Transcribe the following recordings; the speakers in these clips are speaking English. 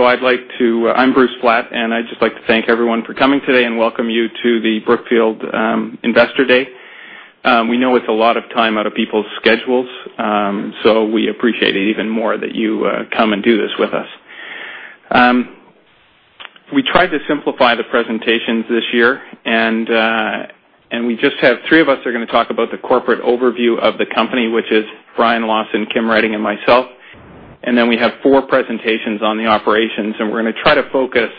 I'm Bruce Flatt, and I'd just like to thank everyone for coming today and welcome you to the Brookfield Investor Day. We know it's a lot of time out of people's schedules, so we appreciate it even more that you come and do this with us. We tried to simplify the presentations this year, and we just have three of us are going to talk about the corporate overview of the company, which is Brian Lawson, Kim Redding, and myself. Then we have four presentations on the operations, and we're going to try to focus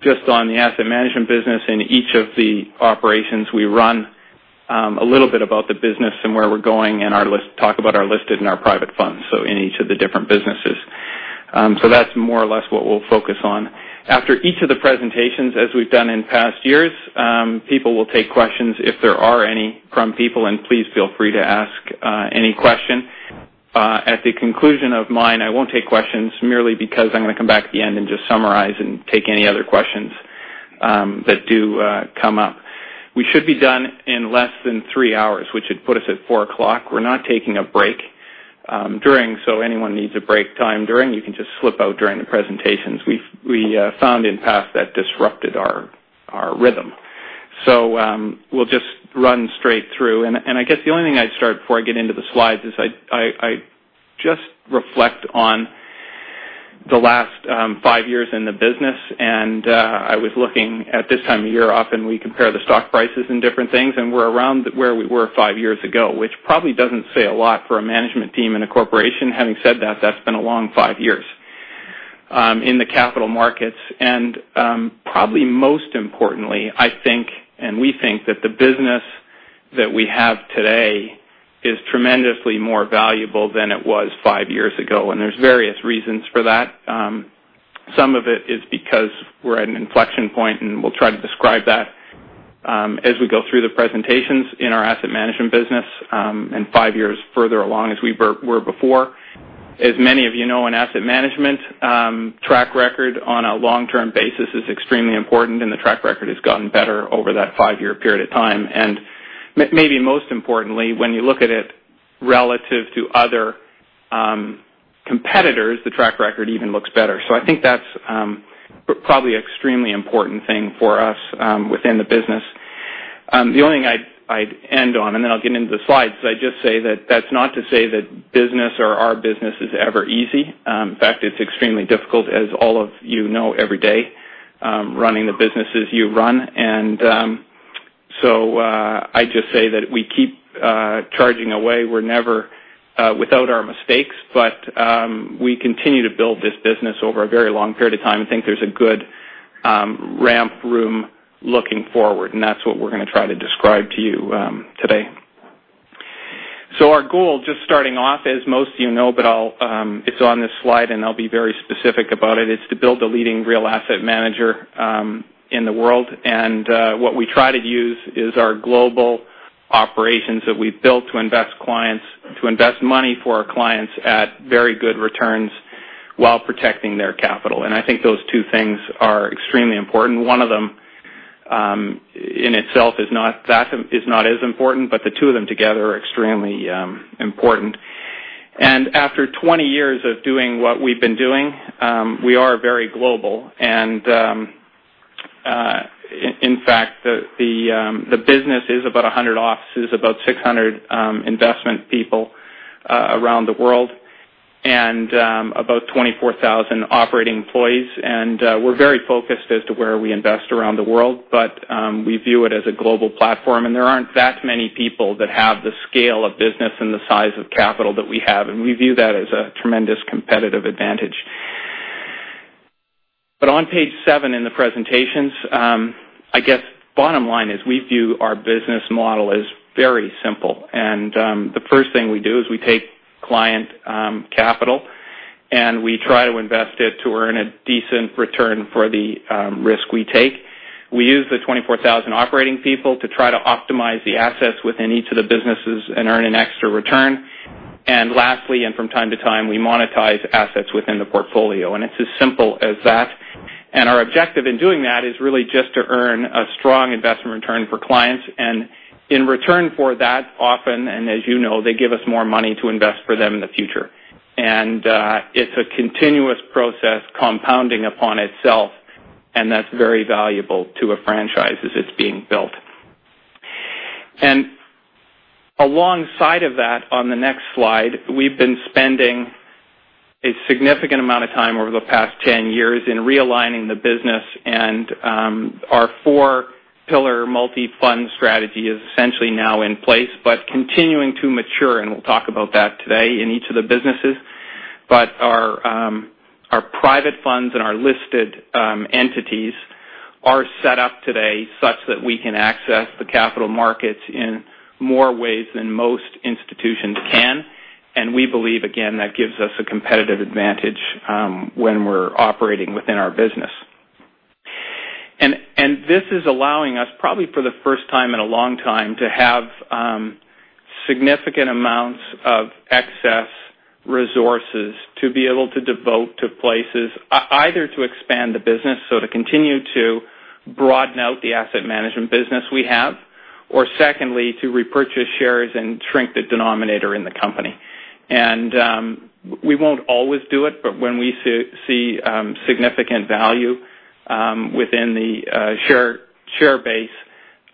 just on the asset management business in each of the operations we run, a little bit about the business and where we're going, and talk about our listed and our private funds, so in each of the different businesses. That's more or less what we'll focus on. After each of the presentations, as we've done in past years, people will take questions if there are any from people, and please feel free to ask any question. At the conclusion of mine, I won't take questions merely because I'm going to come back at the end and just summarize and take any other questions that do come up. We should be done in less than 3 hours, which would put us at four o'clock. We're not taking a break during, so anyone needs a break time during, you can just slip out during the presentations. We found in the past that disrupted our rhythm. We'll just run straight through. I guess the only thing I'd start before I get into the slides is I just reflect on the last 5 years in the business. I was looking at this time of year, often we compare the stock prices and different things, and we're around where we were 5 years ago, which probably doesn't say a lot for a management team in a corporation. Having said that's been a long 5 years in the capital markets. Probably most importantly, I think, and we think that the business that we have today is tremendously more valuable than it was 5 years ago. There's various reasons for that. Some of it is because we're at an inflection point, and we'll try to describe that as we go through the presentations in our asset management business, and 5 years further along as we were before. As many of you know, in asset management, track record on a long-term basis is extremely important, and the track record has gotten better over that 5-year period of time. Maybe most importantly, when you look at it relative to other competitors, the track record even looks better. I think that's probably extremely important thing for us within the business. The only thing I'd end on, and then I'll get into the slides, is I just say that that's not to say that business or our business is ever easy. In fact, it's extremely difficult, as all of you know, every day, running the businesses you run. I just say that we keep charging away. We're never without our mistakes, we continue to build this business over a very long period of time and think there's a good ramp room looking forward, that's what we're going to try to describe to you today. Our goal, just starting off, as most of you know, but it's on this slide, I'll be very specific about it, is to build a leading real asset manager in the world. What we try to use is our global operations that we've built to invest money for our clients at very good returns while protecting their capital. I think those two things are extremely important. One of them in itself is not as important, the two of them together are extremely important. After 20 years of doing what we've been doing, we are very global. In fact, the business is about 100 offices, about 600 investment people around the world, about 24,000 operating employees. We're very focused as to where we invest around the world. We view it as a global platform, there aren't that many people that have the scale of business and the size of capital that we have, we view that as a tremendous competitive advantage. On page seven in the presentations, I guess bottom line is we view our business model as very simple. The first thing we do is we take client capital, we try to invest it to earn a decent return for the risk we take. We use the 24,000 operating people to try to optimize the assets within each of the businesses and earn an extra return. Lastly, from time to time, we monetize assets within the portfolio. It's as simple as that. Our objective in doing that is really just to earn a strong investment return for clients. In return for that, often, as you know, they give us more money to invest for them in the future. It's a continuous process compounding upon itself, that's very valuable to a franchise as it's being built. Alongside of that, on the next slide, we've been spending a significant amount of time over the past 10 years in realigning the business, our four-pillar multi-fund strategy is essentially now in place but continuing to mature, we'll talk about that today in each of the businesses. Our private funds and our listed entities are set up today such that we can access the capital markets in more ways than most institutions can. We believe, again, that gives us a competitive advantage when we're operating within our business. This is allowing us, probably for the first time in a long time, to have significant amounts of excess resources to be able to devote to places, either to expand the business, so to continue to broaden out the asset management business we have, or secondly, to repurchase shares and shrink the denominator in the company. We won't always do it, when we see significant value within the share base,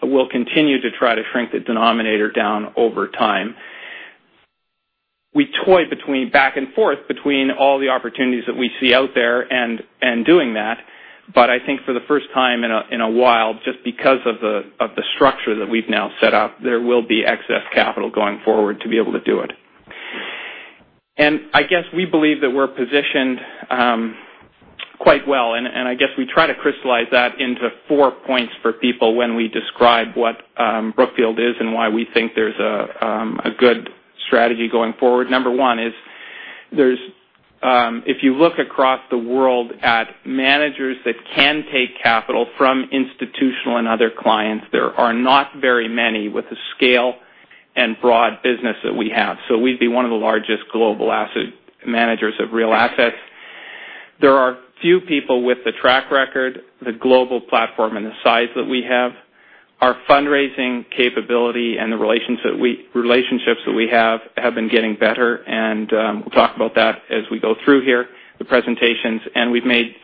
we'll continue to try to shrink the denominator down over time. We toy back and forth between all the opportunities that we see out there and doing that, but I think for the first time in a while, just because of the structure that we've now set up, there will be excess capital going forward to be able to do it. I guess we believe that we're positioned quite well, and I guess we try to crystallize that into 4 points for people when we describe what Brookfield is and why we think there's a good strategy going forward. Number 1 is, if you look across the world at managers that can take capital from institutional and other clients, there are not very many with the scale and broad business that we have. We'd be one of the largest global asset managers of real assets. There are few people with the track record, the global platform, and the size that we have. Our fundraising capability and the relationships that we have been getting better. We'll talk about that as we go through here, the presentations. We've made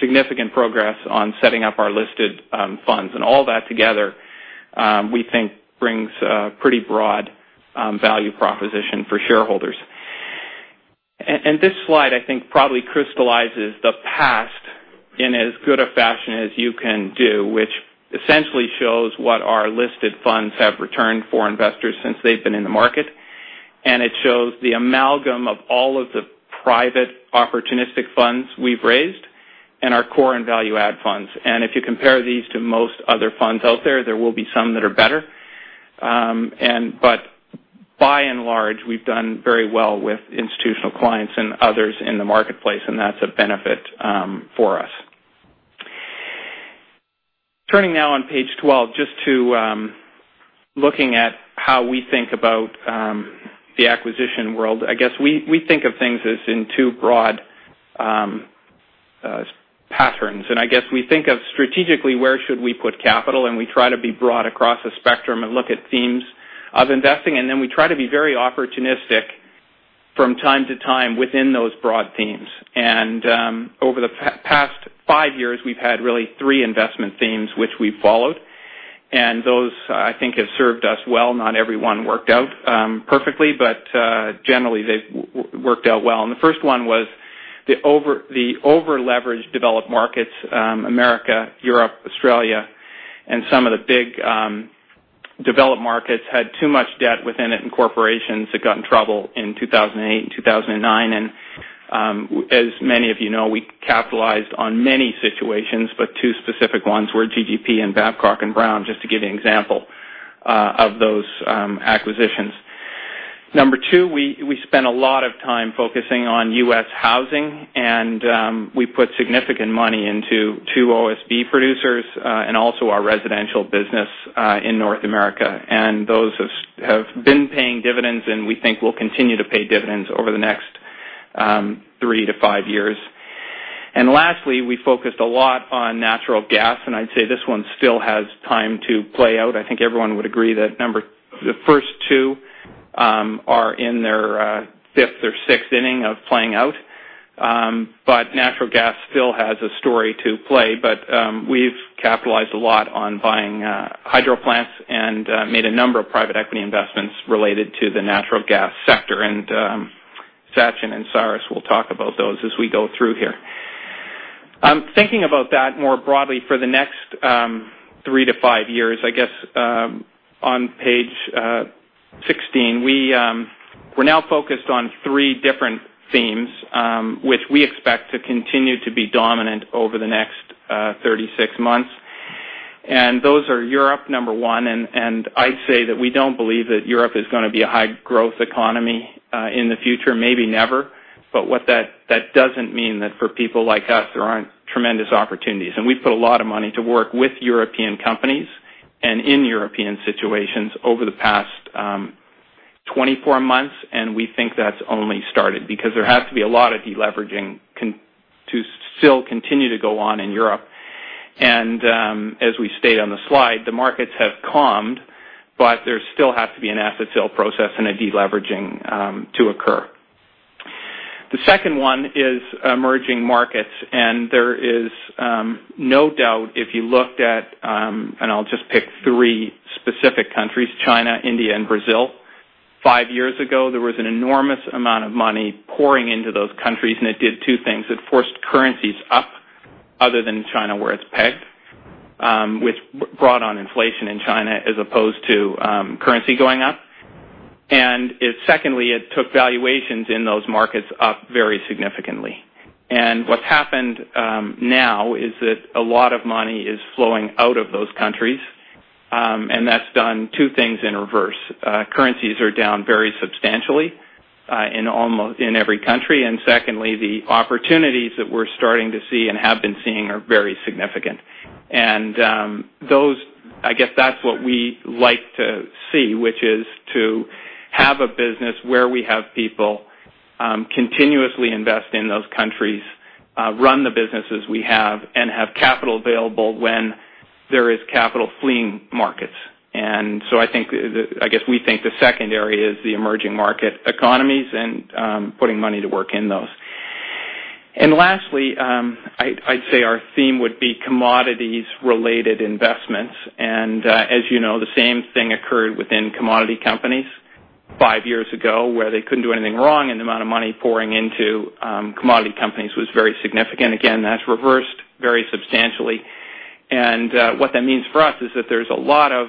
significant progress on setting up our listed funds. All that together we think brings a pretty broad value proposition for shareholders. This slide, I think, probably crystallizes the past in as good a fashion as you can do, which essentially shows what our listed funds have returned for investors since they've been in the market. It shows the amalgam of all of the private opportunistic funds we've raised and our core and value-add funds. If you compare these to most other funds out there will be some that are better. By and large, we've done very well with institutional clients and others in the marketplace, and that's a benefit for us. Turning now on page 12, just looking at how we think about the acquisition world. I guess we think of things as in two broad patterns, and I guess we think of strategically where should we put capital, and we try to be broad across a spectrum and look at themes of investing. Then we try to be very opportunistic from time to time within those broad themes. Over the past five years, we've had really three investment themes which we followed. Those, I think, have served us well. Not everyone worked out perfectly, but generally they've worked out well. The first one was the over-leveraged developed markets, the U.S., Europe, Australia, and some of the big developed markets had too much debt within it, and corporations that got in trouble in 2008 and 2009. As many of you know, we capitalized on many situations, but two specific ones were TGP and Babcock & Brown, just to give you an example of those acquisitions. Number 2, we spent a lot of time focusing on U.S. housing, and we put significant money into two OSB producers, and also our residential business in North America. Those have been paying dividends, and we think will continue to pay dividends over the next three to five years. Lastly, we focused a lot on natural gas, and I'd say this one still has time to play out. I think everyone would agree that the first two are in their fifth or sixth inning of playing out. Natural gas still has a story to play, but we've capitalized a lot on buying hydro plants and made a number of private equity investments related to the natural gas sector. Sachin and Cyrus will talk about those as we go through here. Thinking about that more broadly for the next three to five years, I guess on page 16, we're now focused on three different themes, which we expect to continue to be dominant over the next 36 months. Those are Europe, number one. I'd say that we don't believe that Europe is going to be a high-growth economy in the future, maybe never. That doesn't mean that for people like us, there aren't tremendous opportunities. We've put a lot of money to work with European companies and in European situations over the past 24 months, and we think that's only started because there has to be a lot of deleveraging to still continue to go on in Europe. As we state on the slide, the markets have calmed, but there still has to be an asset sale process and a deleveraging to occur. The second one is emerging markets, and there is no doubt if you looked at I'll just pick three specific countries, China, India, and Brazil. Five years ago, there was an enormous amount of money pouring into those countries, and it did two things. It forced currencies up, other than China where it's pegged, which brought on inflation in China as opposed to currency going up. Secondly, it took valuations in those markets up very significantly. What's happened now is that a lot of money is flowing out of those countries. That's done two things in reverse. Currencies are down very substantially in every country. Secondly, the opportunities that we're starting to see and have been seeing are very significant. That's what we like to see, which is to have a business where we have people continuously invest in those countries, run the businesses we have, and have capital available when there is capital fleeing markets. I guess we think the second area is the emerging market economies and putting money to work in those. Lastly, I'd say our theme would be commodities-related investments. As you know, the same thing occurred within commodity companies five years ago, where they couldn't do anything wrong, and the amount of money pouring into commodity companies was very significant. Again, that's reversed very substantially. What that means for us is that there's a lot of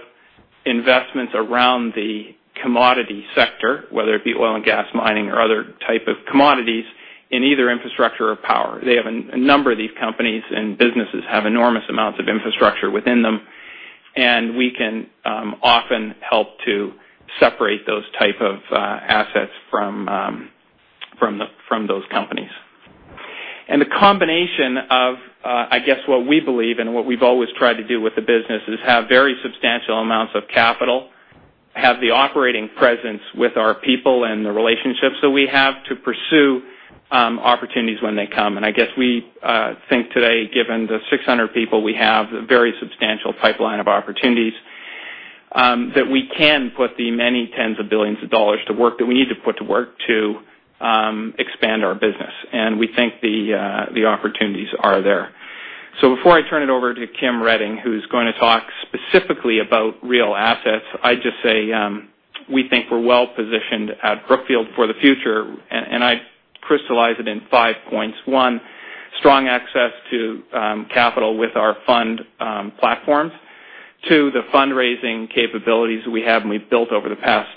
investments around the commodity sector, whether it be oil and gas, mining, or other type of commodities in either infrastructure or power. They have a number of these companies, and businesses have enormous amounts of infrastructure within them, and we can often help to separate those type of assets from those companies. The combination of, I guess, what we believe and what we've always tried to do with the business is have very substantial amounts of capital, have the operating presence with our people and the relationships that we have to pursue opportunities when they come. I guess we think today, given the 600 people we have, a very substantial pipeline of opportunities that we can put the many tens of billions of dollars to work that we need to put to work to expand our business. We think the opportunities are there. Before I turn it over to Kim Redding, who is going to talk specifically about real assets, I would just say, we think we are well-positioned at Brookfield for the future, and I crystallize it in five points. One, strong access to capital with our fund platforms. Two, the fundraising capabilities we have, and we have built over the past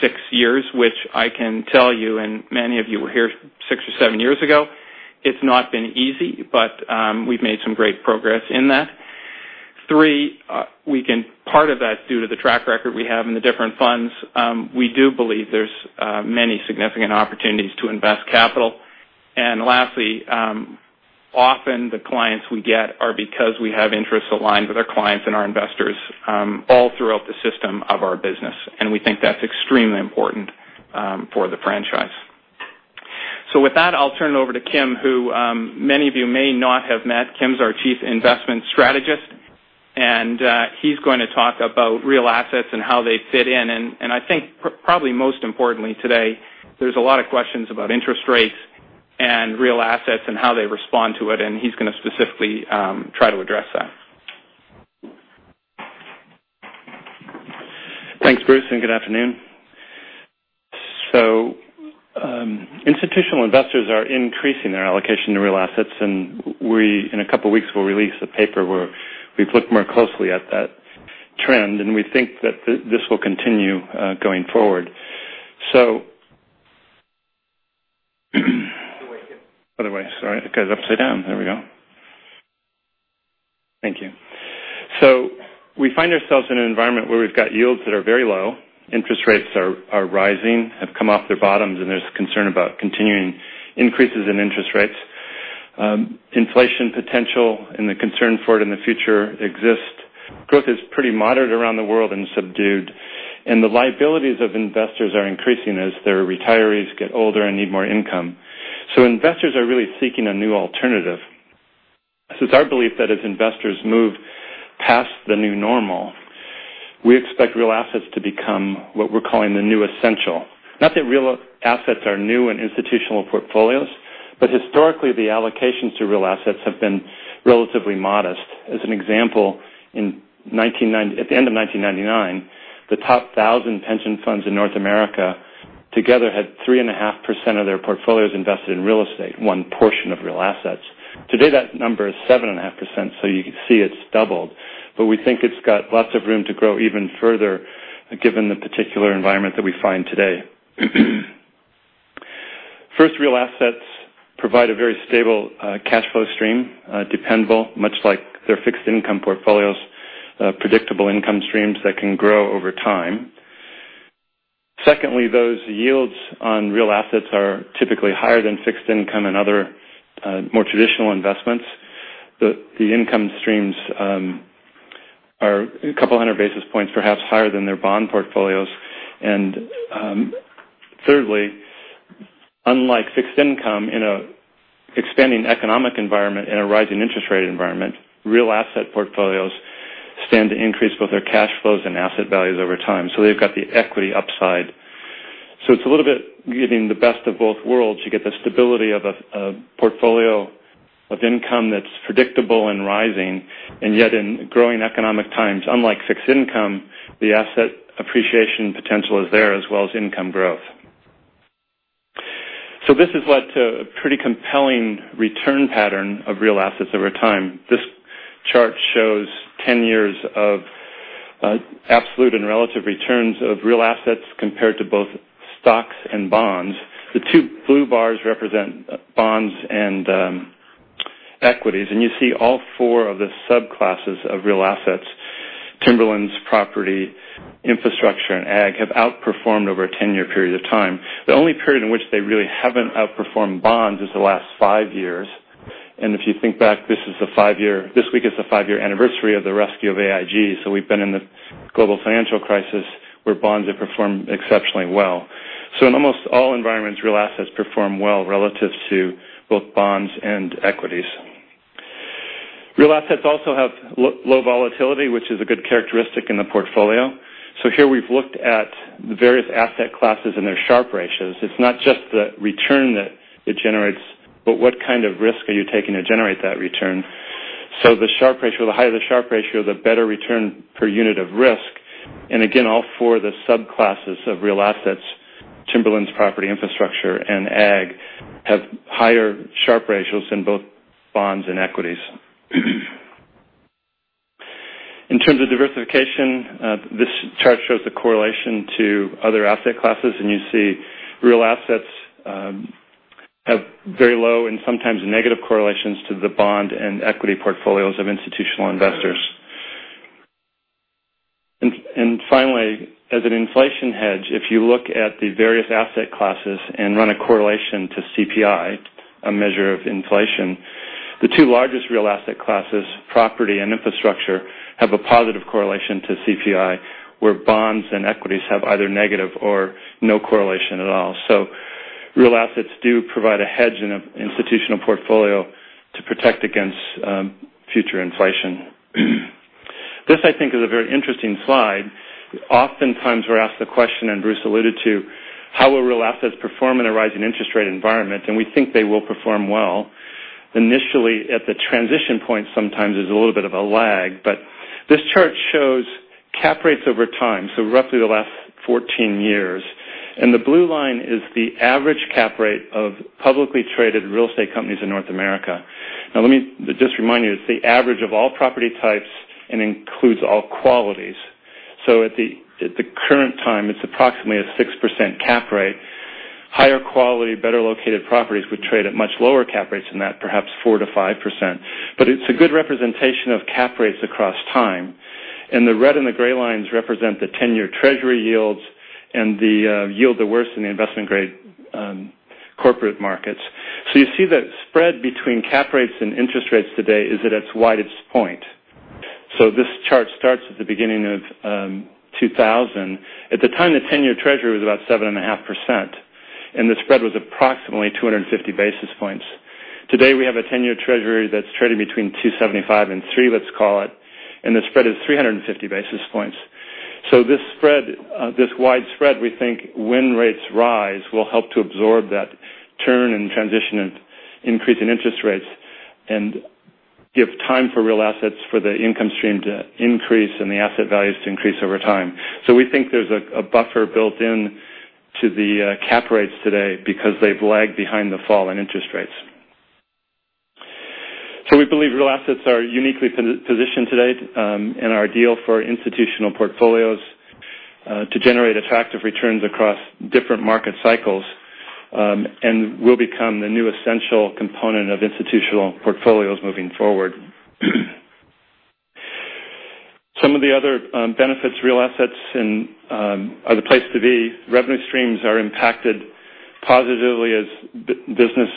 6 years, which I can tell you, and many of you were here six or seven years ago, it is not been easy, but we have made some great progress in that. Three, part of that is due to the track record we have in the different funds. We do believe there is many significant opportunities to invest capital. Lastly, often the clients we get are because we have interests aligned with our clients and our investors all throughout the system of our business, and we think that is extremely important for the franchise. With that, I will turn it over to Kim, who many of you may not have met. Kim is our Chief Investment Strategist, and he is going to talk about real assets and how they fit in. I think probably most importantly today, there is a lot of questions about interest rates and real assets and how they respond to it, and he is going to specifically try to address that. Thanks, Bruce, and good afternoon. Institutional investors are increasing their allocation to real assets, we, in a couple of weeks, will release a paper where we have looked more closely at that trend, we think that this will continue going forward. Other way, Kim. Other way. Sorry. It goes upside down. There we go. Thank you. We find ourselves in an environment where we've got yields that are very low. Interest rates are rising, have come off their bottoms, and there's concern about continuing increases in interest rates. Inflation potential and the concern for it in the future exist. Growth is pretty moderate around the world and subdued, and the liabilities of investors are increasing as their retirees get older and need more income. Investors are really seeking a new alternative. It's our belief that as investors move past the new normal, we expect real assets to become what we're calling the new essential. Not that real assets are new in institutional portfolios, but historically, the allocations to real assets have been relatively modest. As an example, at the end of 1999, the top 1,000 pension funds in North America together had 3.5% of their portfolios invested in real estate, one portion of real assets. Today, that number is 7.5%, so you can see it's doubled. We think it's got lots of room to grow even further given the particular environment that we find today. First, real assets provide a very stable cash flow stream, dependable, much like their fixed income portfolios, predictable income streams that can grow over time. Secondly, those yields on real assets are typically higher than fixed income and other more traditional investments. The income streams are a couple of hundred basis points, perhaps higher than their bond portfolios. Thirdly, unlike fixed income in an expanding economic environment, in a rising interest rate environment, real asset portfolios stand to increase both their cash flows and asset values over time. They've got the equity upside. It's a little bit getting the best of both worlds. You get the stability of a portfolio of income that's predictable and rising. Yet, in growing economic times, unlike fixed income, the asset appreciation potential is there, as well as income growth. This has led to a pretty compelling return pattern of real assets over time. This chart shows 10 years of absolute and relative returns of real assets compared to both stocks and bonds. The two blue bars represent bonds and equities. You see all four of the subclasses of real assets, timberlands, property, infrastructure, and ag, have outperformed over a 10-year period of time. The only period in which they really haven't outperformed bonds is the last five years. If you think back, this week is the five-year anniversary of the rescue of AIG. We've been in the global financial crisis where bonds have performed exceptionally well. In almost all environments, real assets perform well relative to both bonds and equities. Real assets also have low volatility, which is a good characteristic in the portfolio. Here we've looked at the various asset classes and their Sharpe ratios. It's not just the return that it generates, but what kind of risk are you taking to generate that return. The higher the Sharpe ratio, the better return per unit of risk. Again, all four of the subclasses of real assets, timberlands, property, infrastructure, and ag, have higher Sharpe ratios than both bonds and equities. In terms of diversification, this chart shows the correlation to other asset classes. You see real assets have very low and sometimes negative correlations to the bond and equity portfolios of institutional investors. Finally, as an inflation hedge, if you look at the various asset classes and run a correlation to CPI, a measure of inflation, the two largest real asset classes, property and infrastructure, have a positive correlation to CPI, where bonds and equities have either negative or no correlation at all. Real assets do provide a hedge in an institutional portfolio to protect against future inflation. This I think is a very interesting slide. Oftentimes we're asked the question, and Bruce alluded to, how will real assets perform in a rising interest rate environment? We think they will perform well. Initially at the transition point, sometimes there's a little bit of a lag. This chart shows cap rates over time, so roughly the last 14 years. The blue line is the average cap rate of publicly traded real estate companies in North America. Now let me just remind you, it's the average of all property types and includes all qualities. At the current time, it's approximately a 6% cap rate. Higher quality, better located properties would trade at much lower cap rates than that, perhaps 4%-5%. It's a good representation of cap rates across time. The red and the gray lines represent the 10-year treasury yields and the yield to worst in the investment-grade corporate markets. You see that spread between cap rates and interest rates today is at its widest point. This chart starts at the beginning of 2000. At the time, the 10-year treasury was about 7.5%. The spread was approximately 250 basis points. Today, we have a 10-year treasury that's traded between 275 and 300, let's call it. The spread is 350 basis points. This wide spread, we think when rates rise, will help to absorb that turn in transition and increase in interest rates, and give time for real assets for the income stream to increase and the asset values to increase over time. We think there's a buffer built into the cap rates today because they've lagged behind the fall in interest rates. We believe real assets are uniquely positioned today, and are ideal for institutional portfolios to generate attractive returns across different market cycles, and will become the new essential component of institutional portfolios moving forward. Some of the other benefits real assets are the place to be. Revenue streams are impacted positively as business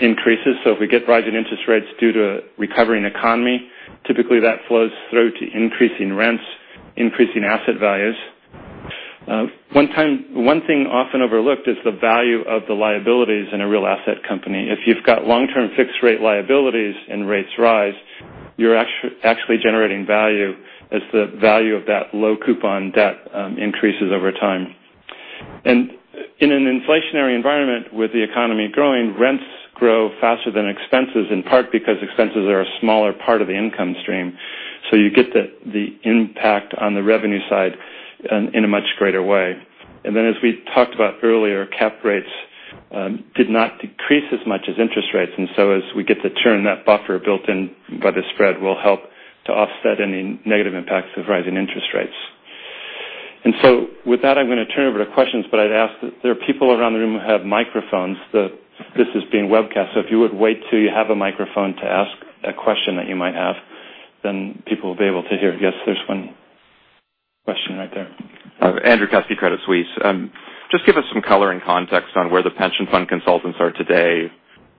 increases. If we get rising interest rates due to recovering economy, typically that flows through to increasing rents, increasing asset values. One thing often overlooked is the value of the liabilities in a real asset company. If you've got long-term fixed rate liabilities and rates rise, you're actually generating value as the value of that low coupon debt increases over time. In an inflationary environment with the economy growing, rents grow faster than expenses, in part because expenses are a smaller part of the income stream. You get the impact on the revenue side in a much greater way. Then, as we talked about earlier, cap rates did not decrease as much as interest rates. As we get the turn, that buffer built in by the spread will help to offset any negative impacts of rising interest rates. With that, I'm going to turn over to questions, but I'd ask that there are people around the room who have microphones. This is being webcast, so if you would wait till you have a microphone to ask a question that you might have, then people will be able to hear. Yes, there's one question right there. Andrew Kusky, Credit Suisse. Just give us some color and context on where the pension fund consultants are today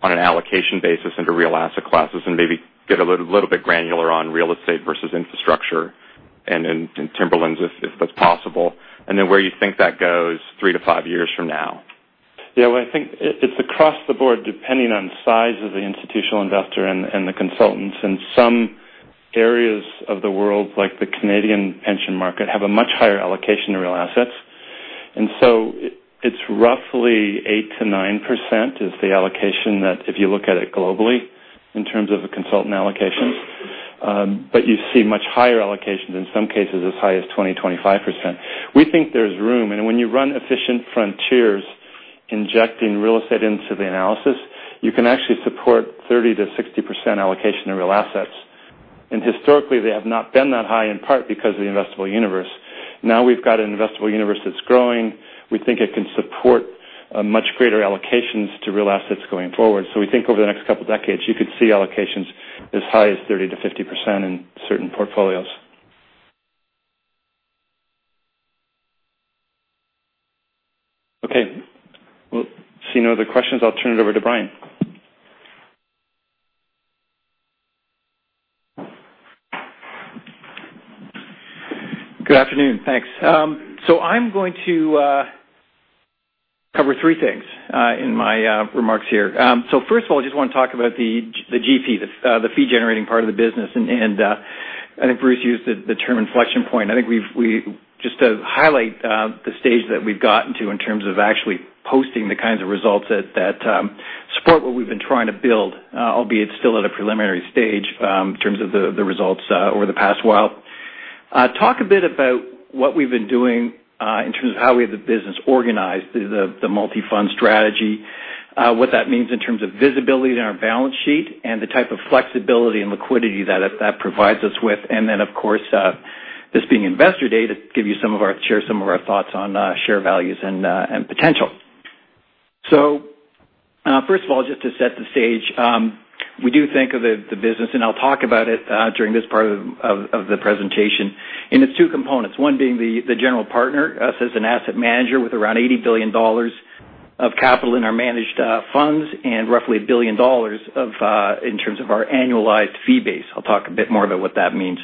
on an allocation basis into real asset classes, and maybe get a little bit granular on real estate versus infrastructure and in timberlands, if that's possible. Then where you think that goes three to five years from now. Yeah. Well, I think it's across the board, depending on size of the institutional investor and the consultants. In some areas of the world, like the Canadian pension market, have a much higher allocation to real assets. It's roughly 8%-9%, is the allocation that if you look at it globally in terms of a consultant allocation. You see much higher allocations, in some cases as high as 20%, 25%. We think there's room, and when you run efficient frontiers injecting real estate into the analysis, you can actually support 30%-60% allocation of real assets. Historically, they have not been that high, in part because of the investable universe. Now we've got an investable universe that's growing. We think it can support much greater allocations to real assets going forward. We think over the next couple decades, you could see allocations as high as 30%-50% in certain portfolios. Okay. Well, seeing no other questions, I'll turn it over to Brian. Good afternoon. Thanks. I am going to cover three things in my remarks here. First of all, I just want to talk about the GP, the fee-generating part of the business. I think Bruce used the term inflection point. I think just to highlight the stage that we have gotten to in terms of actually posting the kinds of results that support what we have been trying to build, albeit still at a preliminary stage, in terms of the results over the past while. Talk a bit about what we have been doing, in terms of how we have the business organized, the multi-fund strategy, what that means in terms of visibility in our balance sheet, and the type of flexibility and liquidity that provides us with. Then, of course, this being Brookfield Investor Day, to share some of our thoughts on share values and potential. First of all, just to set the stage. We do think of the business, and I will talk about it during this part of the presentation, in its two components. One being the general partner, us as an asset manager with around $80 billion of capital in our managed funds and roughly $1 billion in terms of our annualized fee base. I will talk a bit more about what that means.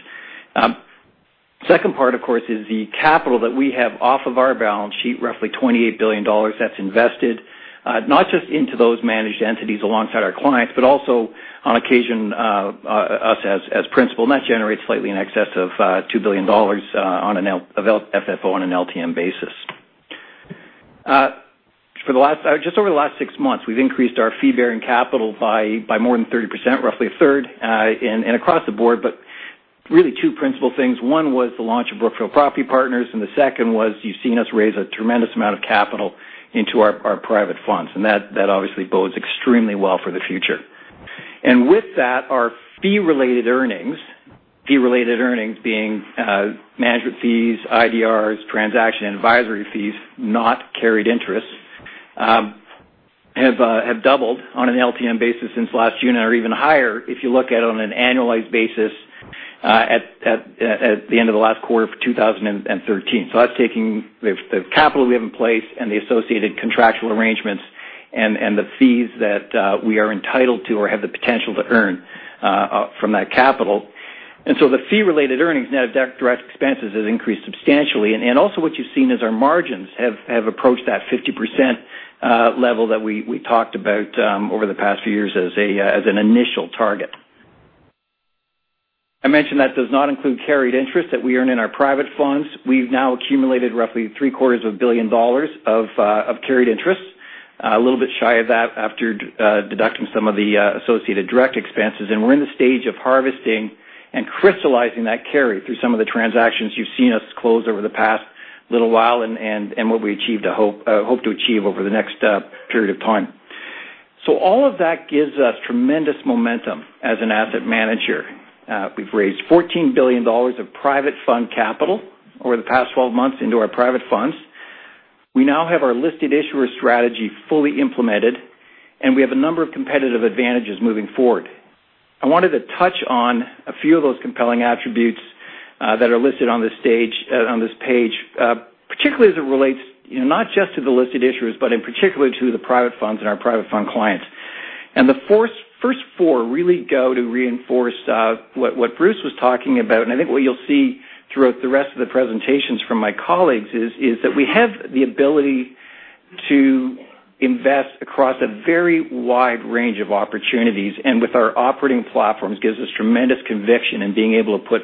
The second part, of course, is the capital that we have off of our balance sheet, roughly $28 billion that is invested, not just into those managed entities alongside our clients, but also, on occasion, us as principal. That generates slightly in excess of $2 billion of FFO on an LTM basis. Just over the last six months, we have increased our fee-bearing capital by more than 30%, roughly a third and across the board. Really two principal things. One was the launch of Brookfield Property Partners. The second was you have seen us raise a tremendous amount of capital into our private funds, and that obviously bodes extremely well for the future. With that, our fee-related earnings, fee-related earnings being management fees, IDRs, transaction advisory fees, not carried interest, have doubled on an LTM basis since last June or even higher if you look at it on an annualized basis at the end of the last quarter of 2013. That is taking the capital we have in place and the associated contractual arrangements and the fees that we are entitled to or have the potential to earn from that capital. The fee-related earnings net of direct expenses has increased substantially. Also what you have seen is our margins have approached that 50% level that we talked about over the past few years as an initial target. I mentioned that does not include carried interest that we earn in our private funds. We have now accumulated roughly three-quarters of a billion dollars of carried interest, a little bit shy of that after deducting some of the associated direct expenses. We are in the stage of harvesting and crystallizing that carry through some of the transactions you have seen us close over the past little while and what we hope to achieve over the next period of time. All of that gives us tremendous momentum as an asset manager. We have raised $14 billion of private fund capital over the past 12 months into our private funds. We now have our listed issuer strategy fully implemented. We have a number of competitive advantages moving forward. I wanted to touch on a few of those compelling attributes that are listed on this page particularly as it relates not just to the listed issuers, but in particular to the private funds and our private fund clients. The first four really go to reinforce what Bruce was talking about. I think what you'll see throughout the rest of the presentations from my colleagues is that we have the ability to invest across a very wide range of opportunities, and with our operating platforms, gives us tremendous conviction in being able to put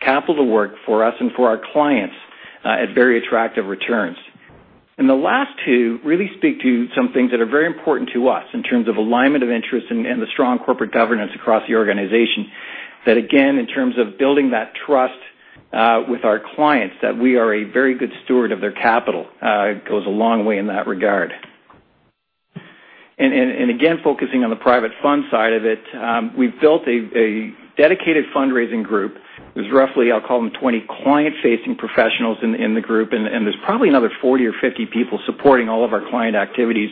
capital to work for us and for our clients at very attractive returns. The last two really speak to some things that are very important to us in terms of alignment of interest and the strong corporate governance across the organization, that again, in terms of building that trust with our clients, that we are a very good steward of their capital. It goes a long way in that regard. Again, focusing on the private fund side of it, we've built a dedicated fundraising group. There's roughly, I'll call them, 20 client-facing professionals in the group, and there's probably another 40 or 50 people supporting all of our client activities.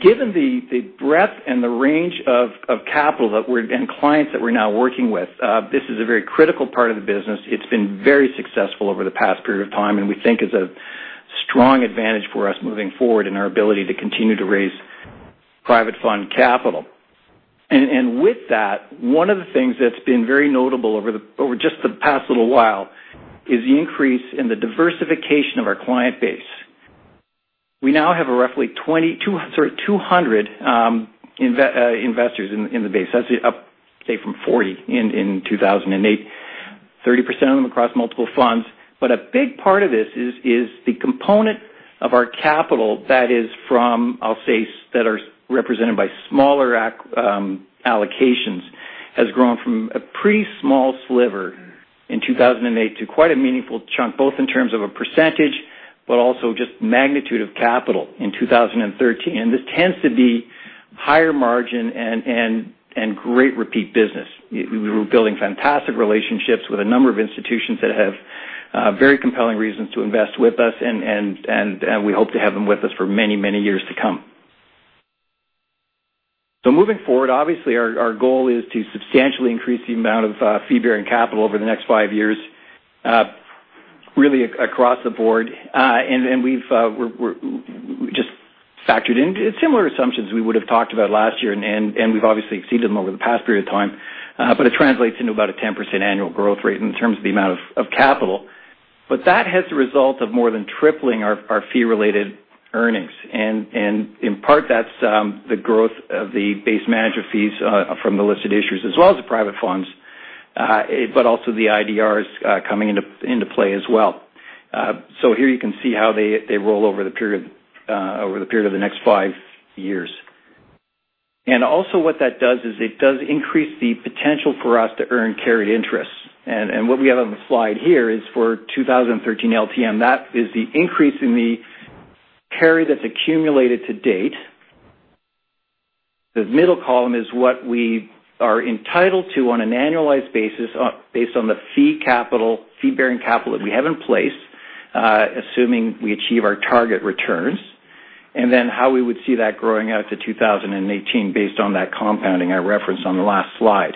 Given the breadth and the range of capital and clients that we're now working with, this is a very critical part of the business. It's been very successful over the past period of time, and we think is a strong advantage for us moving forward in our ability to continue to raise private fund capital. With that, one of the things that's been very notable over just the past little while is the increase in the diversification of our client base. We now have roughly 200 investors in the base. That's up, say, from 40 in 2008. 30% of them across multiple funds. A big part of this is the component of our capital that are represented by smaller allocations, has grown from a pretty small sliver in 2008 to quite a meaningful chunk, both in terms of a percentage, but also just magnitude of capital in 2013. This tends to be higher margin and great repeat business. We're building fantastic relationships with a number of institutions that have very compelling reasons to invest with us, and we hope to have them with us for many, many years to come. Moving forward, obviously, our goal is to substantially increase the amount of fee-bearing capital over the next five years, really across the board. We've just factored in similar assumptions we would've talked about last year. We've obviously exceeded them over the past period of time. It translates into about a 10% annual growth rate in terms of the amount of capital. That has the result of more than tripling our fee-related earnings. In part, that's the growth of the base manager fees from the listed issues as well as the private funds, but also the IDRs coming into play as well. Here you can see how they roll over the period of the next five years. What that does is it does increase the potential for us to earn carry interest. What we have on the slide here is for 2013 LTM. That is the increase in the carry that's accumulated to date. The middle column is what we are entitled to on an annualized basis based on the fee-bearing capital that we have in place, assuming we achieve our target returns. How we would see that growing out to 2018 based on that compounding I referenced on the last slide.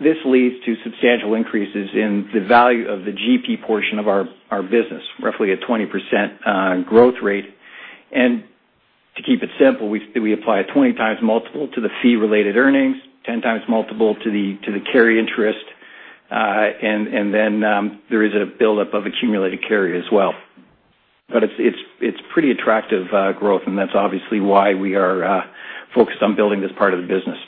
This leads to substantial increases in the value of the GP portion of our business, roughly a 20% growth rate. To keep it simple, we apply a 20 times multiple to the fee-related earnings, 10 times multiple to the carry interest. There is a buildup of accumulated carry as well. It's pretty attractive growth, and that's obviously why we are focused on building this part of the business.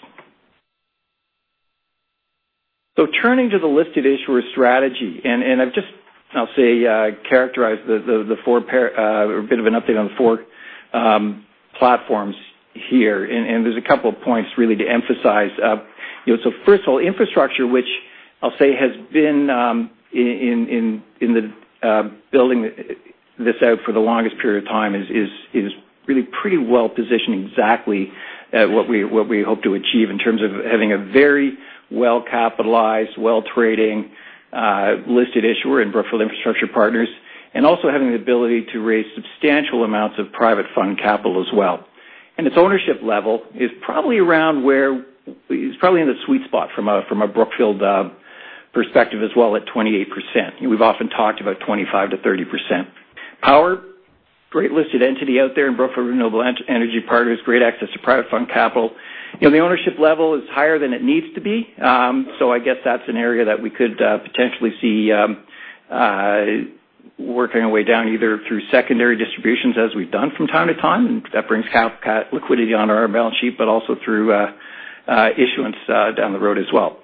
Turning to the listed issuer strategy, I've characterized a bit of an update on the four platforms here. There's a couple of points really to emphasize. First of all, infrastructure, which I'll say has been in the building this out for the longest period of time, is really pretty well positioned exactly at what we hope to achieve in terms of having a very well-capitalized, well-trading listed issuer in Brookfield Infrastructure Partners. Having the ability to raise substantial amounts of private fund capital as well. Its ownership level is probably in the sweet spot from a Brookfield perspective as well, at 28%. We've often talked about 25%-30%. Power, great listed entity out there in Brookfield Renewable Energy Partners, great access to private fund capital. The ownership level is higher than it needs to be. I guess that's an area that we could potentially see working our way down, either through secondary distributions as we've done from time to time. That brings liquidity on our balance sheet, but also through issuance down the road as well.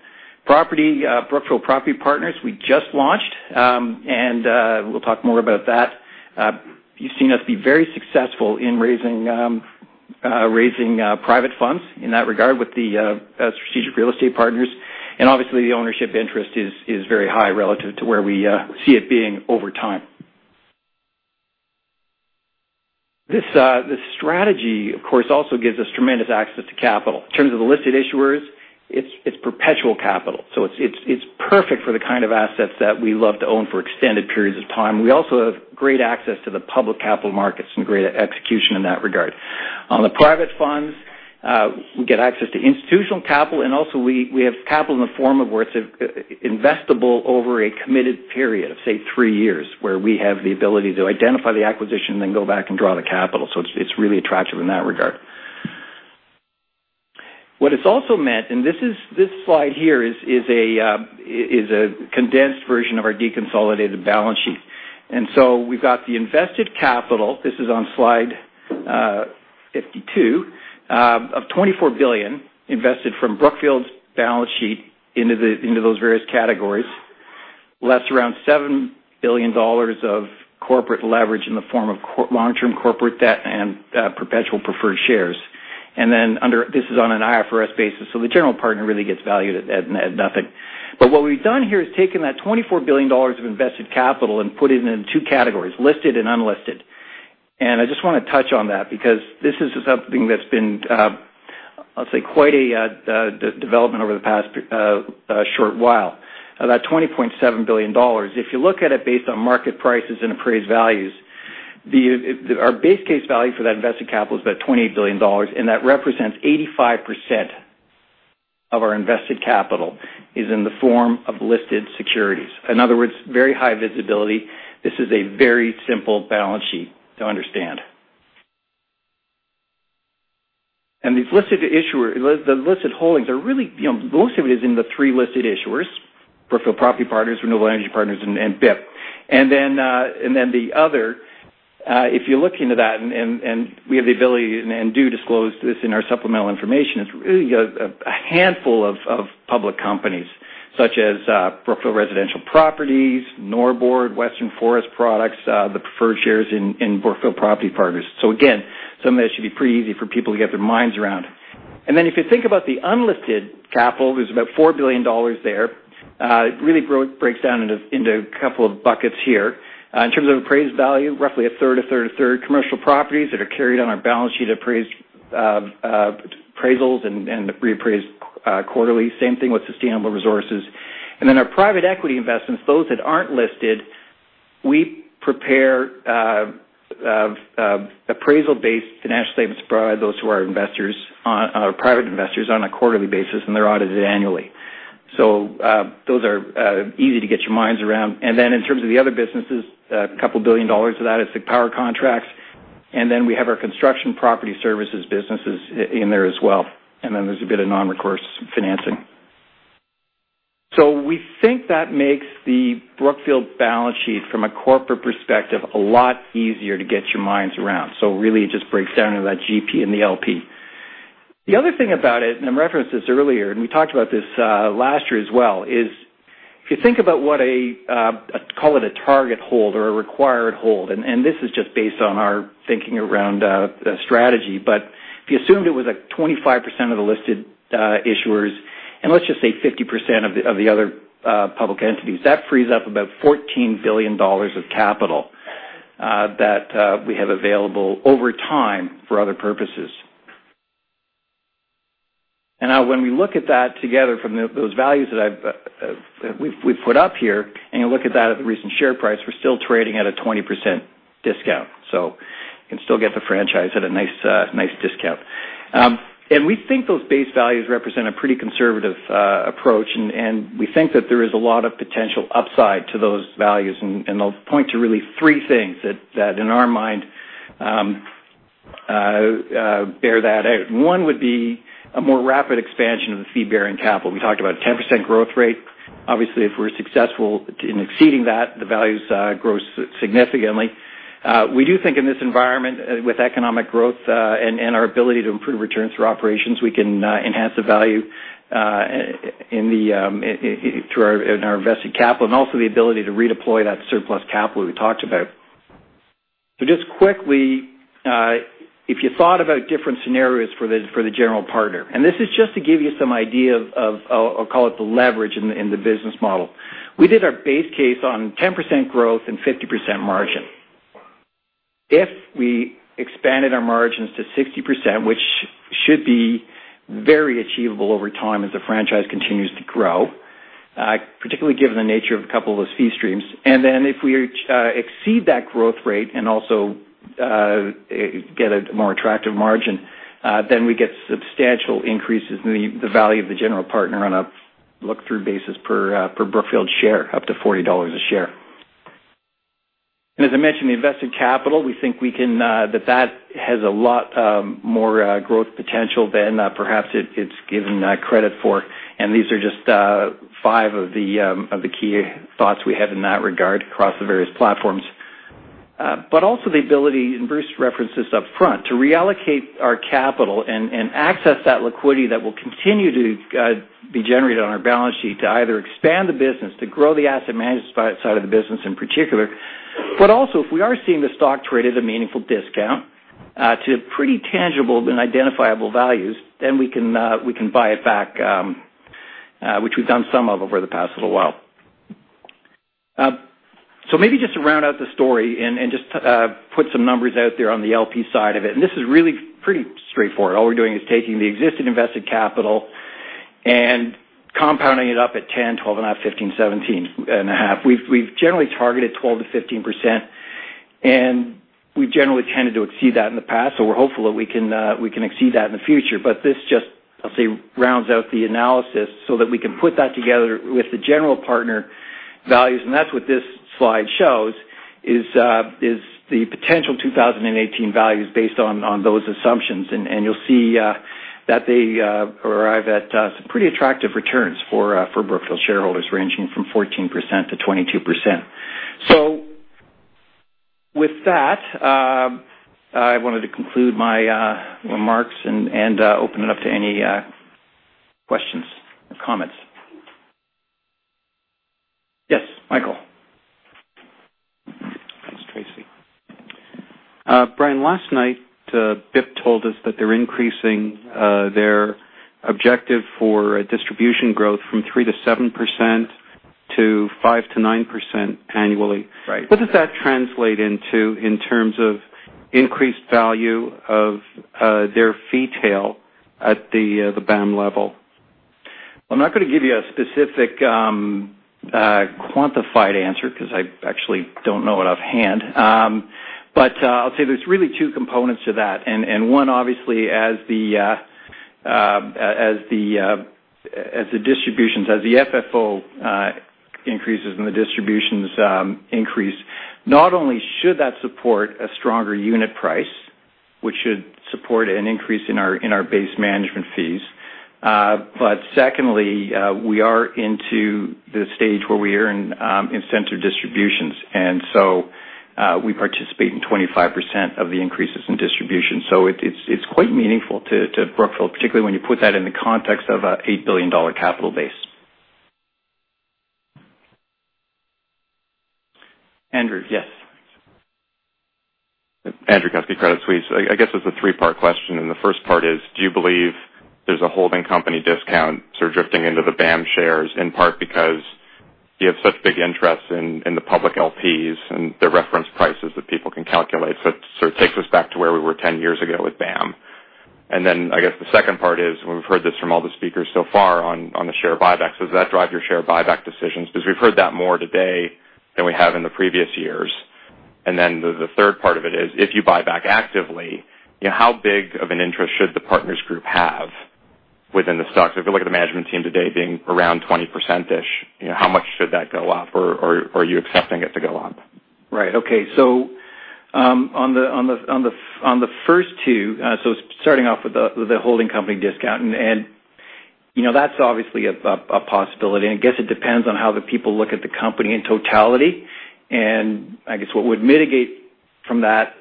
Property, Brookfield Property Partners, we just launched. We'll talk more about that. You've seen us be very successful in raising private funds in that regard with the Strategic Real Estate Partners. Obviously, the ownership interest is very high relative to where we see it being over time. This strategy, of course, also gives us tremendous access to capital. In terms of the listed issuers, it's perpetual capital. It's perfect for the kind of assets that we love to own for extended periods of time. We also have great access to the public capital markets and great execution in that regard. On the private funds, we get access to institutional capital, and also we have capital in the form of where it's investable over a committed period of, say, three years, where we have the ability to identify the acquisition, then go back and draw the capital. It's really attractive in that regard. What it's also meant, this slide here is a condensed version of our deconsolidated balance sheet. We've got the invested capital, this is on slide 52, of $24 billion invested from Brookfield's balance sheet into those various categories. Less around $7 billion of corporate leverage in the form of long-term corporate debt and perpetual preferred shares. This is on an IFRS basis, so the general partner really gets valued at nothing. What we've done here is taken that $24 billion of invested capital and put it into two categories, listed and unlisted. I just want to touch on that because this is something that's been, I'll say, quite a development over the past short while. That $20.7 billion, if you look at it based on market prices and appraised values, our base case value for that invested capital is about $28 billion, and that represents 85% of our invested capital is in the form of listed securities. In other words, very high visibility. This is a very simple balance sheet to understand. The listed holdings are really, most of it is in the three listed issuers, Brookfield Property Partners, Renewable Energy Partners, and BIP. The other, if you look into that, and we have the ability and do disclose this in our supplemental information, it's really a handful of public companies, such as Brookfield Residential Properties, Norbord, Western Forest Products, the preferred shares in Brookfield Property Partners. Again, some of that should be pretty easy for people to get their minds around. If you think about the unlisted capital, there's about $4 billion there. It really breaks down into a couple of buckets here. In terms of appraised value, roughly a third, a third, a third. Commercial properties that are carried on our balance sheet appraisals and reappraised quarterly. Same thing with Sustainable Resources. Our private equity investments, those that aren't listed. We prepare appraisal-based financial statements, provide those to our private investors on a quarterly basis, and they're audited annually. Those are easy to get your minds around. In terms of the other businesses, a couple billion dollars of that is the power contracts. We have our construction property services businesses in there as well. There's a bit of non-recourse financing. We think that makes the Brookfield balance sheet, from a corporate perspective, a lot easier to get your minds around. Really, it just breaks down into that GP and the LP. The other thing about it, and I referenced this earlier, and we talked about this last year as well, is if you think about what a target hold or a required hold, and this is just based on our thinking around the strategy. If you assumed it was a 25% of the listed issuers, and let's just say 50% of the other public entities, that frees up about $14 billion of capital that we have available over time for other purposes. Now when we look at that together from those values that we've put up here, you look at that at the recent share price, we're still trading at a 20% discount. You can still get the franchise at a nice discount. We think those base values represent a pretty conservative approach, and we think that there is a lot of potential upside to those values. I'll point to really three things that, in our mind, bear that out. One would be a more rapid expansion of the fee-bearing capital. We talked about a 10% growth rate. Obviously, if we're successful in exceeding that, the values grow significantly. We do think in this environment, with economic growth, and our ability to improve returns through operations, we can enhance the value in our invested capital, and also the ability to redeploy that surplus capital we talked about. Just quickly, if you thought about different scenarios for the general partner, and this is just to give you some idea of, I'll call it the leverage in the business model. We did our base case on 10% growth and 50% margin. If we expanded our margins to 60%, which should be very achievable over time as the franchise continues to grow, particularly given the nature of a couple of those fee streams. If we exceed that growth rate and also get a more attractive margin, then we get substantial increases in the value of the general partner on a look-through basis per Brookfield share, up to $40 a share. As I mentioned, the invested capital, we think that that has a lot more growth potential than perhaps it's given credit for. These are just five of the key thoughts we have in that regard across the various platforms. Also the ability, and Bruce referenced this upfront, to reallocate our capital and access that liquidity that will continue to be generated on our balance sheet to either expand the business, to grow the asset management side of the business in particular. Also, if we are seeing the stock traded at a meaningful discount to pretty tangible and identifiable values, then we can buy it back, which we've done some of over the past little while. Maybe just to round out the story and just put some numbers out there on the LP side of it, and this is really pretty straightforward. All we're doing is taking the existing invested capital and compounding it up at 10.5, 12.5, 15, 17.5. We've generally targeted 12%-15%, and we've generally tended to exceed that in the past. We're hopeful that we can exceed that in the future. This just, I'll say, rounds out the analysis so that we can put that together with the general partner values. That's what this slide shows, is the potential 2018 values based on those assumptions. You'll see that they arrive at some pretty attractive returns for Brookfield shareholders, ranging from 14%-22%. With that, I wanted to conclude my remarks and open it up to any questions or comments. Yes, Michael. Brian, last night, BIP told us that they're increasing their objective for distribution growth from 3%-7%, to 5%-9% annually. Right. What does that translate into in terms of increased value of their fee tail at the BAM level? I'm not going to give you a specific quantified answer because I actually don't know it offhand. I'll say there's really two components to that. One, obviously, as the distributions, as the FFO increases and the distributions increase, not only should that support a stronger unit price, which should support an increase in our base management fees. Secondly, we are into the stage where we earn incentive distributions, we participate in 25% of the increases in distribution. It's quite meaningful to Brookfield, particularly when you put that in the context of an $8 billion capital base. Andrew, yes. Andrew Kusky, Credit Suisse. I guess it's a three-part question, and the first part is, do you believe there's a holding company discount sort of drifting into the BAM shares, in part because you have such big interest in the public LPs and the reference prices that people can calculate. It sort of takes us back to where we were 10 years ago with. I guess the second part is, and we've heard this from all the speakers so far on the share buybacks, does that drive your share buyback decisions? We've heard that more today than we have in the previous years. The third part of it is, if you buy back actively, how big of an interest should the partners group have within the stock? If you look at the management team today being around 20%-ish, how much should that go up? Are you accepting it to go up? Right. Okay. On the first two, so starting off with the holding company discount. That's obviously a possibility, and I guess it depends on how the people look at the company in totality. What would mitigate from that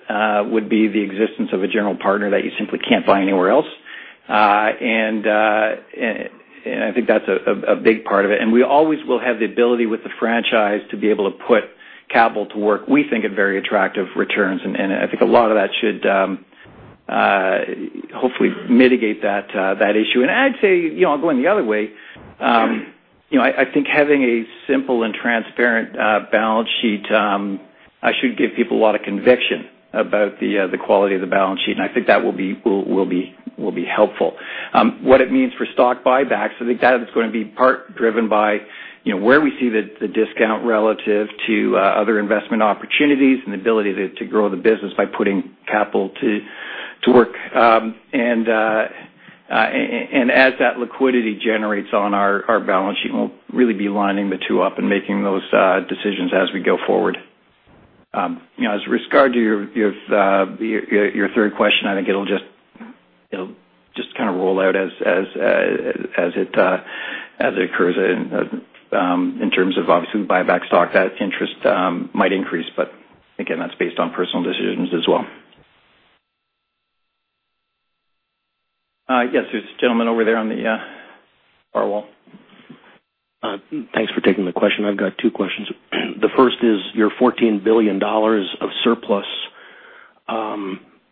would be the existence of a general partner that you simply can't buy anywhere else. I think that's a big part of it. We always will have the ability with the franchise to be able to put capital to work, we think at very attractive returns. I think a lot of that should hopefully mitigate that issue. I'd say, going the other way, I think having a simple and transparent balance sheet should give people a lot of conviction about the quality of the balance sheet. I think that will be helpful. What it means for stock buybacks, I think that is going to be part driven by where we see the discount relative to other investment opportunities and the ability to grow the business by putting capital to work. As that liquidity generates on our balance sheet, we'll really be lining the two up and making those decisions as we go forward. As regard to your third question, I think it'll just kind of roll out as it occurs in terms of, obviously, we buy back stock, that interest might increase, but again, that's based on personal decisions as well. Yes, there's a gentleman over there on the far wall. Thanks for taking the question. I've got two questions. The first is your $14 billion of surplus.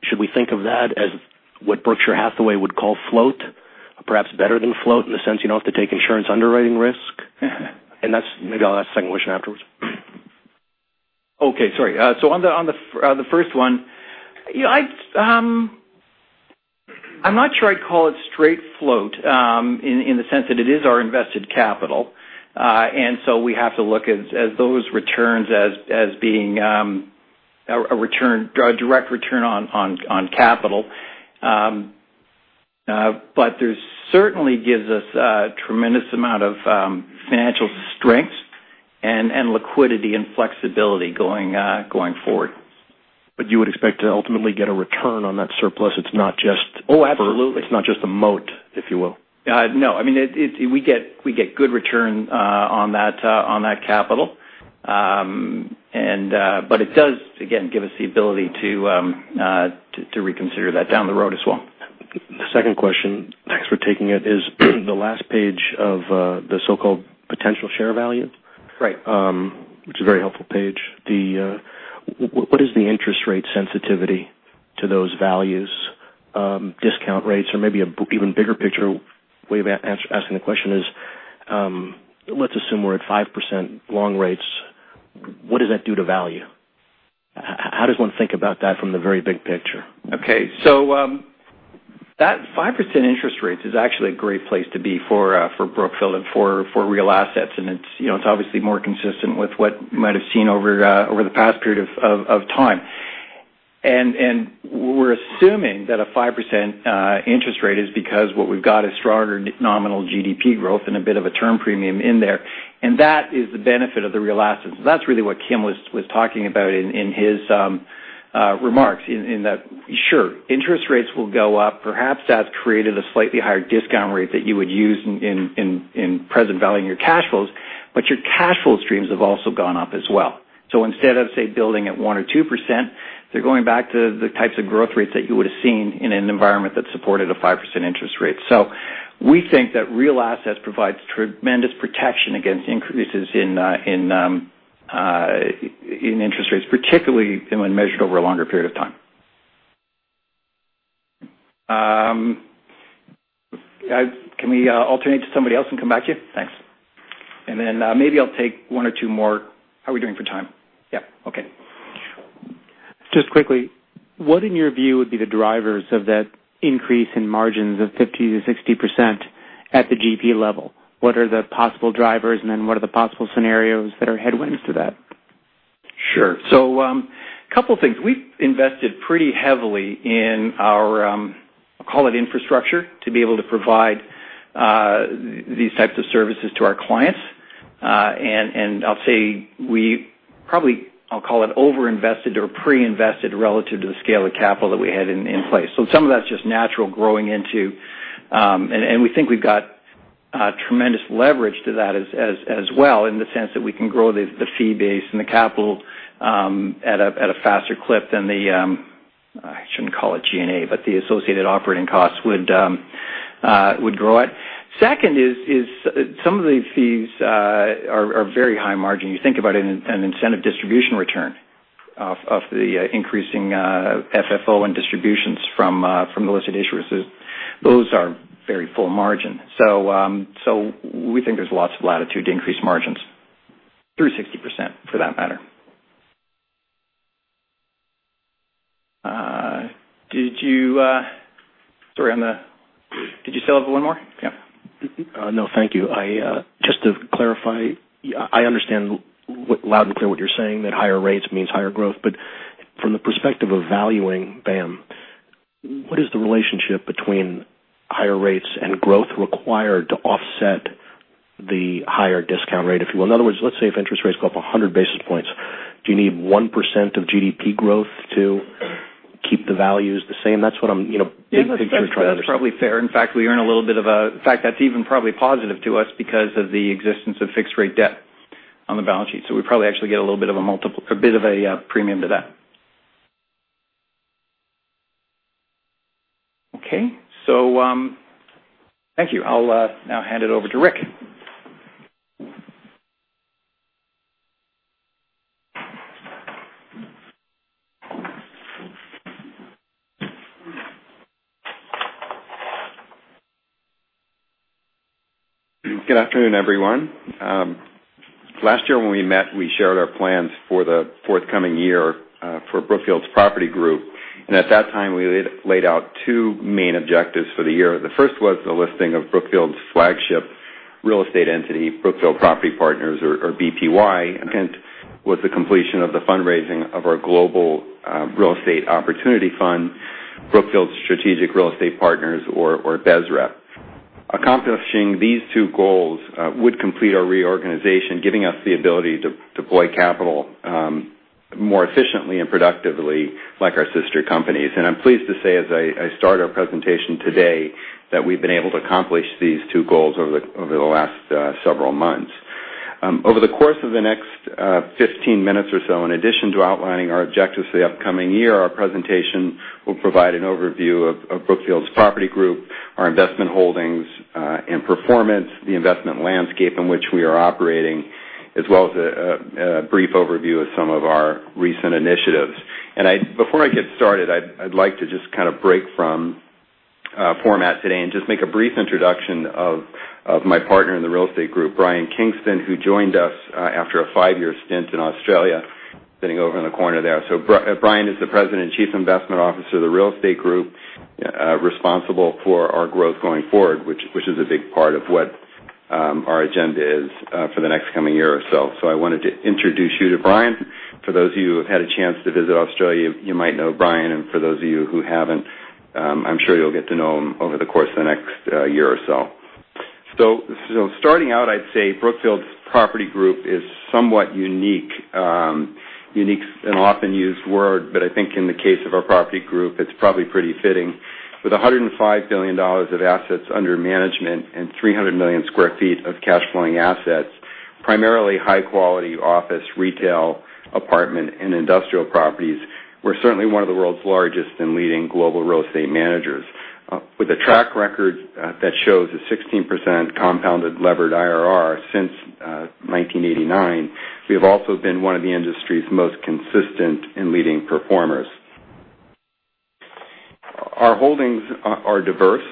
Should we think of that as what Berkshire Hathaway would call float? Perhaps better than float in the sense you don't have to take insurance underwriting risk? That's maybe I'll ask the second question afterwards. Okay, sorry. On the first one, I'm not sure I'd call it straight float, in the sense that it is our invested capital. We have to look at those returns as being a direct return on capital. This certainly gives us a tremendous amount of financial strength and liquidity and flexibility going forward. You would expect to ultimately get a return on that surplus. It's not just- Oh, absolutely. It's not just a moat, if you will. No, we get good return on that capital. It does, again, give us the ability to reconsider that down the road as well. The second question, thanks for taking it, is the last page of the so-called potential share value. Right. Which is a very helpful page. What is the interest rate sensitivity to those values, discount rates, or maybe even bigger picture way of asking the question is, let's assume we're at 5% long rates. What does that do to value? How does one think about that from the very big picture? Okay. That 5% interest rate is actually a great place to be for Brookfield and for real assets, and it's obviously more consistent with what might have seen over the past period of time. We're assuming that a 5% interest rate is because what we've got is stronger nominal GDP growth and a bit of a term premium in there. That is the benefit of the real assets. That's really what Kim was talking about in his remarks, in that, sure, interest rates will go up. Perhaps that's created a slightly higher discount rate that you would use in present value in your cash flows, but your cash flow streams have also gone up as well. Instead of, say, building at one or 2%, they're going back to the types of growth rates that you would've seen in an environment that supported a 5% interest rate. We think that real assets provides tremendous protection against increases in interest rates, particularly when measured over a longer period of time. Can we alternate to somebody else and come back to you? Thanks. Maybe I'll take one or two more. How are we doing for time? Yeah. Okay. Just quickly, what in your view would be the drivers of that increase in margins of 50%-60% at the GP level? What are the possible drivers, what are the possible scenarios that are headwinds to that? Sure. Couple things. We've invested pretty heavily in our, call it infrastructure, to be able to provide these types of services to our clients. I'll say we probably, I'll call it over-invested or pre-invested relative to the scale of capital that we had in place. Some of that's just natural growing into. We think we've got tremendous leverage to that as well in the sense that we can grow the fee base and the capital at a faster clip than the, I shouldn't call it G&A, but the associated operating costs would grow at. Second is some of the fees are very high margin. You think about an incentive distribution return of the increasing FFO and distributions from the listed issuers, those are very full margin. We think there's lots of latitude to increase margins through 60%, for that matter. Did you say a little more? Yeah. No, thank you. Just to clarify, I understand loud and clear what you're saying, that higher rates means higher growth. From the perspective of valuing BAM, what is the relationship between higher rates and growth required to offset the higher discount rate, if you will? In other words, let's say if interest rates go up 100 basis points, do you need 1% of GDP growth to keep the values the same? That's what I'm big picture trying to understand. Yeah. That's probably fair. In fact, that's even probably positive to us because of the existence of fixed rate debt on the balance sheet. We probably actually get a little bit of a premium to that. Okay. Thank you. I'll now hand it over to Ric. Good afternoon, everyone. Last year when we met, we shared our plans for the forthcoming year, for Brookfield's Property Group. At that time, we laid out two main objectives for the year. The first was the listing of Brookfield's flagship real estate entity, Brookfield Property Partners or BPY, and was the completion of the fundraising of our global real estate opportunity fund, Brookfield Strategic Real Estate Partners or BSREP. Accomplishing these two goals would complete our reorganization, giving us the ability to deploy capital, more efficiently and productively like our sister companies. I'm pleased to say as I start our presentation today, that we've been able to accomplish these two goals over the last several months. Over the course of the next 15 minutes or so, in addition to outlining our objectives for the upcoming year, our presentation will provide an overview of Brookfield's Property Group, our investment holdings, and performance, the investment landscape in which we are operating, as well as a brief overview of some of our recent initiatives. Before I get started, I'd like to just kind of break from format today and just make a brief introduction of my partner in the real estate group, Brian Kingston, who joined us after a five-year stint in Australia, sitting over in the corner there. Brian is the President and Chief Investment Officer of the real estate group, responsible for our growth going forward, which is a big part of what our agenda is for the next coming year or so. I wanted to introduce you to Brian. Starting out, I'd say Brookfield's Property Group is somewhat unique. Unique's an often-used word, but I think in the case of our property group, it's probably pretty fitting. With $105 billion of assets under management and 300 million sq ft of cash flowing assets, primarily high-quality office, retail, apartment, and industrial properties. We're certainly one of the world's largest and leading global real estate managers. With a track record that shows a 16% compounded levered IRR since 1989, we have also been one of the industry's most consistent and leading performers. Our holdings are diverse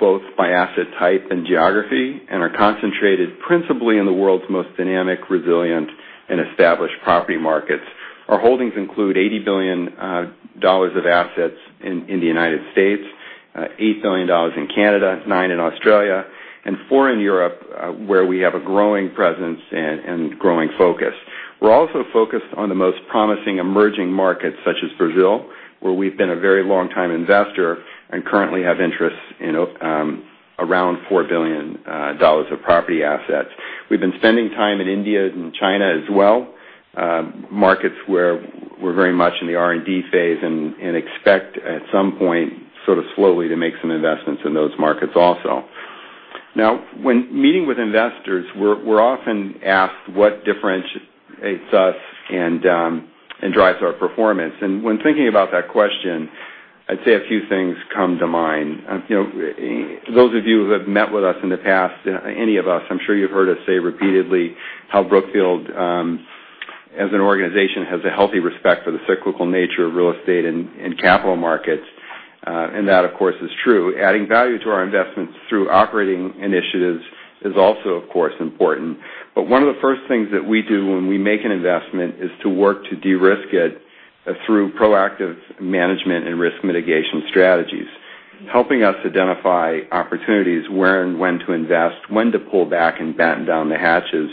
both by asset type and geography, and are concentrated principally in the world's most dynamic, resilient, and established property markets. Our holdings include $80 billion of assets in the United States, $8 billion in Canada, nine in Australia, and four in Europe, where we have a growing presence and growing focus. We're also focused on the most promising emerging markets, such as Brazil, where we've been a very long time investor and currently have interests in around $4 billion of property assets. We've been spending time in India and China as well. Markets where we're very much in the R&D phase and expect at some point sort of slowly to make some investments in those markets also. When meeting with investors, we're often asked what differentiates us and drives our performance. And when thinking about that question, I'd say a few things come to mind. For those of you who have met with us in the past, any of us, I'm sure you've heard us say repeatedly how Brookfield, as an organization, has a healthy respect for the cyclical nature of real estate and capital markets. And that, of course, is true. Adding value to our investments through operating initiatives is also, of course, important. One of the first things that we do when we make an investment is to work to de-risk it through proactive management and risk mitigation strategies. Helping us identify opportunities where and when to invest, when to pull back and batten down the hatches,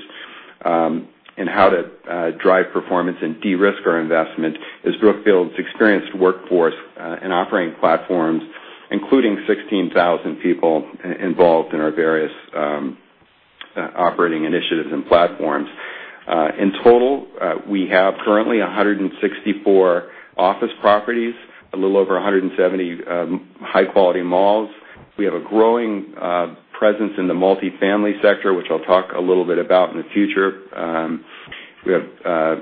and how to drive performance and de-risk our investment is Brookfield's experienced workforce in operating platforms, including 16,000 people involved in our various operating initiatives and platforms. In total, we have currently 164 office properties, a little over 170 high-quality malls. We have a growing presence in the multifamily sector, which I'll talk a little bit about in the future. We have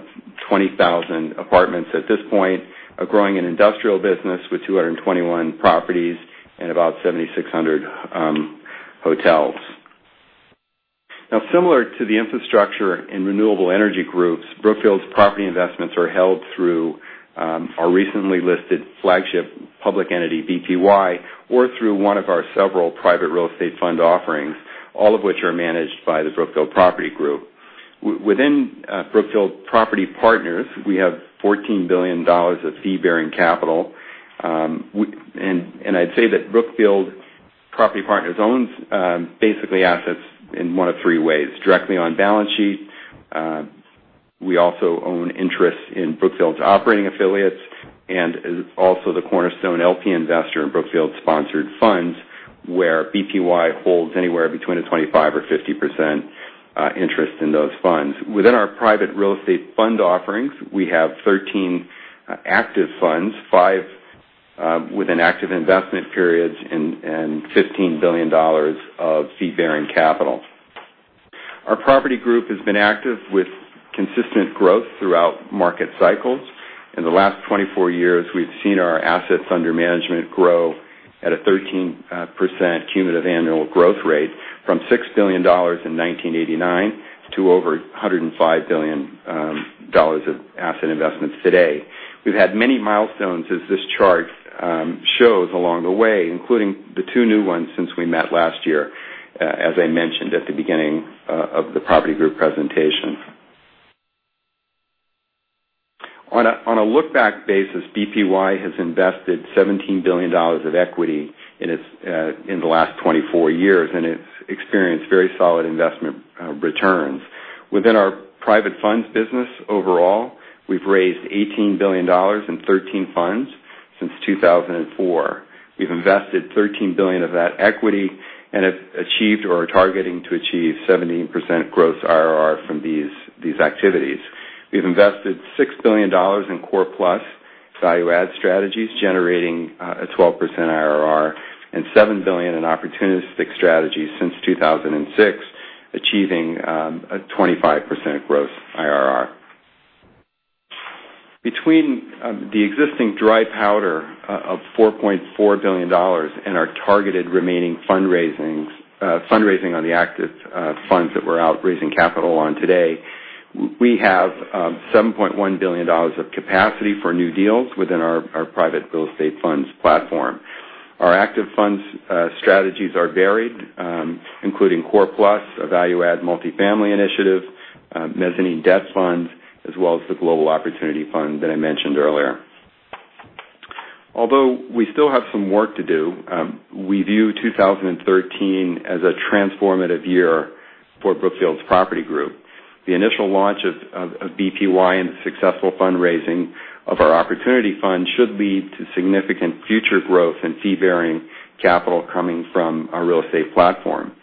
20,000 apartments at this point, growing an industrial business with 221 properties and about 7,600 hotels. Similar to the infrastructure in renewable energy groups, Brookfield's property investments are held through our recently listed flagship public entity, BPY, or through one of our several private real estate fund offerings, all of which are managed by the Brookfield Property Group. Within Brookfield Property Partners, we have $14 billion of fee-bearing capital. And I'd say that Brookfield Property Partners owns basically assets in one of three ways. Directly on-balance sheet. We also own interests in Brookfield's operating affiliates, and is also the cornerstone LP investor in Brookfield sponsored funds, where BPY holds anywhere between a 25% or 50% interest in those funds. Within our private real estate fund offerings, we have 13 active funds, five with an active investment period, and $15 billion of fee-bearing capital. Our property group has been active with consistent growth throughout market cycles. In the last 24 years, we've seen our assets under management grow at a 13% cumulative annual growth rate from $6 billion in 1989 to over $105 billion of asset investments today. We've had many milestones as this chart shows along the way, including the two new ones since we met last year, as I mentioned at the beginning of the property group presentation. On a look-back basis, BPY has invested $17 billion of equity in the last 24 years, and it's experienced very solid investment returns. Within our private funds business overall, we've raised $18 billion in 13 funds since 2004. We've invested $13 billion of that equity and have achieved or are targeting to achieve 17% gross IRR from these activities. We've invested $6 billion in core plus value add strategies, generating a 12% IRR, and $7 billion in opportunistic strategies since 2006, achieving a 25% gross IRR. Between the existing dry powder of $4.4 billion and our targeted remaining fundraising on the active funds that we're out raising capital on today, we have $7.1 billion of capacity for new deals within our private real estate funds platform. Our active funds strategies are varied, including core plus, a value add multifamily initiative, mezzanine debt funds, as well as the global opportunity fund that I mentioned earlier. Although we still have some work to do, we view 2013 as a transformative year for Brookfield's Property Group. The initial launch of BPY and the successful fundraising of our opportunity fund should lead to significant future growth in fee-bearing capital coming from our real estate platform.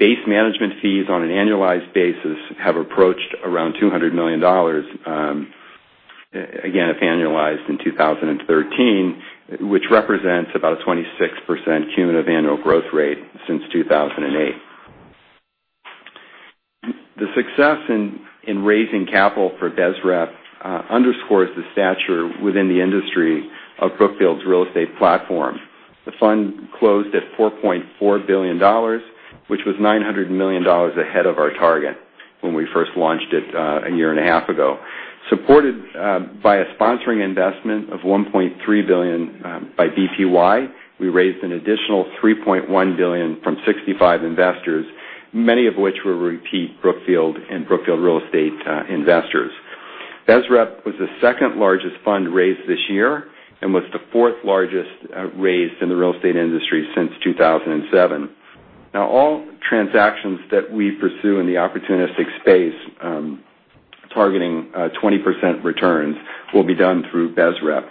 Base management fees on an annualized basis have approached around $200 million. Again, if annualized in 2013, which represents about a 26% cumulative annual growth rate since 2008. The success in raising capital for BSREP underscores the stature within the industry of Brookfield's real estate platform. The fund closed at $4.4 billion, which was $900 million ahead of our target when we first launched it a year and a half ago. Supported by a sponsoring investment of $1.3 billion by BPY, we raised an additional $3.1 billion from 65 investors, many of which were repeat Brookfield and Brookfield Real Estate investors. BSREP was the second largest fund raised this year and was the fourth largest raised in the real estate industry since 2007. All transactions that we pursue in the opportunistic space targeting 20% returns will be done through BSREP.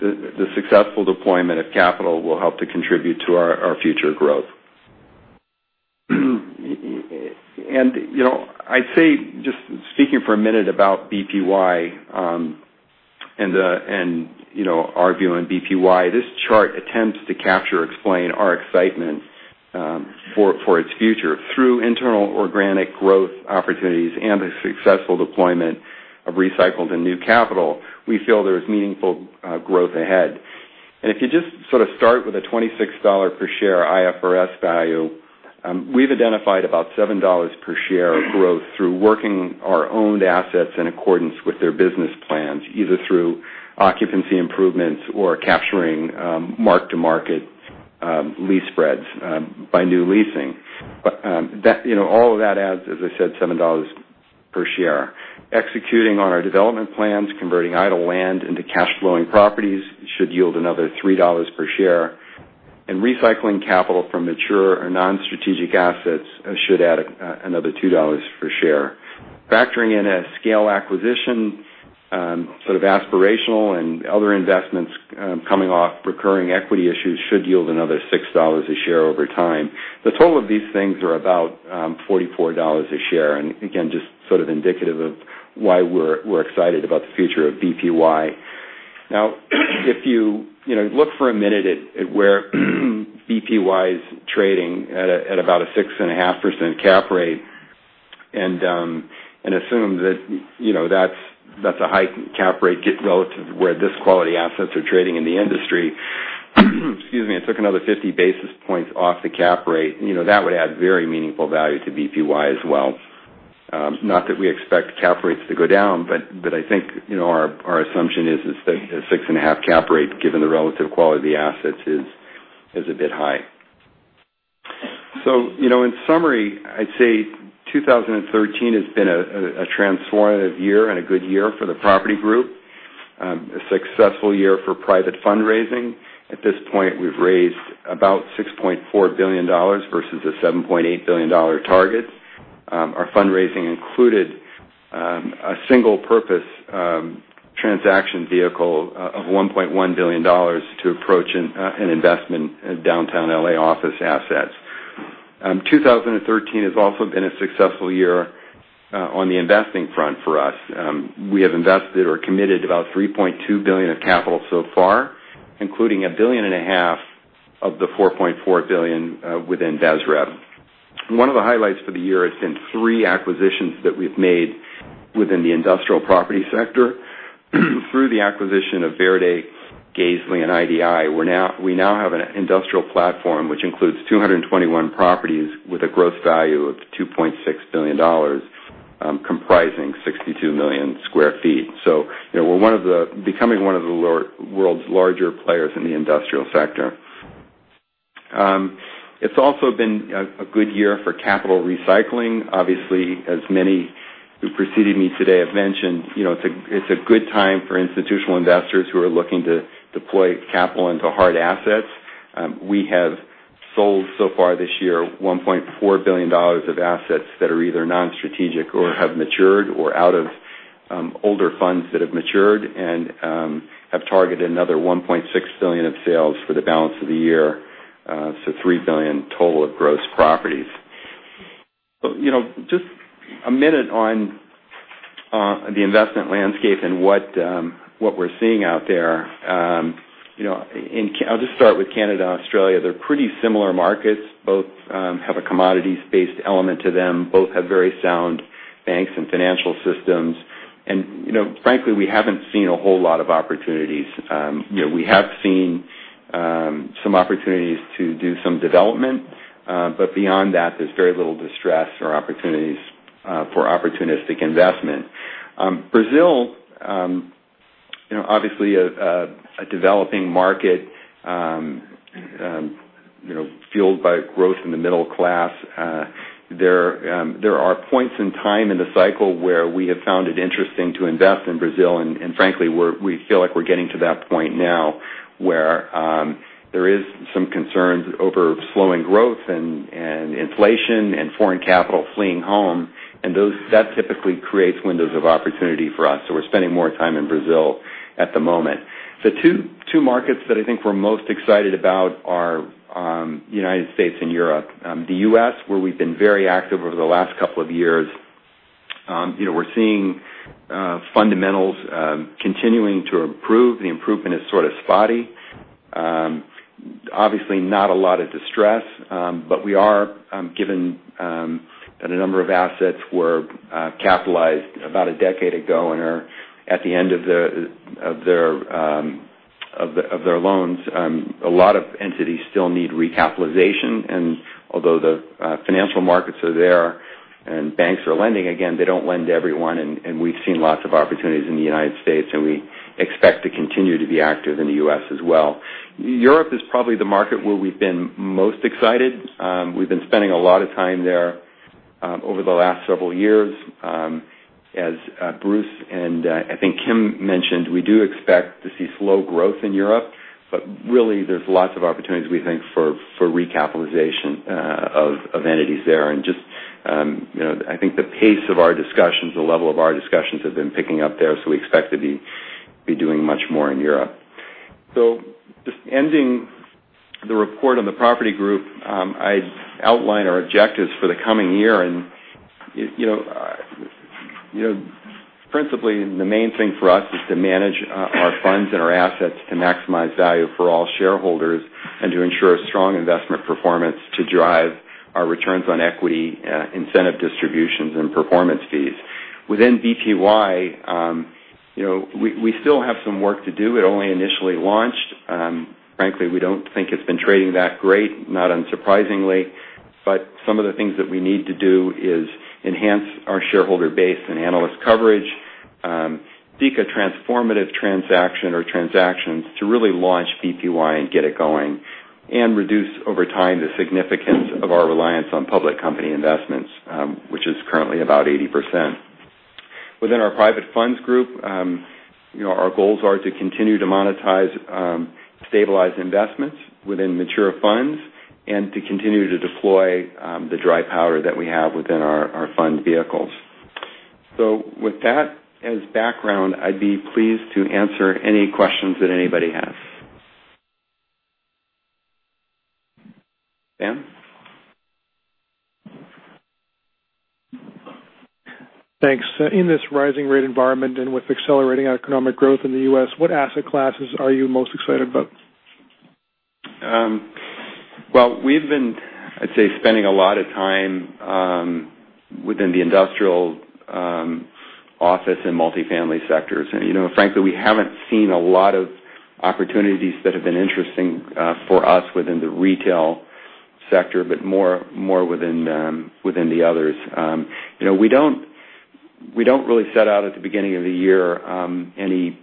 The successful deployment of capital will help to contribute to our future growth. I'd say, just speaking for a minute about BPY and our view on BPY, this chart attempts to capture or explain our excitement for its future. Through internal organic growth opportunities and the successful deployment of recycled and new capital, we feel there is meaningful growth ahead. If you just start with a $26 per share IFRS value, we've identified about $7 per share of growth through working our owned assets in accordance with their business plans, either through occupancy improvements or capturing mark-to-market lease spreads by new leasing. All of that adds, as I said, $7 per share. Executing on our development plans, converting idle land into cash flowing properties should yield another $3 per share, and recycling capital from mature or non-strategic assets should add another $2 per share. Factoring in a scale acquisition, aspirational, and other investments coming off recurring equity issues should yield another $6 a share over time. The total of these things are about $44 a share. Again, just indicative of why we're excited about the future of BPY. If you look for a minute at where BPY is trading at about a 6.5% cap rate, and assume that's a high cap rate relative to where this quality assets are trading in the industry, and took another 50 basis points off the cap rate, that would add very meaningful value to BPY as well. Not that we expect cap rates to go down, I think our assumption is that a 6.5 cap rate, given the relative quality of the assets, is a bit high. In summary, I'd say 2013 has been a transformative year and a good year for the property group. A successful year for private fundraising. At this point, we've raised about $6.4 billion versus a $7.8 billion target. Our fundraising included a single-purpose transaction vehicle of $1.1 billion to approach an investment in downtown L.A. office assets. 2013 has also been a successful year on the investing front for us. We have invested or committed about $3.2 billion of capital so far, including a billion and a half of the $4.4 billion within BSREP. One of the highlights for the year has been three acquisitions that we've made within the industrial property sector. Through the acquisition of Verde Realty, Gazeley, and Industrial Developments International, we now have an industrial platform which includes 221 properties with a gross value of $2.6 billion, comprising 62 million sq ft. We're becoming one of the world's larger players in the industrial sector. It's also been a good year for capital recycling. Obviously, as many who preceded me today have mentioned, it's a good time for institutional investors who are looking to deploy capital into hard assets. We have sold so far this year $1.4 billion of assets that are either non-strategic or have matured or out of older funds that have matured and have targeted another $1.6 billion of sales for the balance of the year, so $3 billion total of gross properties. Just a minute on the investment landscape and what we're seeing out there. I'll just start with Canada and Australia. They're pretty similar markets. Both have a commodities-based element to them. Both have very sound banks and financial systems. Frankly, we haven't seen a whole lot of opportunities. We have seen some opportunities to do some development. Beyond that, there's very little distress or opportunities for opportunistic investment. Brazil, obviously a developing market fueled by growth in the middle class. There are points in time in the cycle where we have found it interesting to invest in Brazil, frankly, we feel like we're getting to that point now, where there is some concerns over slowing growth and inflation and foreign capital fleeing home, that typically creates windows of opportunity for us. We're spending more time in Brazil at the moment. The two markets that I think we're most excited about are United States and Europe. The U.S., where we've been very active over the last couple of years. We're seeing fundamentals continuing to improve. The improvement is sort of spotty. Obviously not a lot of distress. We are given that a number of assets were capitalized about a decade ago and are at the end of their loans. A lot of entities still need recapitalization, and although the financial markets are there and banks are lending again, they don't lend to everyone, and we've seen lots of opportunities in the U.S., and we expect to continue to be active in the U.S. as well. Europe is probably the market where we've been most excited. We've been spending a lot of time there over the last several years. As Bruce Flatt and I think Kim Redding mentioned, we do expect to see slow growth in Europe. Really, there's lots of opportunities, we think, for recapitalization of entities there. I think the pace of our discussions, the level of our discussions, have been picking up there. We expect to be doing much more in Europe. Just ending the report on the property group. I outline our objectives for the coming year. Principally, the main thing for us is to manage our funds and our assets to maximize value for all shareholders and to ensure strong investment performance to drive our returns on equity, incentive distributions, and performance fees. Within BPY, we still have some work to do. It only initially launched. Frankly, we don't think it's been trading that great, not unsurprisingly. Some of the things that we need to do is enhance our shareholder base and analyst coverage, seek a transformative transaction or transactions to really launch BPY and get it going, and reduce over time the significance of our reliance on public company investments, which is currently about 80%. Within our private funds group, our goals are to continue to monetize stabilized investments within mature funds and to continue to deploy the dry powder that we have within our fund vehicles. With that as background, I'd be pleased to answer any questions that anybody has. Dan? Thanks. In this rising rate environment and with accelerating economic growth in the U.S., what asset classes are you most excited about? Well, we've been, I'd say, spending a lot of time within the industrial office and multifamily sectors. Frankly, we haven't seen a lot of opportunities that have been interesting for us within the retail sector, but more within the others. We don't really set out at the beginning of the year any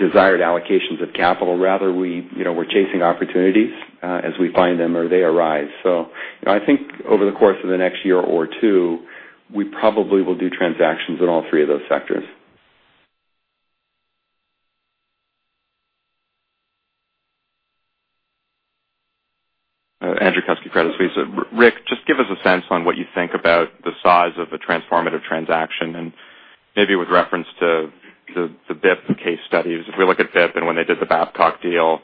desired allocations of capital. Rather, we're chasing opportunities as we find them or they arise. I think over the course of the next year or two, we probably will do transactions in all three of those sectors. Andrew Kusky, Credit Suisse. Ric, just give us a sense on what you think about the size of a transformative transaction, and maybe with reference to the BIP case studies. If we look at BIP and when they did the Babcock deal,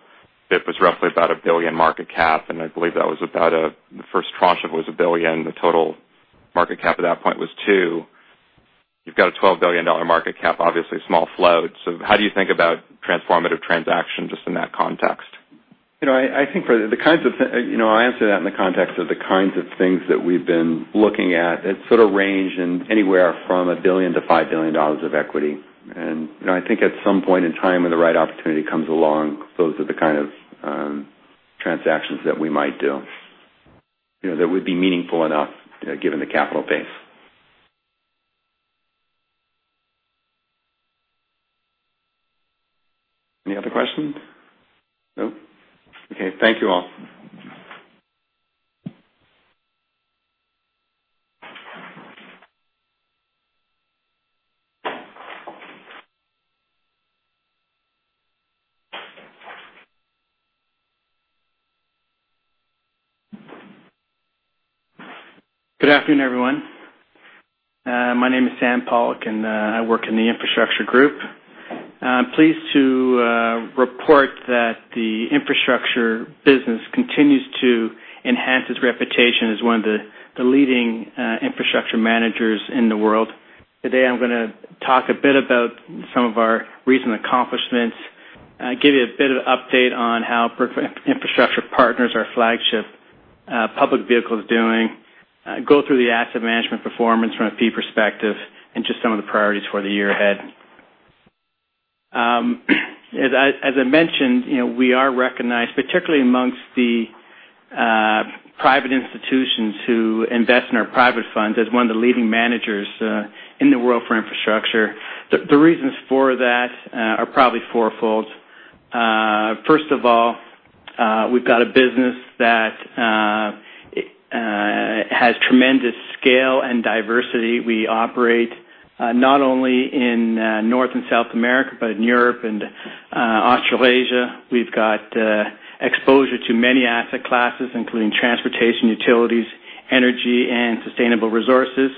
BIP was roughly about a $1 billion market cap, and I believe that the first tranche was $1 billion. The total market cap at that point was $2 billion. You've got a $12 billion market cap, obviously small float. How do you think about transformative transactions just in that context? I answer that in the context of the kinds of things that we've been looking at. It sort of range in anywhere from $1 billion-$5 billion of equity. I think at some point in time, when the right opportunity comes along, those are the kind of transactions that we might do. That would be meaningful enough given the capital base. Any other questions? Nope. Okay. Thank you all. Good afternoon, everyone. My name is Sam Pollock, and I work in the infrastructure group. I'm pleased to report that the infrastructure business continues to enhance its reputation as one of the leading infrastructure managers in the world. Today, I'm going to talk a bit about some of our recent accomplishments, give you a bit of update on how Brookfield Infrastructure Partners, our flagship public vehicle, is doing, go through the asset management performance from a fee perspective, and just some of the priorities for the year ahead. As I mentioned, we are recognized, particularly amongst the private institutions who invest in our private funds, as one of the leading managers in the world for infrastructure. The reasons for that are probably fourfold. First of all, we've got a business that has tremendous scale and diversity. We operate not only in North and South America, but in Europe and Australasia. We've got exposure to many asset classes, including transportation, utilities, energy, and sustainable resources.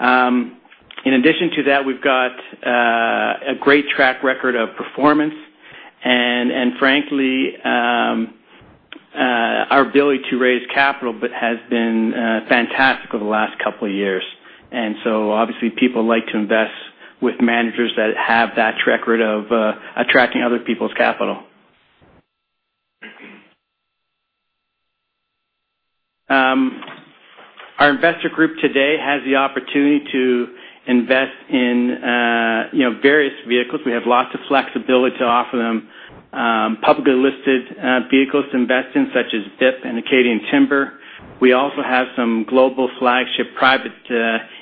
In addition to that, we've got a great track record of performance. Frankly, our ability to raise capital has been fantastic over the last couple of years. Obviously people like to invest with managers that have that track record of attracting other people's capital. Our investor group today has the opportunity to invest in various vehicles. We have lots of flexibility to offer them publicly listed vehicles to invest in, such as BIP and Acadian Timber. We also have some global flagship private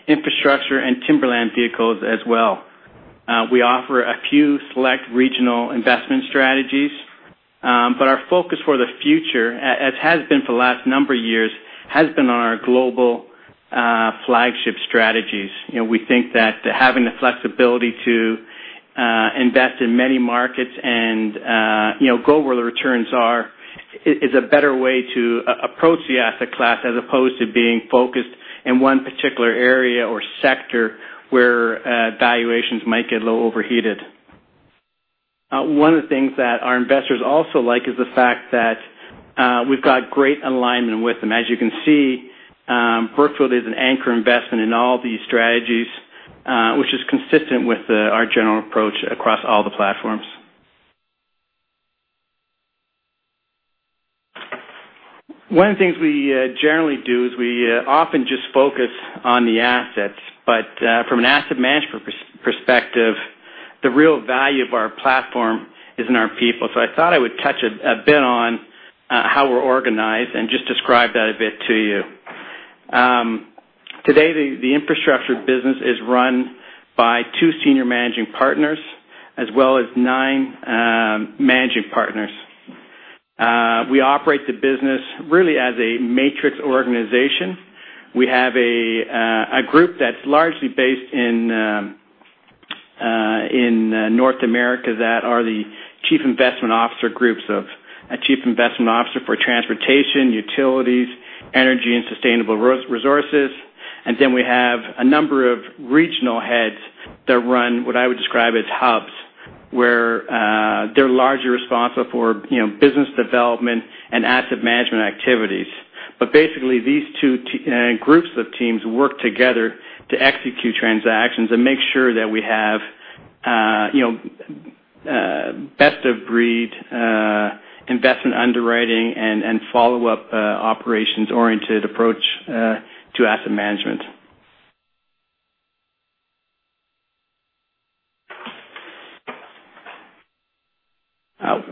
infrastructure and timberland vehicles as well. We offer a few select regional investment strategies. Our focus for the future, as has been for the last number of years, has been on our global flagship strategies. We think that having the flexibility to invest in many markets and go where the returns are is a better way to approach the asset class as opposed to being focused in one particular area or sector where valuations might get a little overheated. One of the things that our investors also like is the fact that we've got great alignment with them. As you can see, Brookfield is an anchor investment in all these strategies, which is consistent with our general approach across all the platforms. One of the things we generally do is we often just focus on the assets. From an asset management perspective, the real value of our platform is in our people. I thought I would touch a bit on how we're organized and just describe that a bit to you. Today, the infrastructure business is run by 2 senior managing partners, as well as 9 managing partners. We operate the business really as a matrix organization. We have a group that's largely based in North America that are the chief investment officer groups of a chief investment officer for transportation, utilities, energy, and sustainable resources. We have a number of regional heads that run what I would describe as hubs, where they're largely responsible for business development and asset management activities. Basically, these 2 groups of teams work together to execute transactions and make sure that we have best of breed investment underwriting and follow-up operations-oriented approach to asset management.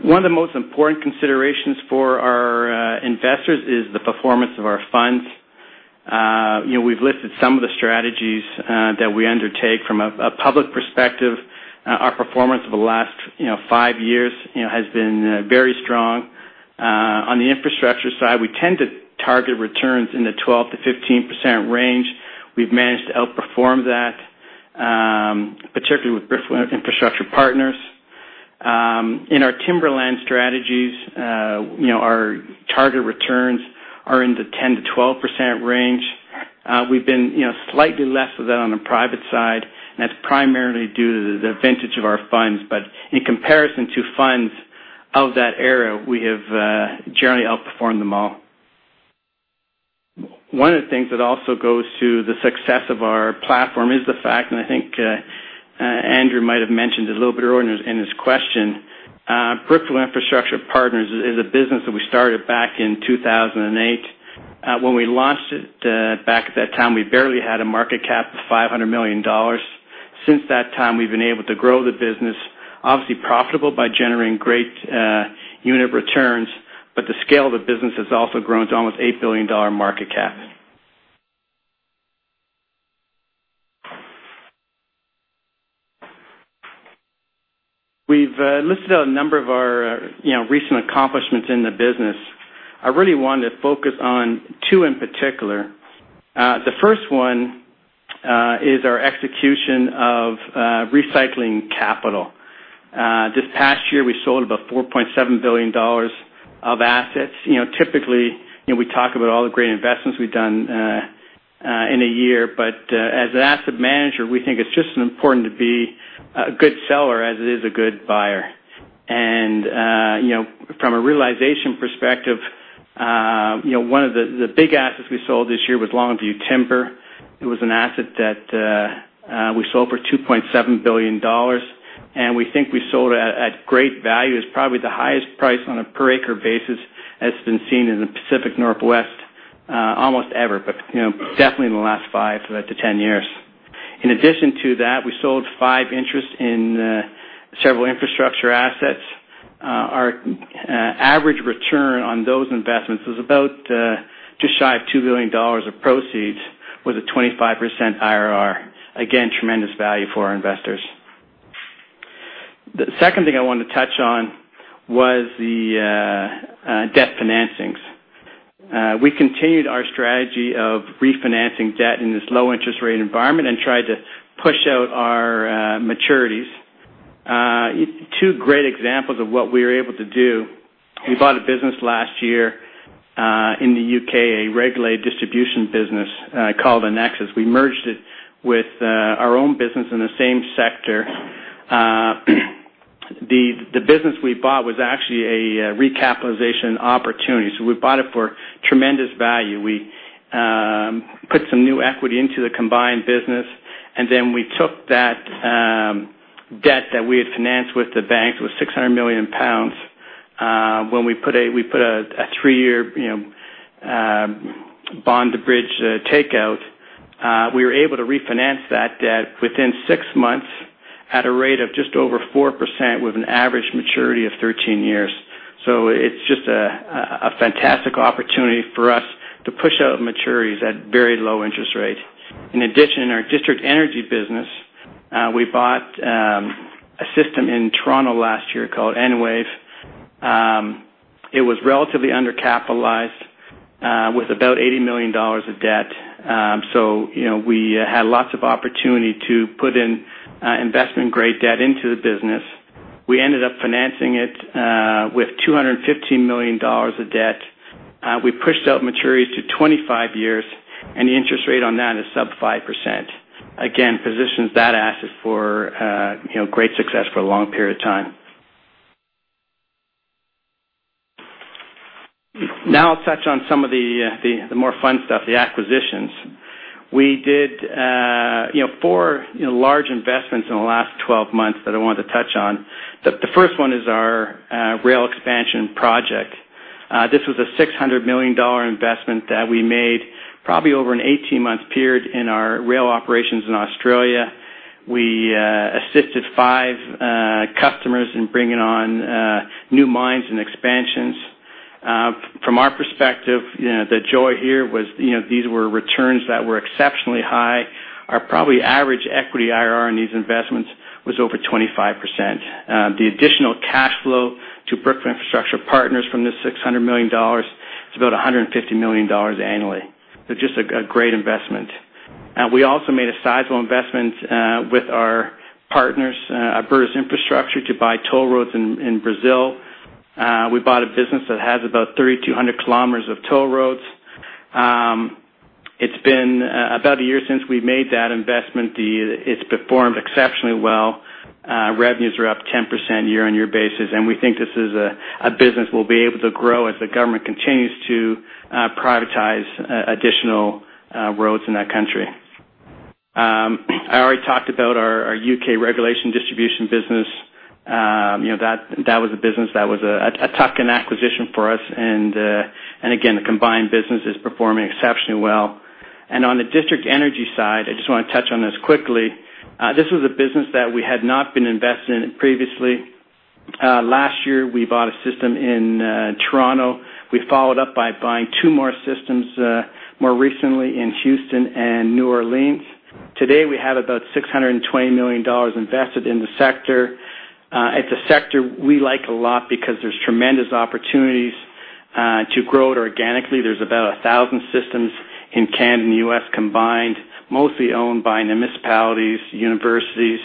One of the most important considerations for our investors is the performance of our funds. We've listed some of the strategies that we undertake from a public perspective. Our performance over the last 5 years has been very strong. On the infrastructure side, we tend to target returns in the 12%-15% range. We've managed to outperform that, particularly with Brookfield Infrastructure Partners. In our timberland strategies, our target returns are in the 10%-12% range. We've been slightly less of that on the private side. That's primarily due to the vintage of our funds. In comparison to funds of that era, we have generally outperformed them all. One of the things that also goes to the success of our platform is the fact, and I think Andrew might have mentioned a little bit earlier in his question, Brookfield Infrastructure Partners is a business that we started back in 2008. When we launched it back at that time, we barely had a market cap of $500 million. Since that time, we've been able to grow the business, obviously profitable by generating great unit returns, but the scale of the business has also grown to almost $8 billion market cap. We've listed out a number of our recent accomplishments in the business. I really want to focus on two in particular. The first one is our execution of recycling capital. This past year, we sold about $4.7 billion of assets. Typically, we talk about all the great investments we've done in a year, but as an asset manager, we think it's just as important to be a good seller as it is a good buyer. From a realization perspective, one of the big assets we sold this year was Longview Timber. It was an asset that we sold for $2.7 billion, and we think we sold it at great value. It's probably the highest price on a per acre basis that's been seen in the Pacific Northwest almost ever, but definitely in the last five to 10 years. In addition to that, we sold five interests in several infrastructure assets. Our average return on those investments was about just shy of $2 billion of proceeds with a 25% IRR. Again, tremendous value for our investors. The second thing I wanted to touch on was the debt financings. We continued our strategy of refinancing debt in this low interest rate environment and tried to push out our maturities. Two great examples of what we were able to do. We bought a business last year in the U.K., a regulated distribution business called Inexus. We merged it with our own business in the same sector. The business we bought was actually a recapitalization opportunity, so we bought it for tremendous value. We put some new equity into the combined business. We took that debt that we had financed with the banks, it was 600 million pounds. When we put a three-year bond to bridge takeout, we were able to refinance that debt within six months at a rate of just over 4% with an average maturity of 13 years. It's just a fantastic opportunity for us to push out maturities at very low interest rate. In addition, in our district energy business, we bought a system in Toronto last year called Enwave. It was relatively undercapitalized with about $80 million of debt. We had lots of opportunity to put in investment-grade debt into the business. We ended up financing it with $215 million of debt. We pushed out maturities to 25 years, and the interest rate on that is sub 5%. Again, positions that asset for great success for a long period of time. I'll touch on some of the more fun stuff, the acquisitions. We did four large investments in the last 12 months that I wanted to touch on. The first one is our rail expansion project. This was a $600 million investment that we made probably over an 18-month period in our rail operations in Australia. We assisted five customers in bringing on new mines and expansions. From our perspective, the joy here was these were returns that were exceptionally high. Our probably average equity IRR on these investments was over 25%. The additional cash flow to Brookfield Infrastructure Partners from this $600 million is about $150 million annually. Just a great investment. We also made a sizable investment with our partners, Abertis Infraestructuras, to buy toll roads in Brazil. We bought a business that has about 3,200 kilometers of toll roads. It's been about a year since we made that investment. It's performed exceptionally well. Revenues are up 10% year-over-year basis, and we think this is a business we'll be able to grow as the government continues to privatize additional roads in that country. I already talked about our U.K. regulation distribution business. That was a business that was a tuck-in acquisition for us, and again, the combined business is performing exceptionally well. On the district energy side, I just want to touch on this quickly. This was a business that we had not been invested in previously. Last year, we bought a system in Toronto. We followed up by buying two more systems, more recently in Houston and New Orleans. Today, we have about $620 million invested in the sector. It's a sector we like a lot because there's tremendous opportunities to grow it organically. There's about 1,000 systems in Canada and the U.S. combined, mostly owned by municipalities, universities,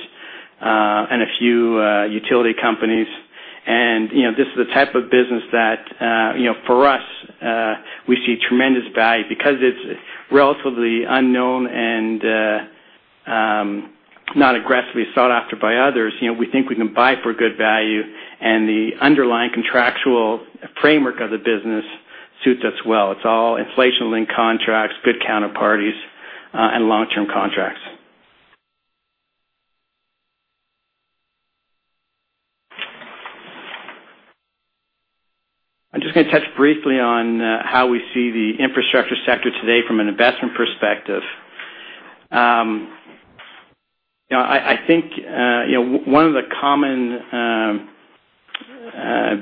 and a few utility companies. This is the type of business that, for us, we see tremendous value. Because it's relatively unknown and not aggressively sought after by others, we think we can buy for good value, and the underlying contractual framework of the business suits us well. It's all inflation-linked contracts, good counterparties, and long-term contracts. I'm just going to touch briefly on how we see the infrastructure sector today from an investment perspective. I think one of the common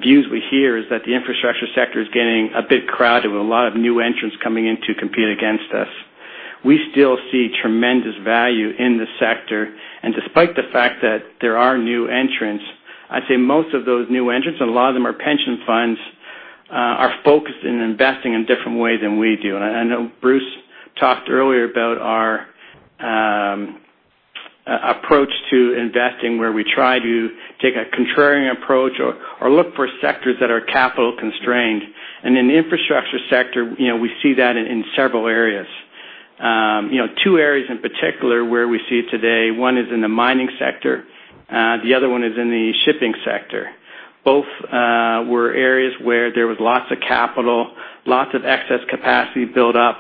views we hear is that the infrastructure sector is getting a bit crowded with a lot of new entrants coming in to compete against us. We still see tremendous value in this sector. Despite the fact that there are new entrants, I'd say most of those new entrants, and a lot of them are pension funds, are focused on investing in a different way than we do. I know Bruce talked earlier about our approach to investing, where we try to take a contrarian approach or look for sectors that are capital constrained. In the infrastructure sector, we see that in several areas. Two areas in particular where we see it today, one is in the mining sector, the other one is in the shipping sector. Both were areas where there was lots of capital, lots of excess capacity built up,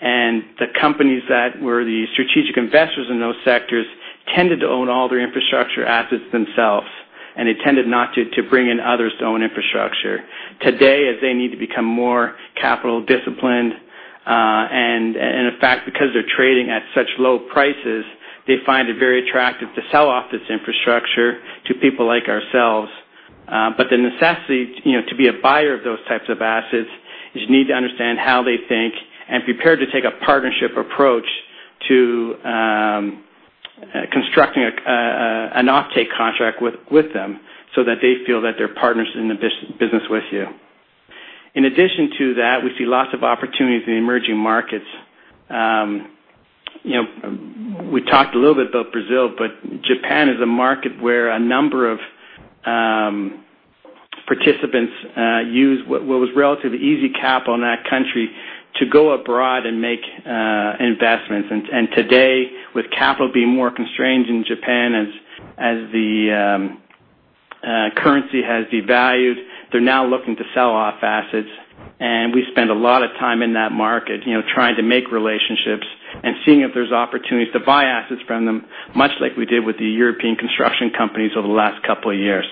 and the companies that were the strategic investors in those sectors tended to own all their infrastructure assets themselves, and they tended not to bring in others to own infrastructure. Today, as they need to become more capital disciplined, and in fact, because they're trading at such low prices, they find it very attractive to sell off this infrastructure to people like ourselves. The necessity to be a buyer of those types of assets is you need to understand how they think and prepare to take a partnership approach to constructing an offtake contract with them so that they feel that they're partners in the business with you. In addition to that, we see lots of opportunities in emerging markets. We talked a little bit about Brazil, but Japan is a market where a number of participants use what was relatively easy capital in that country to go abroad and make investments. Today, with capital being more constrained in Japan as the currency has devalued, they're now looking to sell off assets. We spend a lot of time in that market trying to make relationships and seeing if there's opportunities to buy assets from them, much like we did with the European construction companies over the last couple of years.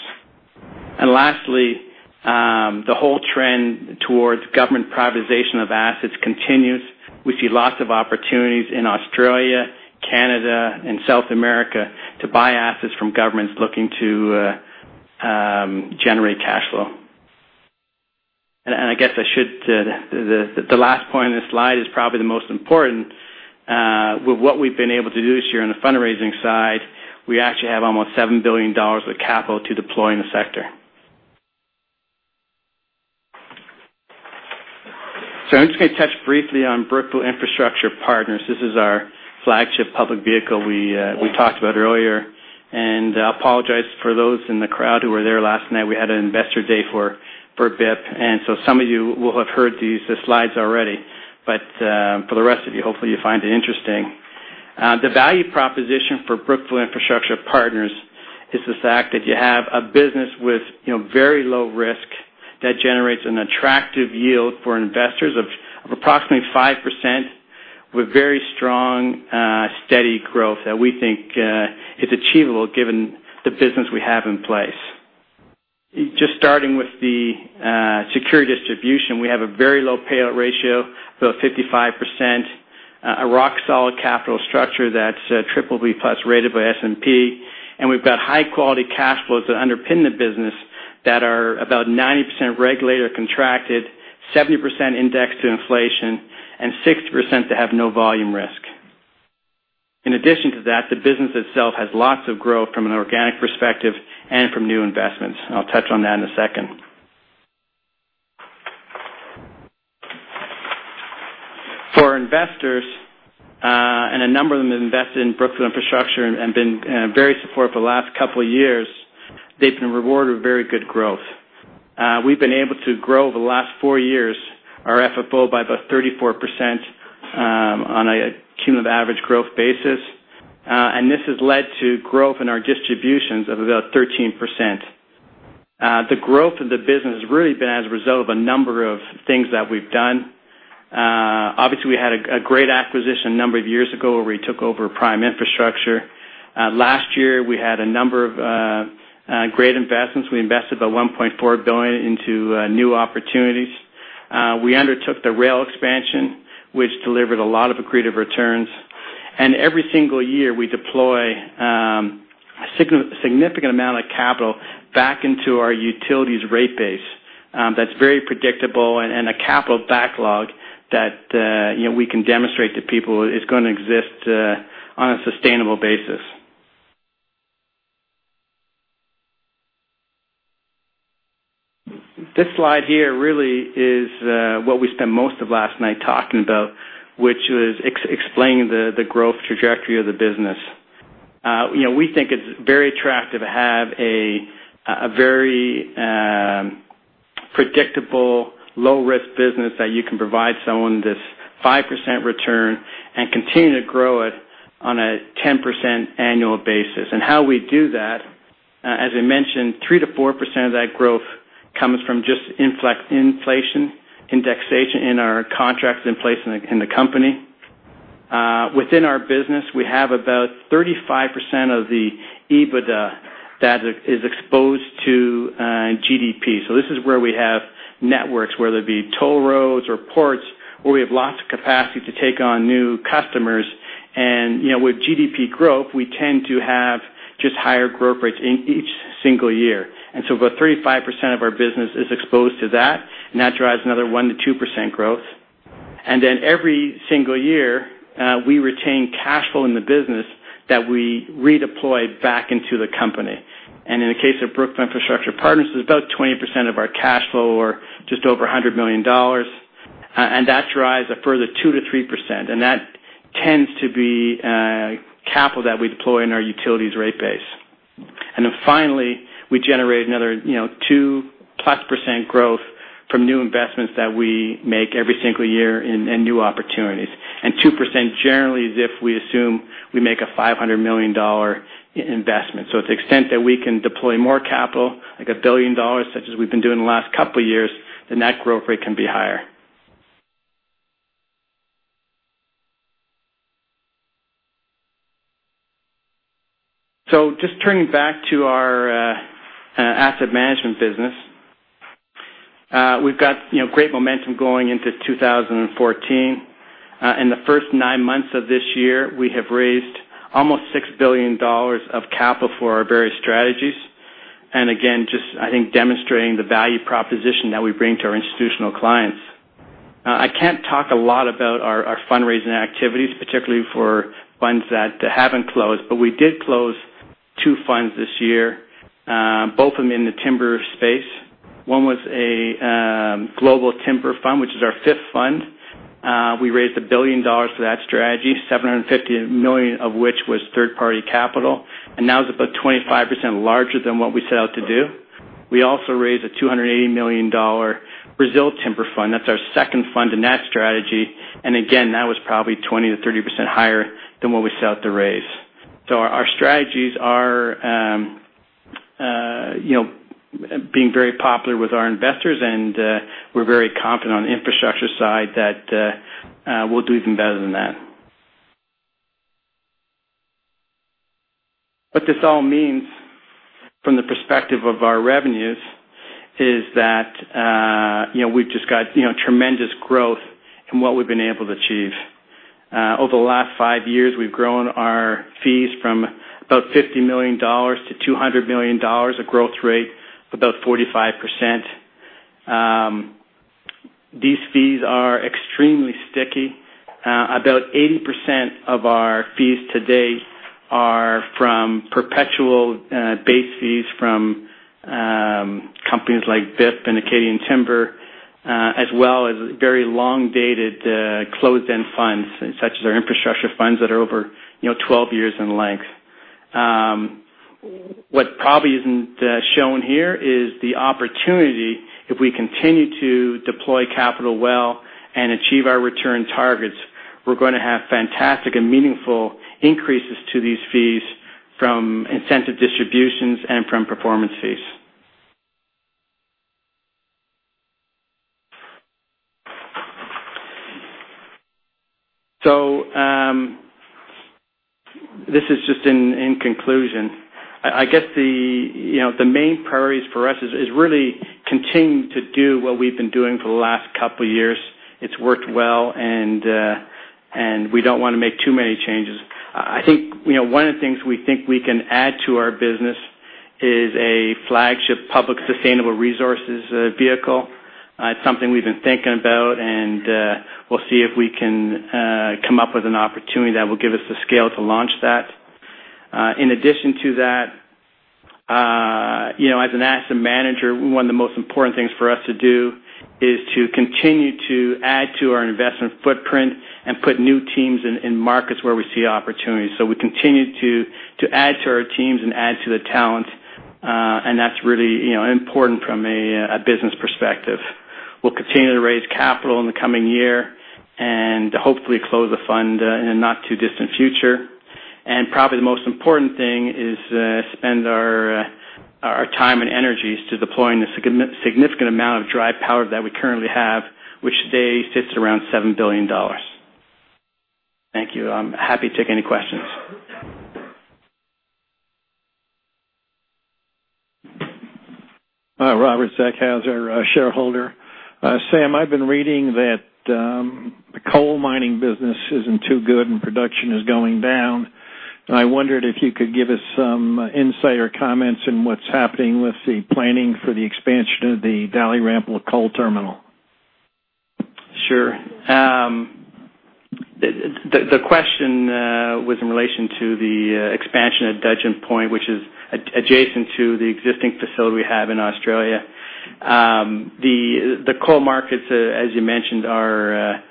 Lastly, the whole trend towards government privatization of assets continues. We see lots of opportunities in Australia, Canada, and South America to buy assets from governments looking to generate cash flow. I guess the last point on this slide is probably the most important. With what we've been able to do this year on the fundraising side, we actually have almost $7 billion of capital to deploy in the sector. I'm just going to touch briefly on Brookfield Infrastructure Partners. This is our flagship public vehicle we talked about earlier. I apologize for those in the crowd who were there last night. We had an Investor Day for BIP, so some of you will have heard these slides already. For the rest of you, hopefully you find it interesting. The value proposition for Brookfield Infrastructure Partners is the fact that you have a business with very low risk that generates an attractive yield for investors of approximately 5%, with very strong, steady growth that we think is achievable given the business we have in place. Just starting with the security distribution, we have a very low payout ratio, about 55%, a rock-solid capital structure that's BBB+ rated by S&P, and we've got high-quality cash flows that underpin the business that are about 90% regulated or contracted, 70% indexed to inflation, and 60% that have no volume risk. In addition to that, the business itself has lots of growth from an organic perspective and from new investments. I'll touch on that in a second. For investors, and a number of them have invested in Brookfield Infrastructure and been very supportive the last couple of years, they've been rewarded with very good growth. We've been able to grow over the last four years our FFO by about 34% on a cumulative average growth basis. This has led to growth in our distributions of about 13%. The growth of the business has really been as a result of a number of things that we've done. Obviously, we had a great acquisition a number of years ago where we took over Prime Infrastructure. Last year, we had a number of great investments. We invested about $1.4 billion into new opportunities. We undertook the rail expansion, which delivered a lot of accretive returns. Every single year, we deploy a significant amount of capital back into our utilities rate base that's very predictable and a capital backlog that we can demonstrate to people is going to exist on a sustainable basis. This slide here really is what we spent most of last night talking about, which was explaining the growth trajectory of the business. We think it's very attractive to have a very predictable low-risk business that you can provide someone this 5% return and continue to grow it on a 10% annual basis. How we do that, as I mentioned, 3%-4% of that growth comes from just inflation indexation in our contracts in place in the company. Within our business, we have about 35% of the EBITDA that is exposed to GDP. This is where we have networks, whether it be toll roads or ports, where we have lots of capacity to take on new customers. With GDP growth, we tend to have just higher growth rates in each single year. About 35% of our business is exposed to that, and that drives another 1%-2% growth. Every single year, we retain cash flow in the business that we redeploy back into the company. In the case of Brookfield Infrastructure Partners, it's about 20% of our cash flow, or just over $100 million. That drives a further 2%-3%, and that tends to be capital that we deploy in our utilities rate base. Finally, we generate another 2-plus percent growth from new investments that we make every single year in new opportunities. 2% generally is if we assume we make a $500 million investment. To the extent that we can deploy more capital, like $1 billion, such as we've been doing the last couple of years, then that growth rate can be higher. Just turning back to our asset management business. We've got great momentum going into 2014. In the first nine months of this year, we have raised almost $6 billion of capital for our various strategies. Again, just I think demonstrating the value proposition that we bring to our institutional clients. I can't talk a lot about our fundraising activities, particularly for funds that haven't closed, but we did close two funds this year, both of them in the timber space. One was a global timber fund, which is our fifth fund. We raised $1 billion for that strategy, $750 million of which was third-party capital, and now it's about 25% larger than what we set out to do. We also raised a $280 million Brazil timber fund. That's our second fund in that strategy, and again, that was probably 20%-30% higher than what we set out to raise. Our strategies are being very popular with our investors, and we're very confident on the infrastructure side that we'll do even better than that. What this all means from the perspective of our revenues is that we've just got tremendous growth in what we've been able to achieve. Over the last five years, we've grown our fees from about $50 million-$200 million, a growth rate of about 45%. These fees are extremely sticky. About 80% of our fees to date are from perpetual base fees from companies like BIP and Acadian Timber, as well as very long-dated closed-end funds, such as our infrastructure funds that are over 12 years in length. What probably isn't shown here is the opportunity if we continue to deploy capital well and achieve our return targets, we're going to have fantastic and meaningful increases to these fees from incentive distributions and from performance fees. This is just in conclusion. I guess the main priorities for us is really continuing to do what we've been doing for the last couple of years. It's worked well, and we don't want to make too many changes. I think one of the things we think we can add to our business is a flagship public sustainable resources vehicle. It's something we've been thinking about. We'll see if we can come up with an opportunity that will give us the scale to launch that. In addition to that, as an asset manager, one of the most important things for us to do is to continue to add to our investment footprint and put new teams in markets where we see opportunities. We continue to add to our teams and add to the talent. That's really important from a business perspective. We'll continue to raise capital in the coming year and hopefully close a fund in the not-too-distant future. Probably the most important thing is spend our time and energies to deploying the significant amount of dry powder that we currently have, which today sits around $7 billion. Thank you. I'm happy to take any questions. Hi, Robert Zackhauser, shareholder. Sam, I've been reading that the coal mining business isn't too good. Production is going down. I wondered if you could give us some insight or comments on what's happening with the planning for the expansion of the Dalrymple coal terminal. Sure. The question was in relation to the expansion at Dudgeon Point, which is adjacent to the existing facility we have in Australia. The coal markets, as you mentioned, are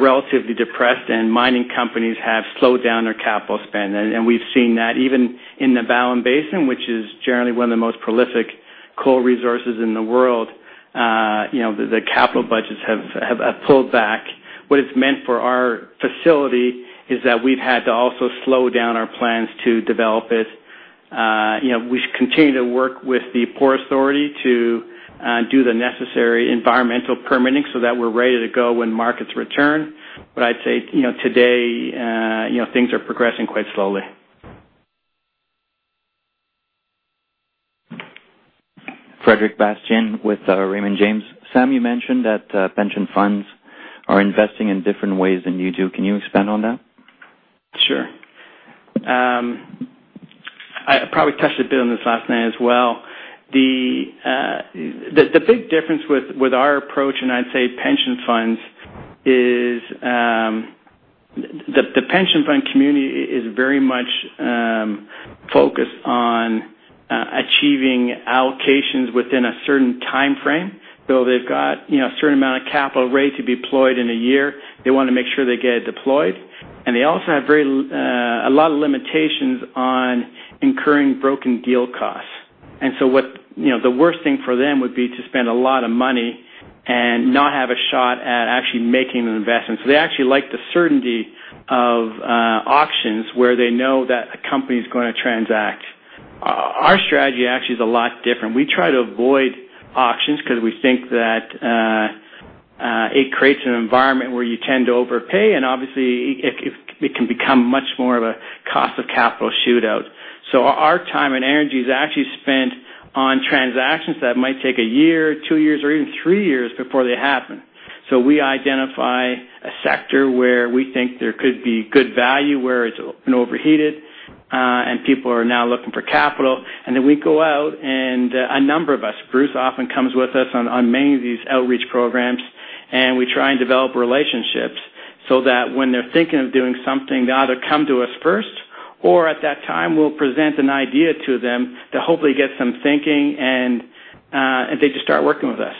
relatively depressed. Mining companies have slowed down their capital spend. We've seen that even in the Bowen Basin, which is generally one of the most prolific coal resources in the world. The capital budgets have pulled back. What it's meant for our facility is that we've had to also slow down our plans to develop it. We continue to work with the port authority to do the necessary environmental permitting so that we're ready to go when markets return. I'd say, today, things are progressing quite slowly. Frederic Bastien with Raymond James. Sam, you mentioned that pension funds are investing in different ways than you do. Can you expand on that? Sure. I probably touched a bit on this last night as well. The big difference with our approach, and I'd say pension funds, is the pension fund community is very much focused on achieving allocations within a certain timeframe. They've got a certain amount of capital rate to be deployed in a year. They want to make sure they get it deployed. They also have a lot of limitations on incurring broken deal costs. The worst thing for them would be to spend a lot of money and not have a shot at actually making an investment. They actually like the certainty of auctions where they know that a company's going to transact. Our strategy actually is a lot different. We try to avoid auctions because we think that it creates an environment where you tend to overpay, and obviously it can become much more of a cost of capital shootout. Our time and energy is actually spent on transactions that might take a year, two years, or even three years before they happen. We identify a sector where we think there could be good value, where it's been overheated, and people are now looking for capital. We go out and a number of us, Bruce often comes with us on many of these outreach programs, and we try and develop relationships so that when they're thinking of doing something, they either come to us first or at that time we'll present an idea to them to hopefully get some thinking and they just start working with us.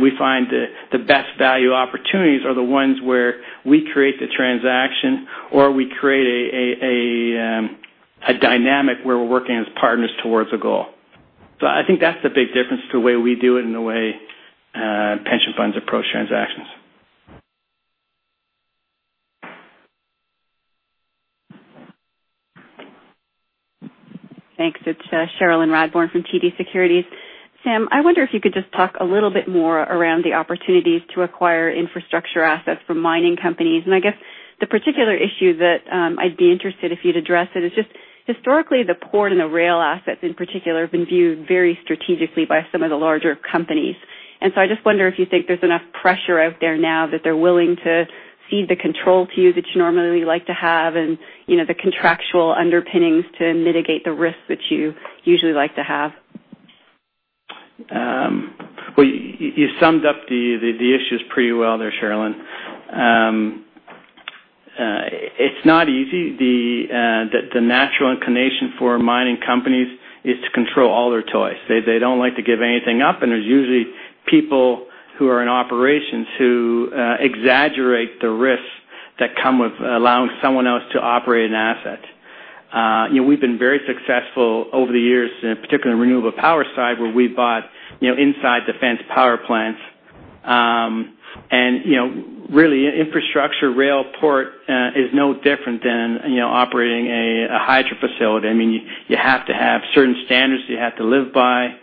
We find the best value opportunities are the ones where we create the transaction, or we create a dynamic where we're working as partners towards a goal. I think that's the big difference to the way we do it and the way pension funds approach transactions. Thanks. It's Cherilyn Radbourne from TD Securities. Sam, I wonder if you could just talk a little bit more around the opportunities to acquire infrastructure assets from mining companies. I guess the particular issue that I'd be interested if you'd address it is just historically, the port and the rail assets in particular have been viewed very strategically by some of the larger companies. I just wonder if you think there's enough pressure out there now that they're willing to cede the control to you that you normally like to have, and the contractual underpinnings to mitigate the risks that you usually like to have. Well, you summed up the issues pretty well there, Cherilyn. It's not easy. The natural inclination for mining companies is to control all their toys. They don't like to give anything up, and there's usually people who are in operations who exaggerate the risks that come with allowing someone else to operate an asset. We've been very successful over the years, in particular in renewable power side, where we bought inside the fence power plants. Really infrastructure, rail, port, is no different than operating a hydro facility. You have to have certain standards that you have to live by,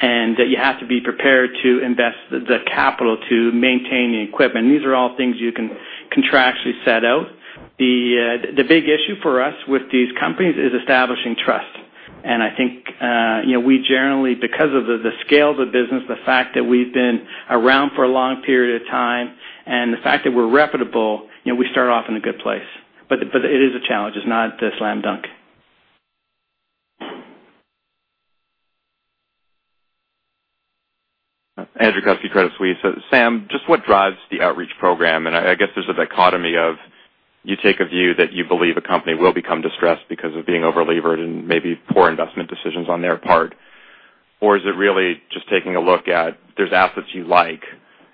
and you have to be prepared to invest the capital to maintain the equipment. These are all things you can contractually set out. The big issue for us with these companies is establishing trust. I think, we generally, because of the scale of the business, the fact that we've been around for a long period of time, and the fact that we're reputable, we start off in a good place. It is a challenge. It's not a slam dunk. Andrew Kusky, Credit Suisse. Sam, just what drives the outreach program? I guess there's a dichotomy of, you take a view that you believe a company will become distressed because of being overlevered and maybe poor investment decisions on their part. Is it really just taking a look at, there's assets you like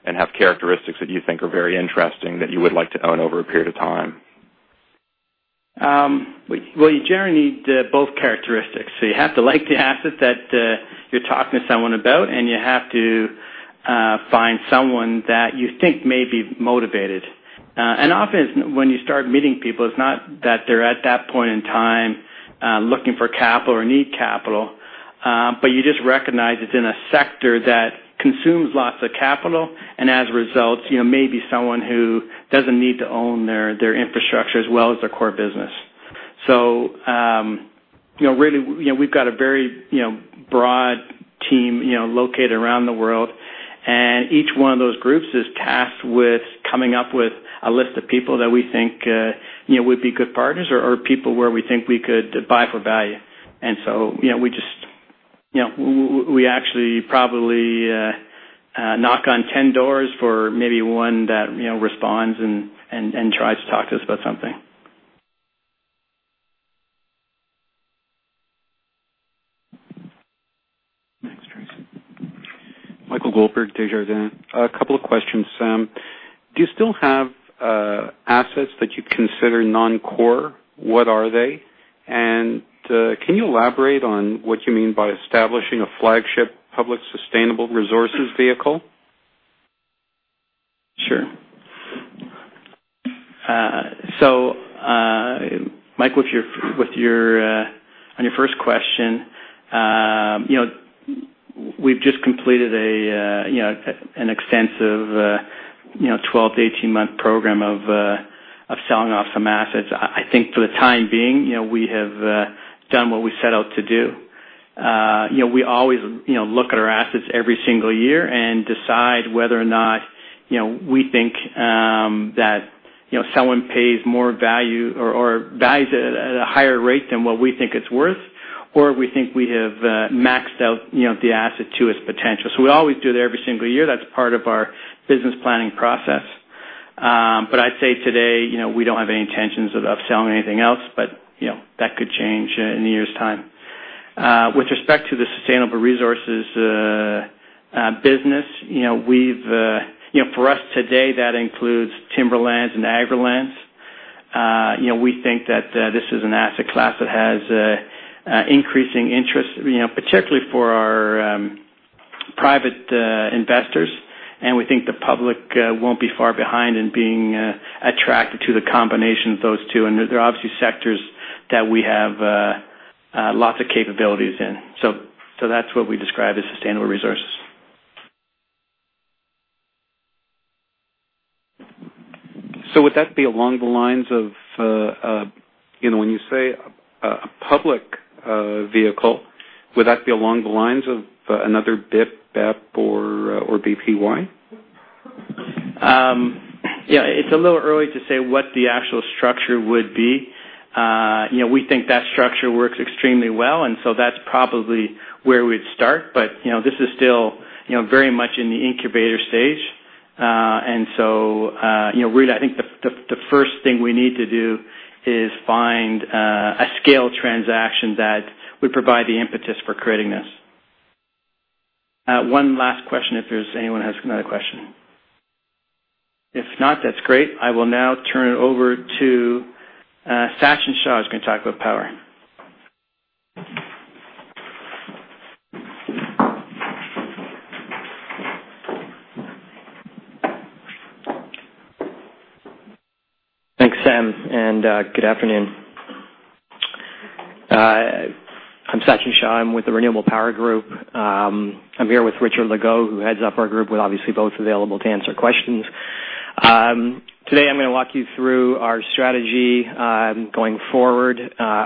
and have characteristics that you think are very interesting that you would like to own over a period of time? Well, you generally need both characteristics. You have to like the asset that you're talking to someone about, and you have to find someone that you think may be motivated. Often, when you start meeting people, it's not that they're at that point in time looking for capital or need capital, but you just recognize it's in a sector that consumes lots of capital, and as a result, maybe someone who doesn't need to own their infrastructure as well as their core business. Really, we've got a very broad team located around the world. Each one of those groups is tasked with coming up with a list of people that we think would be good partners or people where we think we could buy for value. We actually probably knock on 10 doors for maybe one that responds and tries to talk to us about something. Thanks, Tracy. Michael Goldberg, Desjardins. A couple of questions, Sam. Do you still have assets that you'd consider non-core? What are they? Can you elaborate on what you mean by establishing a flagship public sustainable resources vehicle? Sure. Mike, on your first question, we've just completed an extensive 12-18-month program of selling off some assets. I think for the time being, we have done what we set out to do. We always look at our assets every single year and decide whether or not, we think that someone pays more value or values it at a higher rate than what we think it's worth, or we think we have maxed out the asset to its potential. We always do that every single year. That's part of our business planning process. I'd say today, we don't have any intentions of selling anything else, but that could change in a year's time. With respect to the sustainable resources business, for us today, that includes timberlands and farmlands. We think that this is an asset class that has increasing interest, particularly for our private investors. We think the public won't be far behind in being attracted to the combination of those two. They're obviously sectors that we have lots of capabilities in. That's what we describe as sustainable resources. Would that be along the lines of when you say a public vehicle, would that be along the lines of another BIP, BEP or BPY? Yeah. It's a little early to say what the actual structure would be. We think that structure works extremely well, that's probably where we'd start. This is still very much in the incubator stage. Really, I think the first thing we need to do is find a scale transaction that would provide the impetus for creating this. One last question, if there's anyone has another question. If not, that's great. I will now turn it over to Sachin Shah, who's going to talk about power. Thanks, Sam, and good afternoon. I'm Sachin Shah. I'm with the Renewable Power Group. I'm here with Richard Legault, who heads up our group. We're obviously both available to answer questions. Today, I'm going to walk you through our strategy going forward,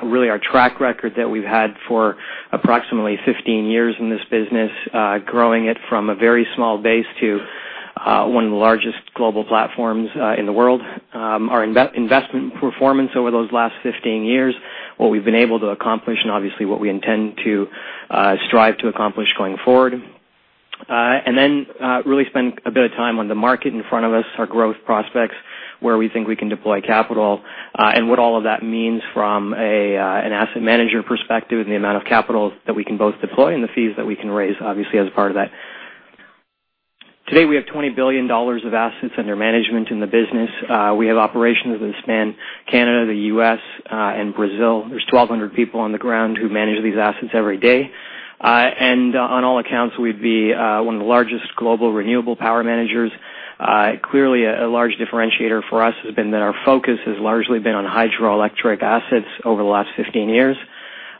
really our track record that we've had for approximately 15 years in this business, growing it from a very small base to one of the largest global platforms in the world. Our investment performance over those last 15 years, what we've been able to accomplish, and obviously what we intend to strive to accomplish going forward. Really spend a bit of time on the market in front of us, our growth prospects, where we think we can deploy capital, and what all of that means from an asset manager perspective and the amount of capital that we can both deploy and the fees that we can raise, obviously, as part of that. Today, we have $20 billion of assets under management in the business. We have operations that span Canada, the U.S., and Brazil. There's 1,200 people on the ground who manage these assets every day. On all accounts, we'd be one of the largest global renewable power managers. Clearly, a large differentiator for us has been that our focus has largely been on hydroelectric assets over the last 15 years.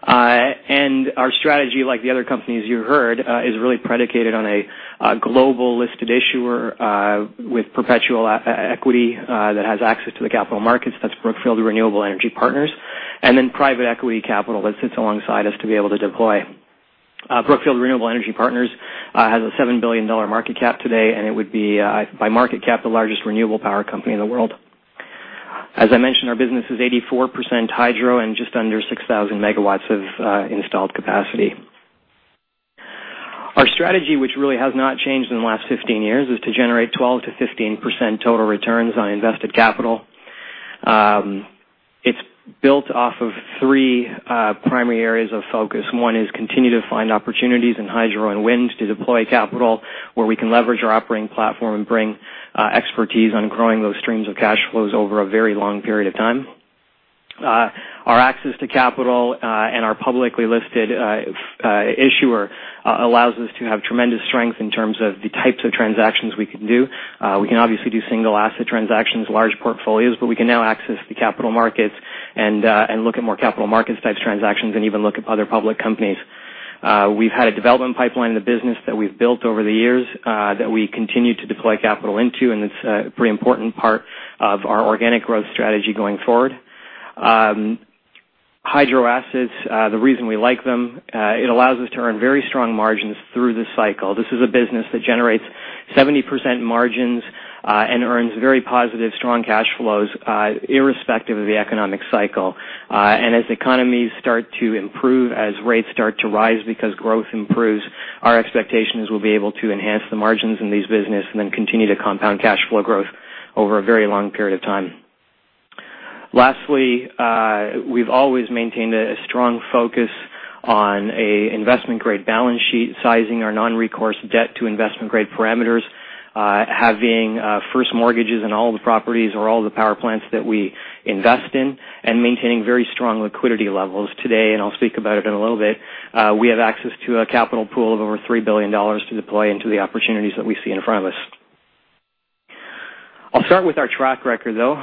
Our strategy, like the other companies you heard, is really predicated on a global listed issuer with perpetual equity that has access to the capital markets. That's Brookfield Renewable Energy Partners. Private equity capital that sits alongside us to be able to deploy. Brookfield Renewable Energy Partners has a $7 billion market cap today, and it would be, by market cap, the largest renewable power company in the world. As I mentioned, our business is 84% hydro and just under 6,000 megawatts of installed capacity. Our strategy, which really has not changed in the last 15 years, is to generate 12%-15% total returns on invested capital. It's built off of three primary areas of focus. One is continue to find opportunities in hydro and wind to deploy capital where we can leverage our operating platform and bring expertise on growing those streams of cash flows over a very long period of time. Our access to capital and our publicly listed issuer allows us to have tremendous strength in terms of the types of transactions we can do. We can obviously do single asset transactions, large portfolios, but we can now access the capital markets and look at more capital markets types transactions, and even look at other public companies. We've had a development pipeline in the business that we've built over the years, that we continue to deploy capital into, and it's a pretty important part of our organic growth strategy going forward. Hydro assets, the reason we like them, it allows us to earn very strong margins through the cycle. This is a business that generates 70% margins, and earns very positive, strong cash flows, irrespective of the economic cycle. As economies start to improve, as rates start to rise because growth improves, our expectation is we'll be able to enhance the margins in these business and then continue to compound cash flow growth over a very long period of time. Lastly, we've always maintained a strong focus on an investment-grade balance sheet, sizing our non-recourse debt to investment-grade parameters, having first mortgages on all the properties or all the power plants that we invest in, and maintaining very strong liquidity levels. Today, and I'll speak about it in a little bit, we have access to a capital pool of over $3 billion to deploy into the opportunities that we see in front of us. I'll start with our track record, though.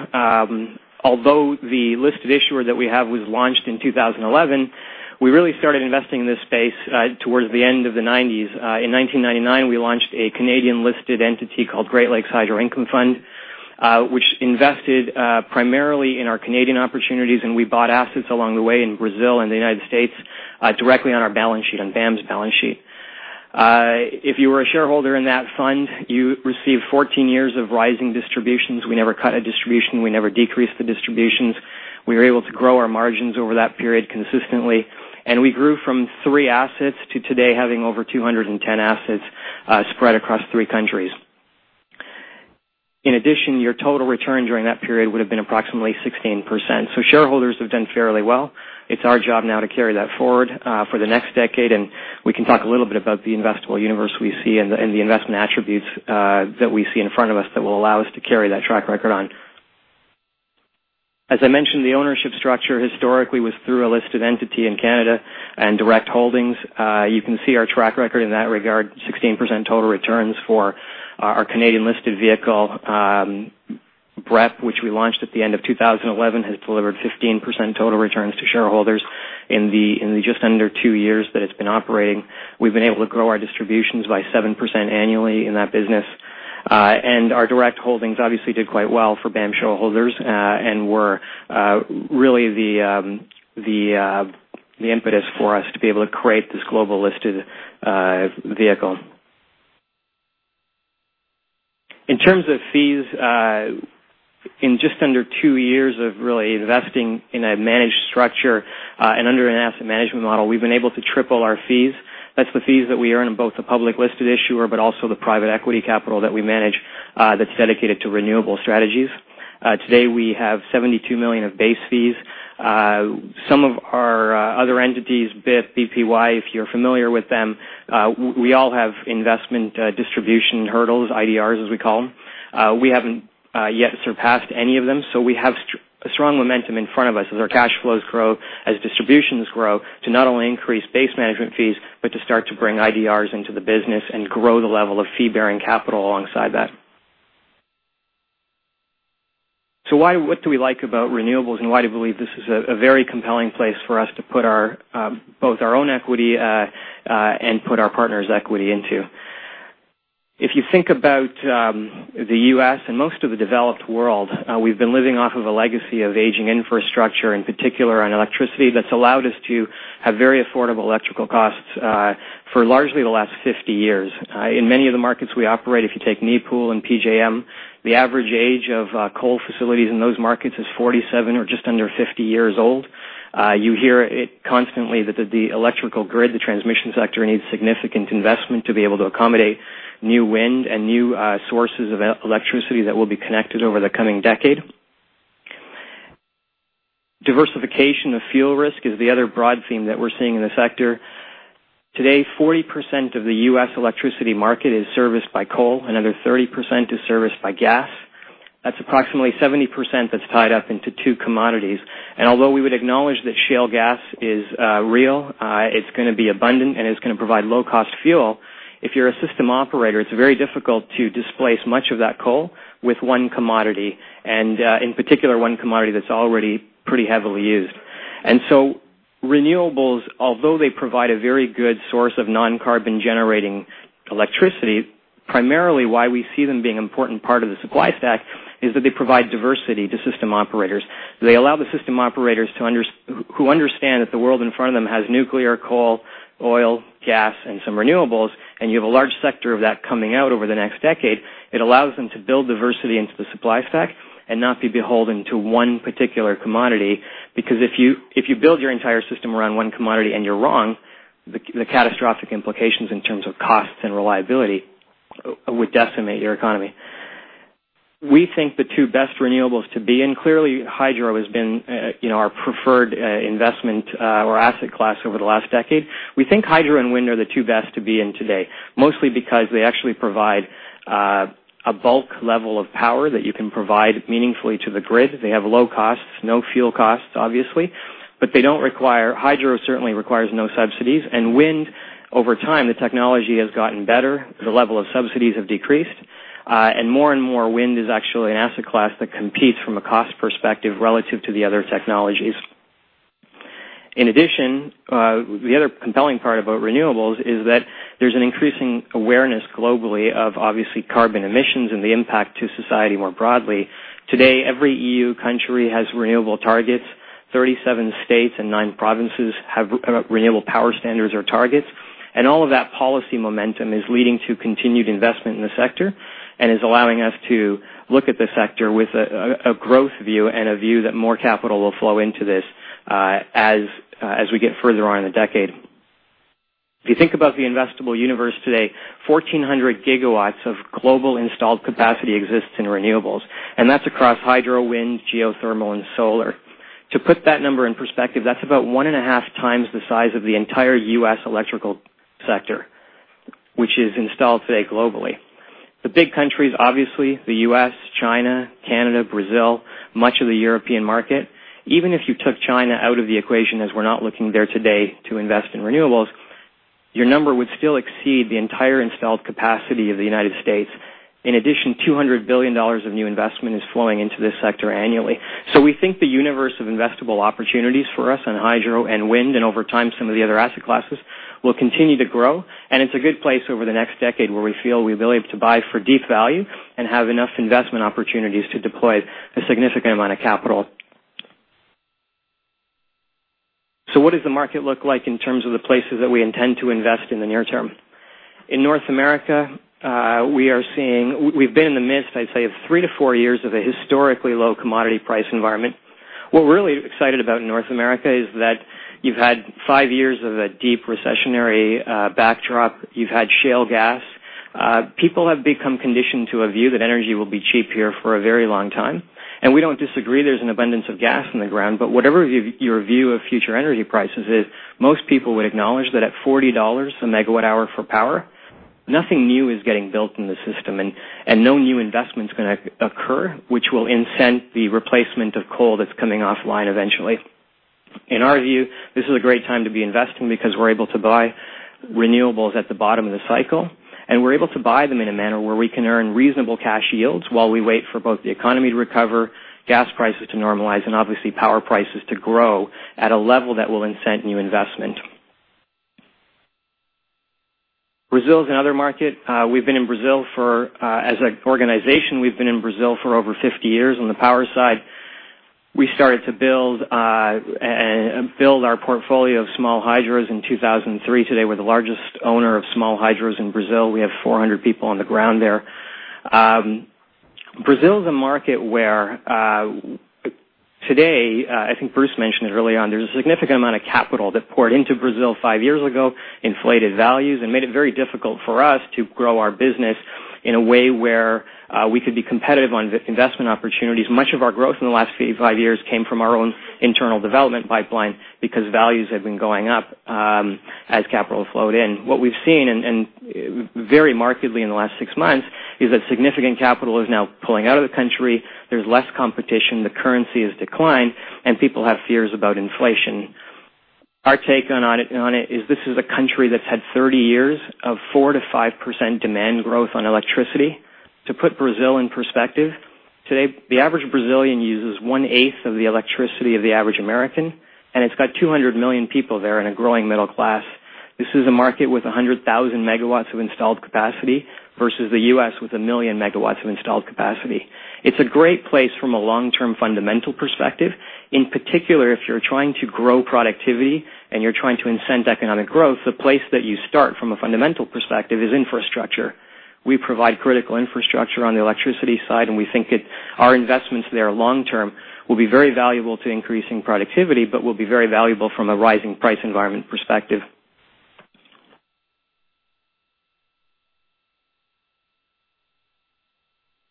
Although the listed issuer that we have was launched in 2011, we really started investing in this space towards the end of the 1990s. In 1999, we launched a Canadian-listed entity called Great Lakes Hydro Income Fund, which invested primarily in our Canadian opportunities, and we bought assets along the way in Brazil and the United States, directly on our balance sheet, on BAM's balance sheet. If you were a shareholder in that fund, you received 14 years of rising distributions. We never cut a distribution. We never decreased the distributions. We were able to grow our margins over that period consistently, and we grew from three assets to today having over 210 assets spread across three countries. In addition, your total return during that period would've been approximately 16%. Shareholders have done fairly well. It's our job now to carry that forward for the next decade, and we can talk a little bit about the investable universe we see and the investment attributes that we see in front of us that will allow us to carry that track record on. As I mentioned, the ownership structure historically was through a listed entity in Canada and direct holdings. You can see our track record in that regard, 16% total returns for our Canadian-listed vehicle. BREP, which we launched at the end of 2011, has delivered 15% total returns to shareholders in the just under two years that it's been operating. We've been able to grow our distributions by 7% annually in that business. Our direct holdings obviously did quite well for BAM shareholders, and were really the impetus for us to be able to create this global listed vehicle. In terms of fees, in just under two years of really investing in a managed structure, and under an asset management model, we've been able to triple our fees. That's the fees that we earn in both the public listed issuer, but also the private equity capital that we manage, that's dedicated to renewable strategies. Today, we have $72 million of base fees. Some of our other entities, BIF, BPY, if you're familiar with them, we all have investment distribution hurdles, IDRs, as we call them. We haven't yet surpassed any of them, we have strong momentum in front of us as our cash flows grow, as distributions grow, to not only increase base management fees, but to start to bring IDRs into the business and grow the level of fee-bearing capital alongside that. What do we like about renewables, and why do we believe this is a very compelling place for us to put both our own equity, and put our partners' equity into? If you think about the U.S. and most of the developed world, we've been living off of a legacy of aging infrastructure, in particular on electricity, that's allowed us to have very affordable electrical costs, for largely the last 50 years. In many of the markets we operate, if you take NEPOOL and PJM, the average age of coal facilities in those markets is 47 or just under 50 years old. You hear it constantly that the electrical grid, the transmission sector, needs significant investment to be able to accommodate new wind and new sources of electricity that will be connected over the coming decade. Diversification of fuel risk is the other broad theme that we're seeing in the sector. Today, 40% of the U.S. electricity market is serviced by coal. Another 30% is serviced by gas. That's approximately 70% that's tied up into two commodities. Although we would acknowledge that shale gas is real, it's going to be abundant, and it's going to provide low-cost fuel. If you're a system operator, it's very difficult to displace much of that coal with one commodity, and, in particular, one commodity that's already pretty heavily used. Renewables, although they provide a very good source of non-carbon generating electricity, primarily why we see them being an important part of the supply stack is that they provide diversity to system operators. They allow the system operators, who understand that the world in front of them has nuclear, coal, oil, gas, and some renewables, and you have a large sector of that coming out over the next decade. It allows them to build diversity into the supply stack and not be beholden to one particular commodity, because if you build your entire system around one commodity and you're wrong, the catastrophic implications in terms of costs and reliability would decimate your economy. We think the two best renewables to be in, clearly hydro has been our preferred investment or asset class over the last decade. We think hydro and wind are the two best to be in today, mostly because they actually provide a bulk level of power that you can provide meaningfully to the grid. They have low costs, no fuel costs, obviously. Hydro certainly requires no subsidies, and wind, over time, the technology has gotten better, the level of subsidies have decreased, and more and more wind is actually an asset class that competes from a cost perspective relative to the other technologies. In addition, the other compelling part about renewables is that there's an increasing awareness globally of, obviously, carbon emissions and the impact to society more broadly. Today, every EU country has renewable targets. 37 states and nine provinces have renewable power standards or targets. All of that policy momentum is leading to continued investment in the sector and is allowing us to look at the sector with a growth view and a view that more capital will flow into this as we get further on in the decade. If you think about the investable universe today, 1,400 gigawatts of global installed capacity exists in renewables, and that's across hydro, wind, geothermal, and solar. To put that number in perspective, that's about one and a half times the size of the entire U.S. electrical sector, which is installed today globally. The big countries, obviously, the U.S., China, Canada, Brazil, much of the European market. Even if you took China out of the equation, as we're not looking there today to invest in renewables, your number would still exceed the entire installed capacity of the United States. In addition, $200 billion of new investment is flowing into this sector annually. We think the universe of investable opportunities for us in hydro and wind, and over time, some of the other asset classes, will continue to grow. It's a good place over the next decade where we feel we'll be able to buy for deep value and have enough investment opportunities to deploy a significant amount of capital. What does the market look like in terms of the places that we intend to invest in the near term? In North America, we've been in the midst, I'd say, of three to four years of a historically low commodity price environment. What we're really excited about in North America is that you've had five years of a deep recessionary backdrop. You've had shale gas. People have become conditioned to a view that energy will be cheap here for a very long time. We don't disagree there's an abundance of gas in the ground, whatever your view of future energy prices is, most people would acknowledge that at $40 a megawatt hour for power, nothing new is getting built in the system, and no new investment is going to occur, which will incent the replacement of coal that's coming offline eventually. In our view, this is a great time to be investing because we're able to buy renewables at the bottom of the cycle, and we're able to buy them in a manner where we can earn reasonable cash yields while we wait for both the economy to recover, gas prices to normalize, and obviously power prices to grow at a level that will incent new investment. Brazil is another market. As an organization, we've been in Brazil for over 50 years on the power side. We started to build our portfolio of small hydros in 2003. Today, we're the largest owner of small hydros in Brazil. We have 400 people on the ground there. Brazil is a market where, today, I think Bruce mentioned it early on, there's a significant amount of capital that poured into Brazil five years ago, inflated values, and made it very difficult for us to grow our business in a way where we could be competitive on investment opportunities. Much of our growth in the last five years came from our own internal development pipeline because values have been going up as capital flowed in. What we've seen, and very markedly in the last six months, is that significant capital is now pulling out of the country. There's less competition, the currency has declined, and people have fears about inflation. Our take on it is this is a country that's had 30 years of 4%-5% demand growth on electricity. To put Brazil in perspective, today, the average Brazilian uses one eighth of the electricity of the average American, and it's got 200 million people there and a growing middle class. This is a market with 100,000 megawatts of installed capacity versus the U.S. with a million megawatts of installed capacity. It's a great place from a long-term fundamental perspective. In particular, if you're trying to grow productivity and you're trying to incent economic growth, the place that you start from a fundamental perspective is infrastructure. We provide critical infrastructure on the electricity side, and we think our investments there long term will be very valuable to increasing productivity but will be very valuable from a rising price environment perspective.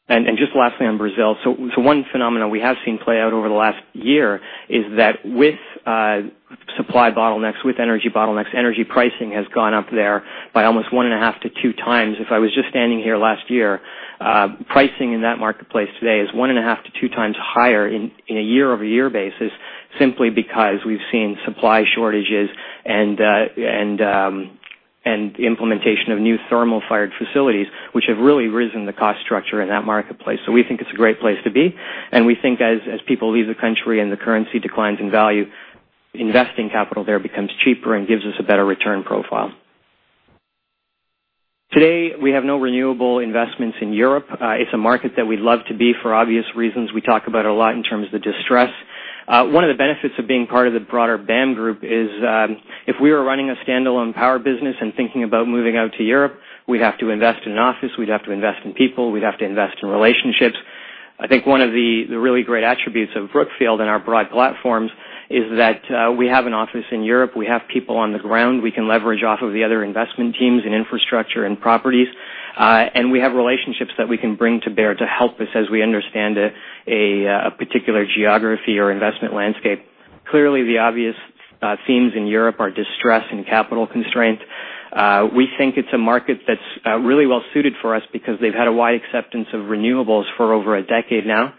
Just lastly on Brazil. One phenomenon we have seen play out over the last year is that with supply bottlenecks, with energy bottlenecks, energy pricing has gone up there by almost one and a half to two times. If I was just standing here last year, pricing in that marketplace today is one and a half to two times higher in a year-over-year basis, simply because we've seen supply shortages and implementation of new thermal-fired facilities, which have really risen the cost structure in that marketplace. We think it's a great place to be, and we think as people leave the country and the currency declines in value, investing capital there becomes cheaper and gives us a better return profile. Today, we have no renewable investments in Europe. It's a market that we'd love to be for obvious reasons. We talk about it a lot in terms of the distress. One of the benefits of being part of the broader BAM Group is, if we were running a standalone power business and thinking about moving out to Europe, we'd have to invest in office, we'd have to invest in people, we'd have to invest in relationships. I think one of the really great attributes of Brookfield and our broad platforms is that we have an office in Europe. We have people on the ground. We can leverage off of the other investment teams in infrastructure and properties. We have relationships that we can bring to bear to help us as we understand a particular geography or investment landscape. Clearly, the obvious themes in Europe are distress and capital constraint. We think it's a market that's really well-suited for us because they've had a wide acceptance of renewables for over a decade now.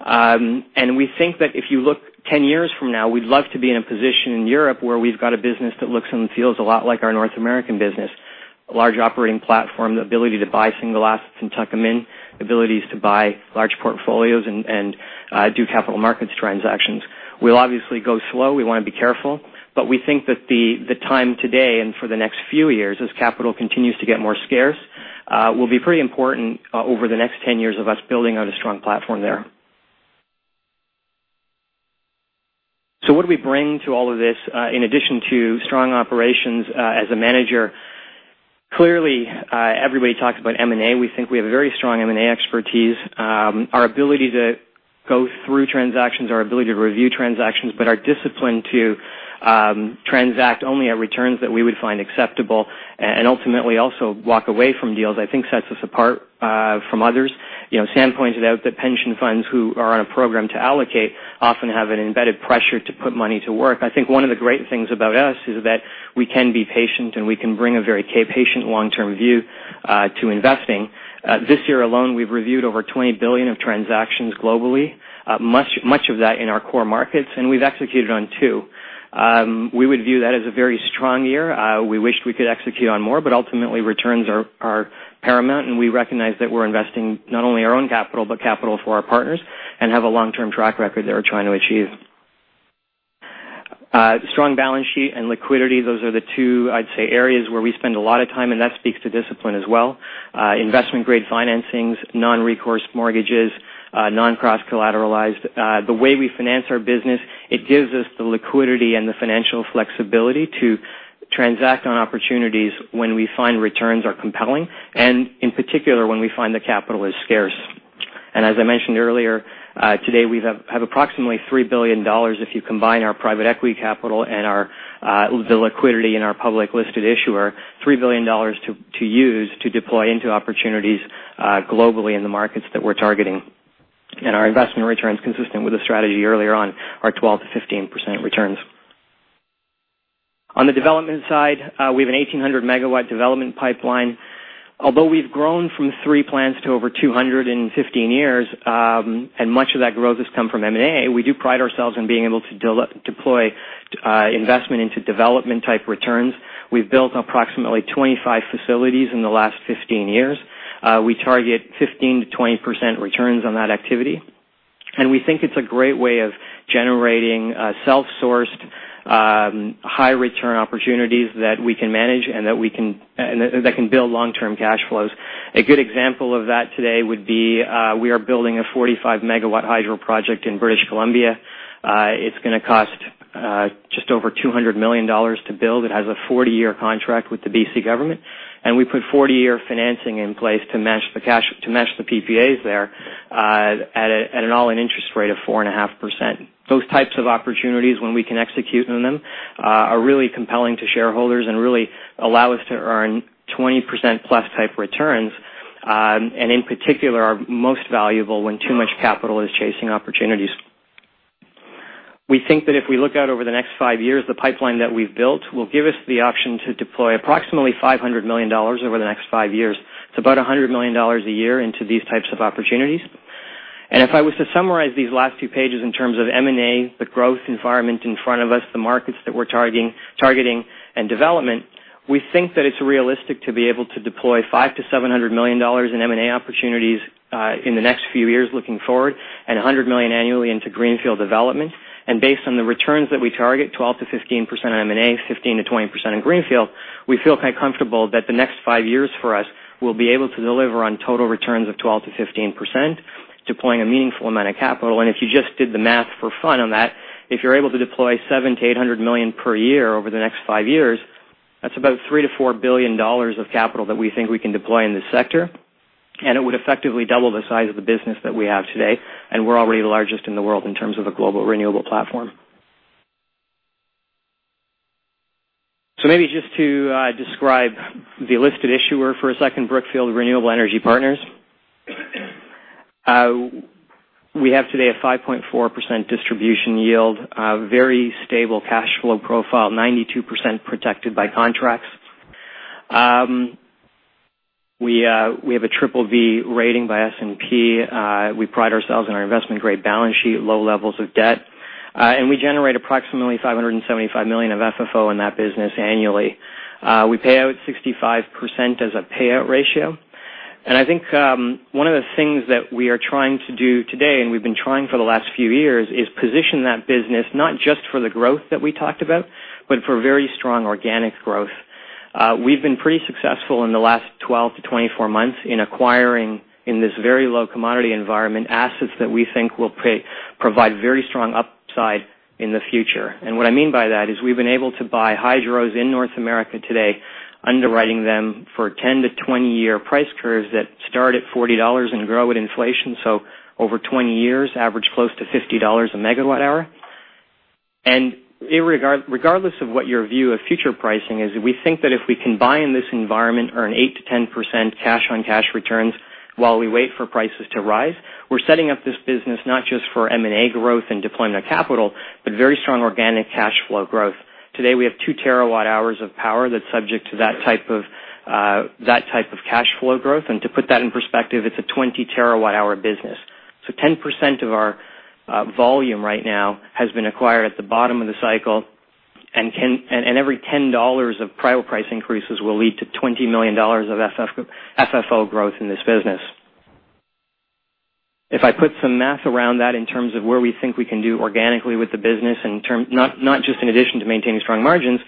We think that if you look 10 years from now, we'd love to be in a position in Europe where we've got a business that looks and feels a lot like our North American business. A large operating platform, the ability to buy single assets and tuck them in, abilities to buy large portfolios and do capital markets transactions. We'll obviously go slow. We want to be careful, but we think that the time today and for the next few years, as capital continues to get more scarce, will be pretty important over the next 10 years of us building out a strong platform there. What do we bring to all of this, in addition to strong operations as a manager? Clearly, everybody talks about M&A. We think we have a very strong M&A expertise. Our ability to go through transactions, our ability to review transactions, our discipline to transact only at returns that we would find acceptable and ultimately also walk away from deals, I think sets us apart from others. Sam pointed out that pension funds who are on a program to allocate often have an embedded pressure to put money to work. I think one of the great things about us is that we can be patient, we can bring a very patient long-term view to investing. This year alone, we've reviewed over $20 billion of transactions globally, much of that in our core markets, and we've executed on two. We would view that as a very strong year. We wished we could execute on more, ultimately, returns are paramount, we recognize that we're investing not only our own capital, but capital for our partners, have a long-term track record that we're trying to achieve. Strong balance sheet and liquidity. Those are the two, I'd say, areas where we spend a lot of time, that speaks to discipline as well. Investment-grade financings, non-recourse mortgages, non-cross collateralized. The way we finance our business, it gives us the liquidity and the financial flexibility to transact on opportunities when we find returns are compelling, and in particular, when we find that capital is scarce. As I mentioned earlier, today, we have approximately $3 billion if you combine our private equity capital and the liquidity in our public-listed issuer, $3 billion to use to deploy into opportunities globally in the markets that we're targeting. Our investment returns, consistent with the strategy earlier on, are 12%-15% returns. On the development side, we have an 1,800-megawatt development pipeline. Although we've grown from three plants to over 200 in 15 years, and much of that growth has come from M&A, we do pride ourselves on being able to deploy investment into development-type returns. We've built approximately 25 facilities in the last 15 years. We target 15%-20% returns on that activity, and we think it's a great way of generating self-sourced, high-return opportunities that we can manage and that can build long-term cash flows. A good example of that today would be we are building a 45-megawatt hydro project in British Columbia. It's going to cost just over $200 million to build. It has a 40-year contract with the BC government, and we put 40-year financing in place to match the PPAs there at an all-in interest rate of 4.5%. Those types of opportunities, when we can execute on them, are really compelling to shareholders and really allow us to earn 20%-plus type returns, and in particular, are most valuable when too much capital is chasing opportunities. We think that if we look out over the next 5 years, the pipeline that we've built will give us the option to deploy approximately $500 million over the next 5 years. It's about $100 million a year into these types of opportunities. If I was to summarize these last two pages in terms of M&A, the growth environment in front of us, the markets that we're targeting, and development, we think that it's realistic to be able to deploy $500 million-$700 million in M&A opportunities in the next few years looking forward, and $100 million annually into greenfield development. Based on the returns that we target, 12%-15% on M&A, 15%-20% in greenfield, we feel quite comfortable that the next 5 years for us will be able to deliver on total returns of 12%-15%, deploying a meaningful amount of capital. If you just did the math for fun on that, if you're able to deploy $700 million-$800 million per year over the next 5 years, that's about $3 billion-$4 billion of capital that we think we can deploy in this sector, and it would effectively double the size of the business that we have today. We're already the largest in the world in terms of a global renewable platform. So maybe just to describe the listed issuer for a second, Brookfield Renewable Energy Partners. We have today a 5.4% distribution yield, a very stable cash flow profile, 92% protected by contracts. We have a BBB+ rating by S&P. We pride ourselves on our investment-grade balance sheet, low levels of debt. We generate approximately $575 million of FFO in that business annually. We pay out 65% as a payout ratio. I think one of the things that we are trying to do today, and we've been trying for the last few years, is position that business not just for the growth that we talked about, but for very strong organic growth. We've been pretty successful in the last 12 to 24 months in acquiring, in this very low commodity environment, assets that we think will provide very strong upside in the future. What I mean by that is we've been able to buy hydros in North America today, underwriting them for 10 to 20-year price curves that start at $40 and grow with inflation, so over 20 years, average close to $50 a megawatt hour. Regardless of what your view of future pricing is, we think that if we can buy in this environment, earn 8%-10% cash on cash returns. While we wait for prices to rise, we're setting up this business not just for M&A growth and deployment of capital, but very strong organic cash flow growth. Today, we have 2 terawatt hours of power that's subject to that type of cash flow growth. To put that in perspective, it's a 20-terawatt hour business. 10% of our volume right now has been acquired at the bottom of the cycle, and every $10 of price increases will lead to $20 million of FFO growth in this business. If I put some math around that in terms of where we think we can do organically with the business, not just in addition to maintaining strong margins,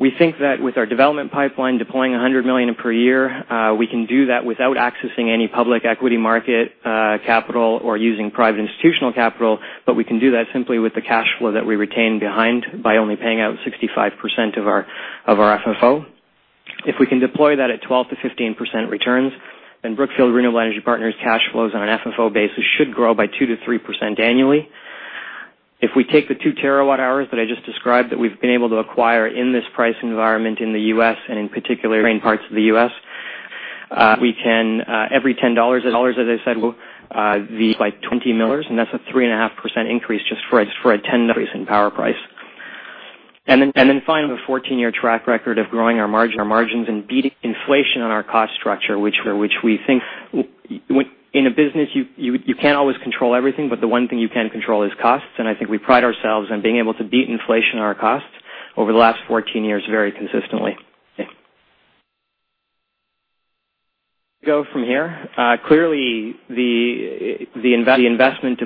we think that with our development pipeline deploying $100 million per year, we can do that without accessing any public equity market capital or using private institutional capital. We can do that simply with the cash flow that we retain behind by only paying out 65% of our FFO. If we can deploy that at 12%-15% returns, then Brookfield Renewable Energy Partners' cash flows on an FFO basis should grow by 2%-3% annually. If we take the 2 terawatt hours that I just described that we've been able to acquire in this price environment in the U.S., and in particular, certain parts of the U.S., every $10 as I said will be by $20, and that's a 3.5% increase just for a 10 increase in power price. Finally, we have a 14-year track record of growing our margins and beating inflation on our cost structure, which we think. In a business, you can't always control everything, but the one thing you can control is costs. I think we pride ourselves on being able to beat inflation on our costs over the last 14 years very consistently. Where do we go from here? Clearly, the investment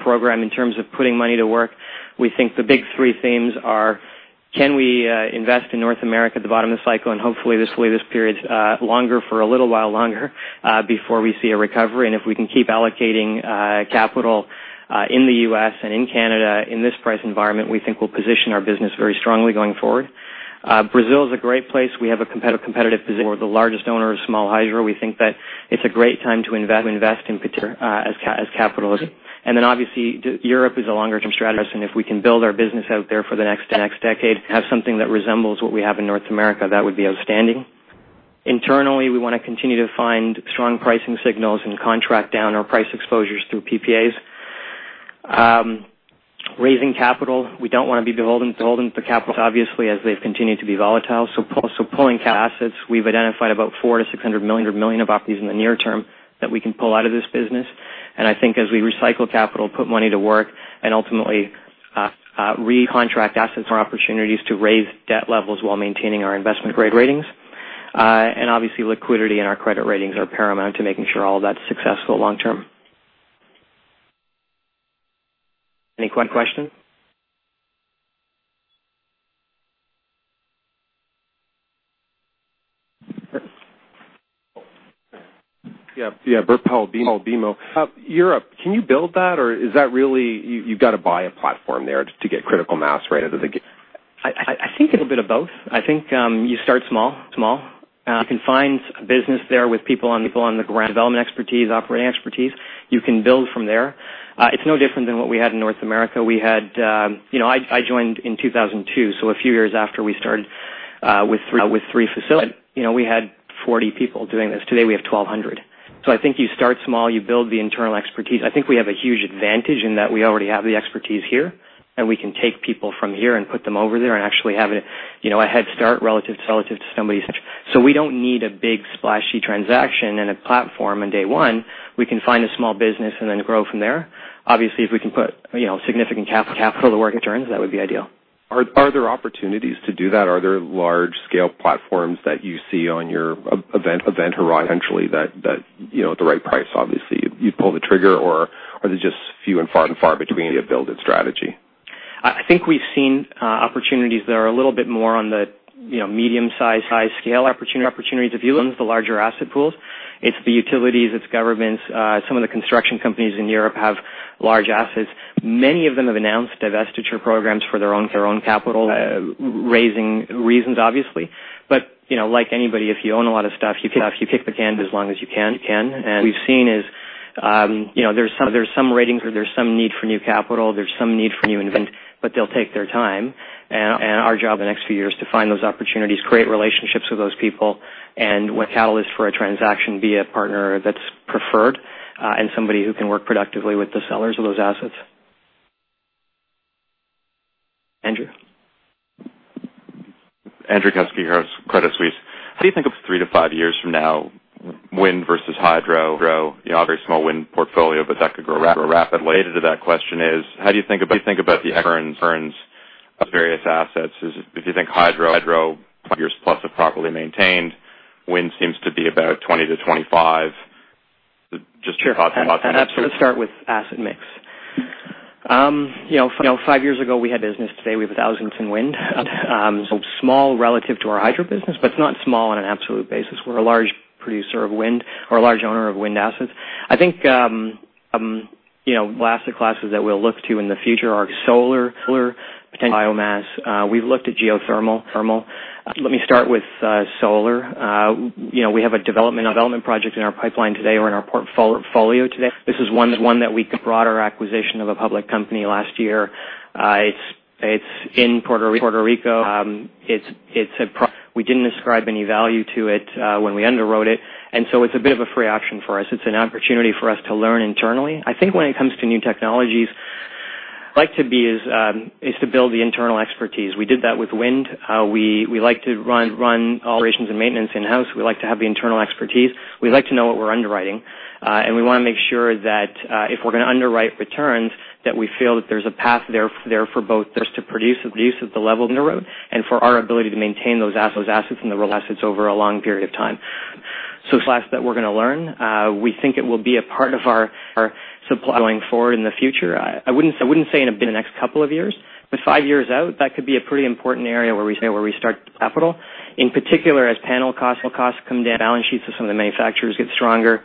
program in terms of putting money to work, we think the big three themes are, can we invest in North America at the bottom of the cycle? Hopefully this period is longer for a little while longer before we see a recovery. If we can keep allocating capital in the U.S. and in Canada in this price environment, we think we'll position our business very strongly going forward. Brazil is a great place. We have a competitive position. We're the largest owner of small hydro. We think that it's a great time to invest in particular as capital. Obviously, Europe is a longer-term strategy, and if we can build our business out there for the next decade, have something that resembles what we have in North America, that would be outstanding. Internally, we want to continue to find strong pricing signals and contract down our price exposures through PPAs. Raising capital. We don't want to be beholden to capitals, obviously, as they've continued to be volatile. Pulling assets. We've identified about $400 million-$600 million of opportunities in the near term that we can pull out of this business. I think as we recycle capital, put money to work, and ultimately re-contract assets for opportunities to raise debt levels while maintaining our investment-grade ratings. Obviously, liquidity and our credit ratings are paramount to making sure all that's successful long term. Any questions? Yeah. Bert Powell, BMO. Europe, can you build that? Is that really you've got to buy a platform there to get critical mass? I think a little bit of both. I think you start small. You can find a business there with people on the ground, development expertise, operating expertise. You can build from there. It's no different than what we had in North America. I joined in 2002, a few years after we started with three facilities. We had 40 people doing this. Today, we have 1,200. I think you start small, you build the internal expertise. I think we have a huge advantage in that we already have the expertise here, and we can take people from here and put them over there and actually have a head start relative to somebody. We don't need a big splashy transaction and a platform on day one. We can find a small business and then grow from there. Obviously, if we can put significant capital to work internally, that would be ideal. Are there opportunities to do that? Are there large-scale platforms that you see on your event horizon potentially that at the right price, obviously, you'd pull the trigger? Are they just few and far between a build-it strategy? I think we've seen opportunities that are a little bit more on the medium-size, high-scale opportunities. If you own the larger asset pools, it's the utilities, it's governments. Some of the construction companies in Europe have large assets. Many of them have announced divestiture programs for their own capital-raising reasons, obviously. Like anybody, if you own a lot of stuff, you kick the can as long as you can. What we've seen is there's some need for new capital. There's some need for new investment, but they'll take their time. Our job in the next few years is to find those opportunities, create relationships with those people, and when capital is for a transaction, be a partner that's preferred, and somebody who can work productively with the sellers of those assets. Andrew? Andrew Kusky, Credit Suisse. How do you think of three to five years from now, wind versus hydro? You obviously have a very small wind portfolio, but that could grow rapidly. Related to that question is, how do you think about the economics of the various assets? If you think hydro, 20 years plus if properly maintained. Wind seems to be about 20 to 25. Just your thoughts on that. Sure. Let's start with asset mix. Five years ago, we had business. Today, we have 1,000 in wind. Small relative to our hydro business, but it's not small on an absolute basis. We're a large producer of wind or a large owner of wind assets. I think asset classes that we'll look to in the future are solar, potentially biomass. We've looked at geothermal. Let me start with solar. We have a development project in our pipeline today or in our portfolio today. This is one that we brought our acquisition of a public company last year. It's in Puerto Rico. We didn't ascribe any value to it when we underwrote it's a bit of a free option for us. It's an opportunity for us to learn internally. I think when it comes to new technologies, like to build the internal expertise. We did that with wind. We like to run operations and maintenance in-house. We like to have the internal expertise. We like to know what we're underwriting. We want to make sure that, if we're going to underwrite returns, that we feel that there's a path there for both to produce at the level underwrote, and for our ability to maintain those assets in the real assets over a long period of time. It's a class that we're going to learn. We think it will be a part of our supply going forward in the future. I wouldn't say in the next couple of years, but five years out, that could be a pretty important area where we start capital, in particular as panel costs come down, balance sheets of some of the manufacturers get stronger.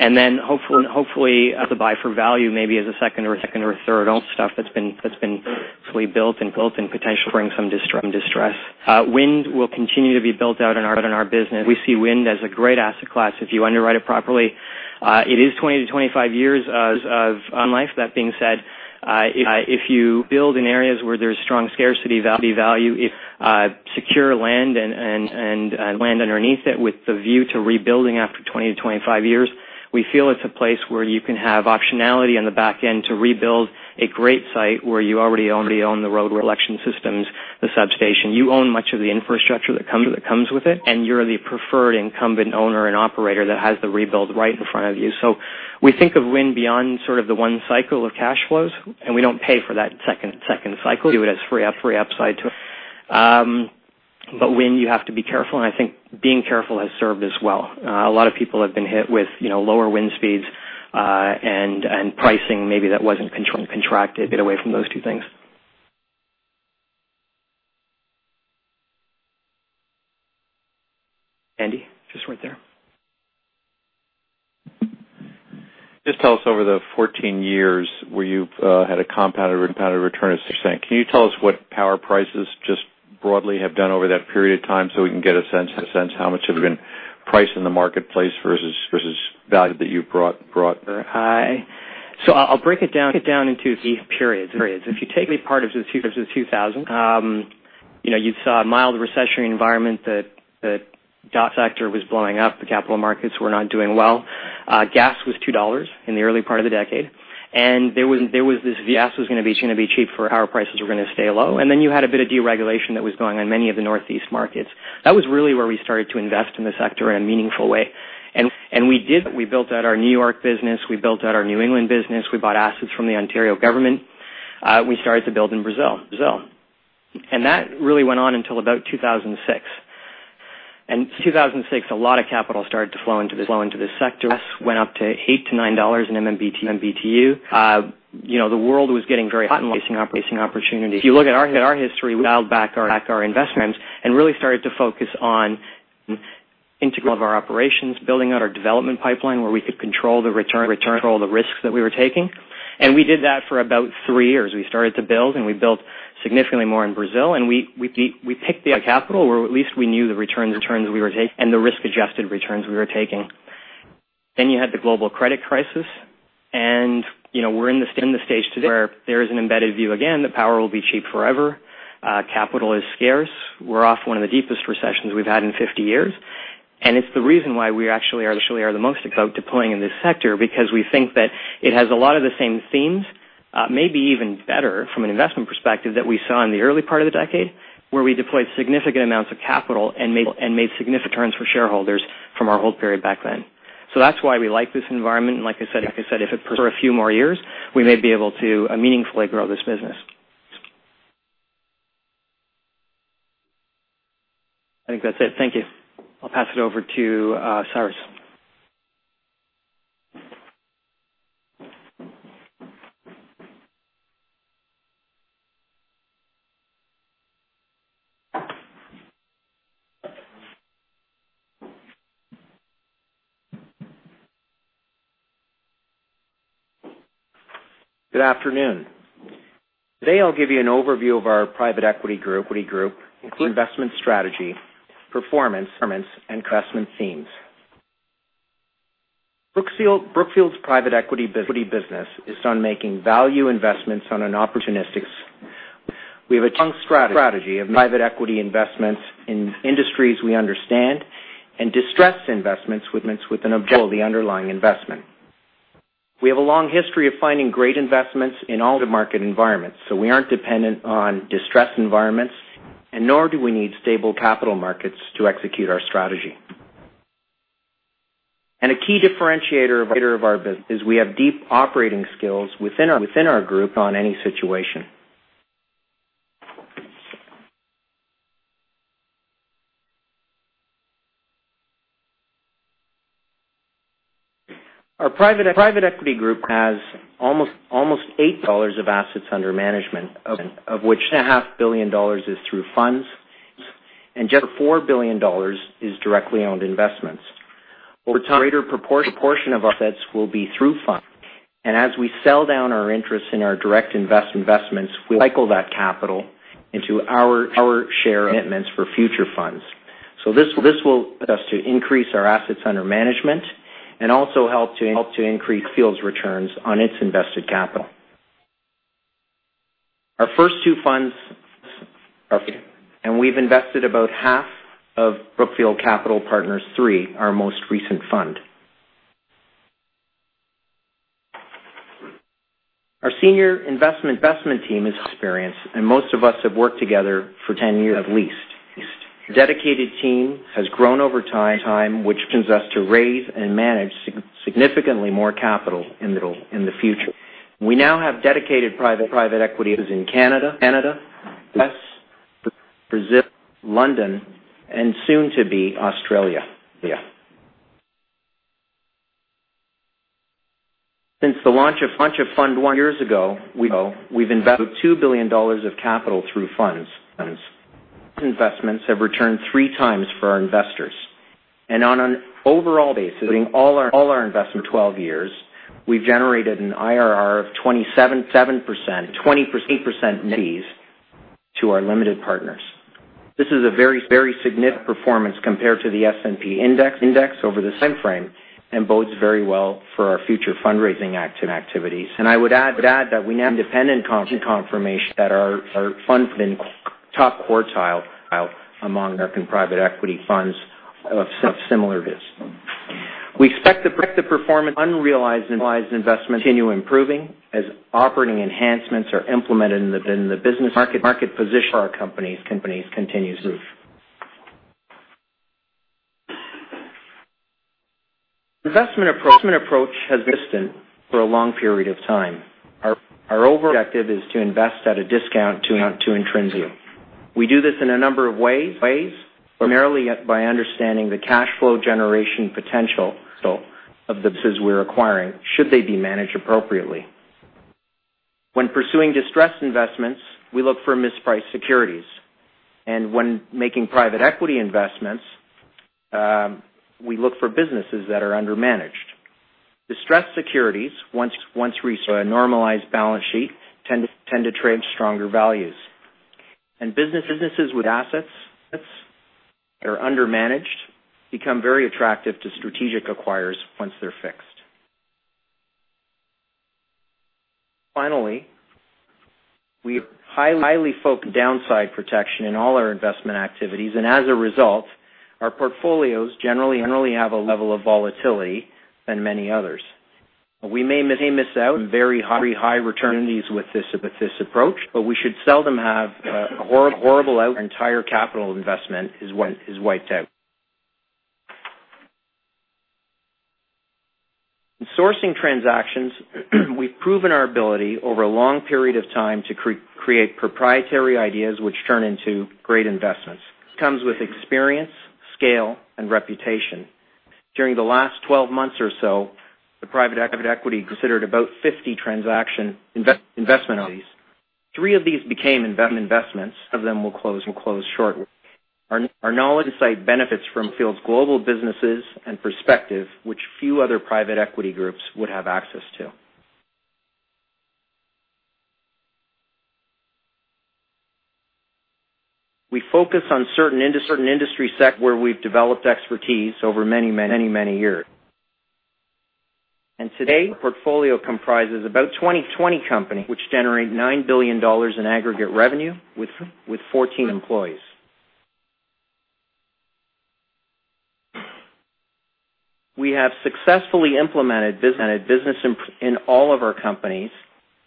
Hopefully, as a buy for value, maybe as a second or third stuff that's been built and potentially bring some distress. Wind will continue to be built out in our business. We see wind as a great asset class if you underwrite it properly. It is 20-25 years of life. That being said, if you build in areas where there's strong scarcity value, if secure land and land underneath it with the view to rebuilding after 20-25 years, we feel it's a place where you can have optionality on the back end to rebuild a great site where you already own the road access systems, the substation. You own much of the infrastructure that comes with it, and you're the preferred incumbent owner and operator that has the rebuild right in front of you. We think of wind beyond sort of the one cycle of cash flows, we don't pay for that second cycle. We view it as free upside to it. Wind, you have to be careful, and I think being careful has served us well. A lot of people have been hit with lower wind speeds, and pricing maybe that wasn't contracted away from those two things. Andy, just right there. Just tell us over the 14 years where you've had a compounded return of 6%. Can you tell us what power prices just broadly have done over that period of time so we can get a sense how much have been priced in the marketplace versus value that you've brought? Sure. I'll break it down into the periods. If you take the early part of the 2000s, you saw a mild recessionary environment that dot-com sector was blowing up. The capital markets were not doing well. Gas was $2 in the early part of the decade. There was this, the gas was going to be cheap for our prices were going to stay low. Then you had a bit of deregulation that was going on many of the Northeast markets. That was really where we started to invest in the sector in a meaningful way. We did that. We built out our New York business. We built out our New England business. We bought assets from the Ontario government. We started to build in Brazil. That really went on until about 2006. 2006, a lot of capital started to flow into this sector. Gas went up to $8 to $9 in MMBtu. The world was getting very hot and facing opportunity. If you look at our history, we dialed back our investments and really started to focus on integration of our operations, building out our development pipeline, where we could control the return, control the risks that we were taking. We did that for about 3 years. We started to build, we built significantly more in Brazil, we picked the capital, or at least we knew the returns we were taking and the risk-adjusted returns we were taking. You had the global credit crisis, we're in the stage today where there is an embedded view, again, that power will be cheap forever. Capital is scarce. We're off one of the deepest recessions we've had in 50 years. It's the reason why we actually are the most deployed in this sector because we think that it has a lot of the same themes, maybe even better from an investment perspective, that we saw in the early part of the decade, where we deployed significant amounts of capital and made significant returns for shareholders from our hold period back then. That's why we like this environment. Like I said, if it persists for a few more years, we may be able to meaningfully grow this business. I think that's it. Thank you. I'll pass it over to Cyrus. Good afternoon. Today, I'll give you an overview of our private equity group, investment strategy, performance, and investment themes. Brookfield's private equity business is on making value investments on an opportunistic. We have a strong strategy of private equity investments in industries we understand, and distressed investments with an objective of the underlying investment. We aren't dependent on distressed environments, and nor do we need stable capital markets to execute our strategy. A key differentiator of our business is we have deep operating skills within our group on any situation. Our private equity group has almost $8 billion of assets under management, of which $2.5 billion is through funds, and just $4 billion is directly owned investments. Over time, a greater proportion of assets will be through funds. As we sell down our interest in our direct investments, we'll cycle that capital into our share commitments for future funds. This will allow us to increase our assets under management and also help to increase Brookfield's returns on its invested capital. Our first two funds are here, and we've invested about half of Brookfield Capital Partners III, our most recent fund. Our senior investment team is experienced, and most of us have worked together for 10 years at least. Dedicated team has grown over time, which positions us to raise and manage significantly more capital in the future. We now have dedicated private equity in Canada, U.S., Brazil, London, and soon to be Australia. Since the launch of Fund 1 years ago, we've invested $2 billion of capital through funds. Investments have returned three times for our investors. On an overall basis, putting all our investments for 12 years, we've generated an IRR of 27%, 28% net fees to our limited partners. This is a very significant performance compared to the S&P index over the same frame, and bodes very well for our future fundraising activities. I would add that we now have independent confirmation that our funds are in the top quartile among North American private equity funds of similar risk. We expect the performance of unrealized investments to continue improving as operating enhancements are implemented in the business market position for our companies continues to improve. Investment approach has been consistent for a long period of time. Our overall objective is to invest at a discount to intrinsic. We do this in a number of ways, primarily by understanding the cash flow generation potential of the businesses we're acquiring should they be managed appropriately. When pursuing distressed investments, we look for mispriced securities. When making private equity investments, we look for businesses that are under-managed. Distressed securities, once restored to a normalized balance sheet, tend to trade stronger values. Businesses with assets that are under-managed become very attractive to strategic acquirers once they're fixed. Finally, we are highly focused on downside protection in all our investment activities, and as a result, our portfolios generally have a lower level of volatility than many others. We may miss out on very high return opportunities with this approach, but we should seldom have a horrible out where our entire capital investment is wiped out. In sourcing transactions, we've proven our ability over a long period of time to create proprietary ideas which turn into great investments. This comes with experience, scale, and reputation. During the last 12 months or so, the private equity considered about 50 transaction investment opportunities. Three of these became investments. Two of them will close shortly. Our knowledge insight benefits from Brookfield's global businesses and perspective, which few other private equity groups would have access to. We focus on certain industry sectors where we've developed expertise over many years. Today, our portfolio comprises about 20 companies which generate $9 billion in aggregate revenue with 14 employees. We have successfully implemented business improvements in all of our companies.